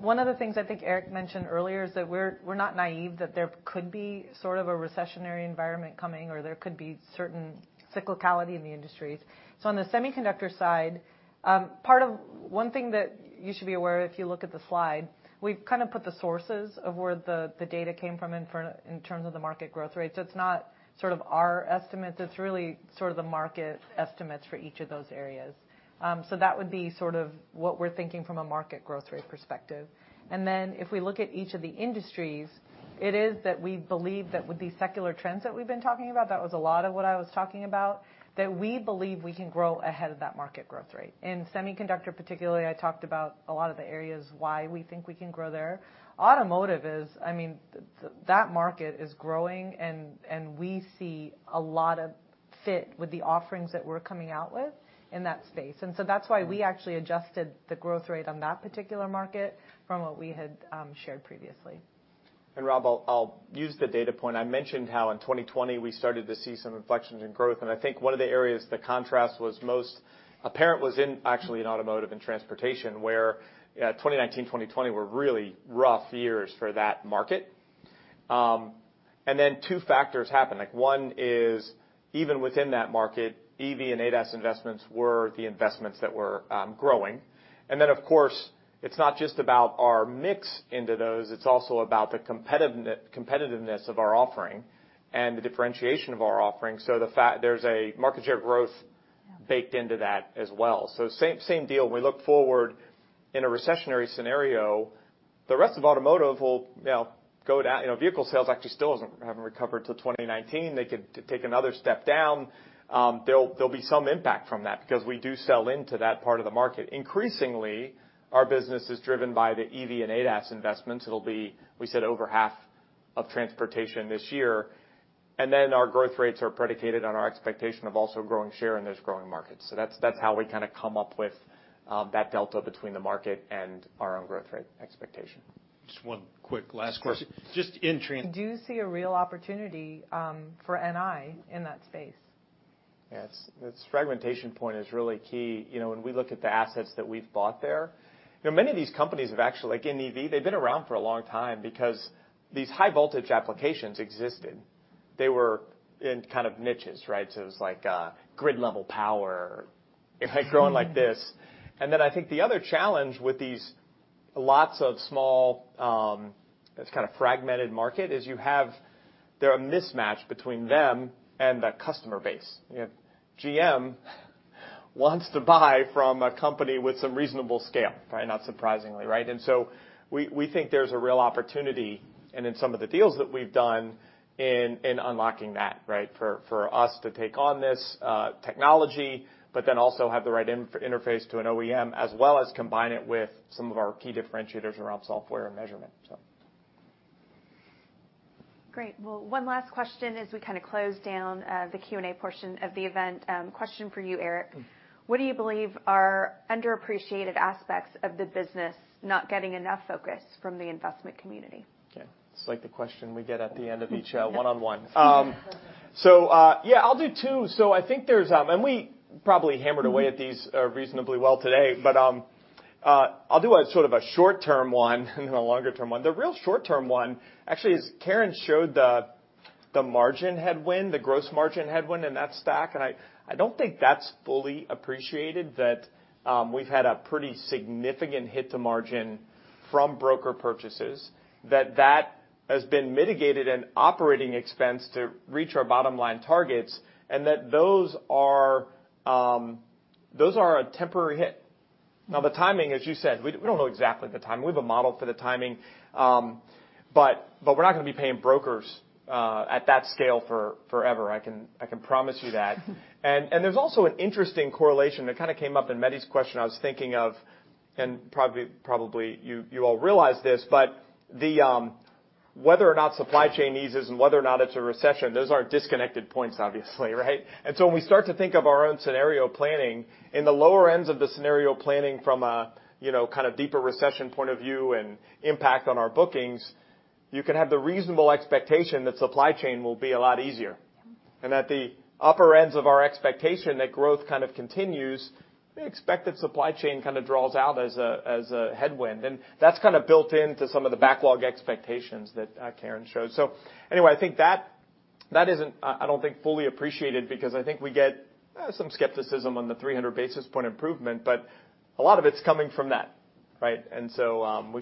C: One of the things I think Eric mentioned earlier is that we're not naive that there could be sort of a recessionary environment coming or there could be certain cyclicality in the industries. On the semiconductor side, one thing that you should be aware, if you look at the slide, we've kind of put the sources of where the data came from in terms of the market growth rate. It's not sort of our estimate. It's really sort of the market estimates for each of those areas. That would be sort of what we're thinking from a market growth rate perspective. If we look at each of the industries, it is that we believe that with these secular trends that we've been talking about, that was a lot of what I was talking about, that we believe we can grow ahead of that market growth rate. In Semiconductor particularly, I talked about a lot of the areas why we think we can grow there. Automotive is, I mean, that market is growing and we see a lot of fit with the offerings that we're coming out with in that space. That's why we actually adjusted the growth rate on that particular market from what we had shared previously.
B: Rob, I'll use the data point. I mentioned how in 2020 we started to see some inflections in growth. I think one of the areas the contrast was most apparent was actually in automotive and transportation, where 2019, 2020 were really rough years for that market. Then two factors happen. Like, one is even within that market, EV and ADAS investments were the investments that were growing. Of course, it's not just about our mix into those, it's also about the competitiveness of our offering and the differentiation of our offering. The fact there's a market share growth baked into that as well. Same deal. We look forward in a recessionary scenario, the rest of automotive will, you know, go down. You know, vehicle sales actually still haven't recovered to 2019. They could take another step down. There'll be some impact from that because we do sell into that part of the market. Increasingly, our business is driven by the EV and ADAS investments. It'll be, we said, over half of transportation this year. Our growth rates are predicated on our expectation of also growing share in those growing markets. That's how we kinda come up with that delta between the market and our own growth rate expectation.
I: Just one quick last question.
H: Do you see a real opportunity for NI in that space?
B: Yes. This fragmentation point is really key. You know, when we look at the assets that we've bought there, you know, many of these companies have actually, like in EV, they've been around for a long time because these high voltage applications existed. They were in kind of niches, right? It was like, grid-level power, right? Growing like this. I think the other challenge with these lots of small, this kind of fragmented market is there are mismatch between them and the customer base. You have GM wants to buy from a company with some reasonable scale, right? Not surprisingly, right? We think there's a real opportunity, and in some of the deals that we've done, in unlocking that, right? For us to take on this technology, but then also have the right interface to an OEM, as well as combine it with some of our key differentiators around software and measurement.
A: Great. Well, one last question as we kind of close down the Q&A portion of the event. Question for you, Eric. What do you believe are underappreciated aspects of the business not getting enough focus from the investment community?
B: Okay. It's like the question we get at the end of each one-on-one. Yeah, I'll do two. I think there's and we probably hammered away at these reasonably well today, but I'll do a sort of a short-term one and then a longer term one. The real short-term one actually is Karen showed the margin headwind, the gross margin headwind in that stack, and I don't think that's fully appreciated that we've had a pretty significant hit to margin from broker purchases, that has been mitigated in operating expense to reach our bottom line targets, and that those are a temporary hit. Now, the timing, as you said, we don't know exactly the timing. We have a model for the timing, but we're not gonna be paying brokers at that scale for forever. I can promise you that. There's also an interesting correlation that kinda came up in Mehdi's question I was thinking of, and probably you all realize this, but the whether or not supply chain eases and whether or not it's a recession, those are disconnected points, obviously, right? When we start to think of our own scenario planning, in the lower ends of the scenario planning from a you know kind of deeper recession point of view and impact on our bookings, you can have the reasonable expectation that supply chain will be a lot easier. At the upper ends of our expectation that growth kind of continues, we expect that supply chain kind of draws out as a headwind. That's kind of built into some of the backlog expectations that Karen showed. Anyway, I think that isn't fully appreciated because I think we get some skepticism on the 300 basis point improvement, but a lot of it's coming from that, right? We've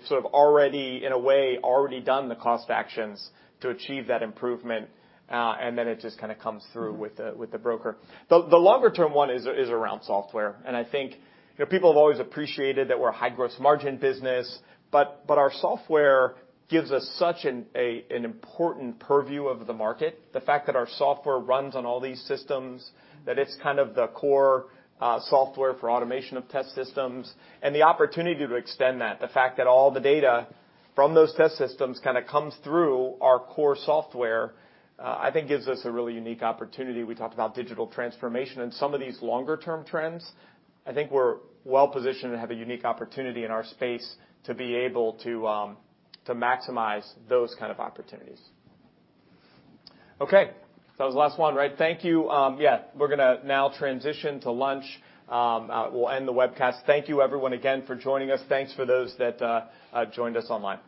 B: sort of already, in a way, already done the cost actions to achieve that improvement, and then it just kind of comes through with the backlog. The longer term one is around software. I think, you know, people have always appreciated that we're a high gross margin business, but our software gives us such an important purview of the market. The fact that our software runs on all these systems, that it's kind of the core, software for automation of test systems and the opportunity to extend that. The fact that all the data from those test systems kinda comes through our core software, I think gives us a really unique opportunity. We talked about digital transformation and some of these longer term trends. I think we're well-positioned and have a unique opportunity in our space to be able to maximize those kind of opportunities. Okay. That was the last one, right? Thank you. Yeah, we're gonna now transition to lunch. We'll end the webcast. Thank you everyone again for joining us. Thanks for those that, joined us online.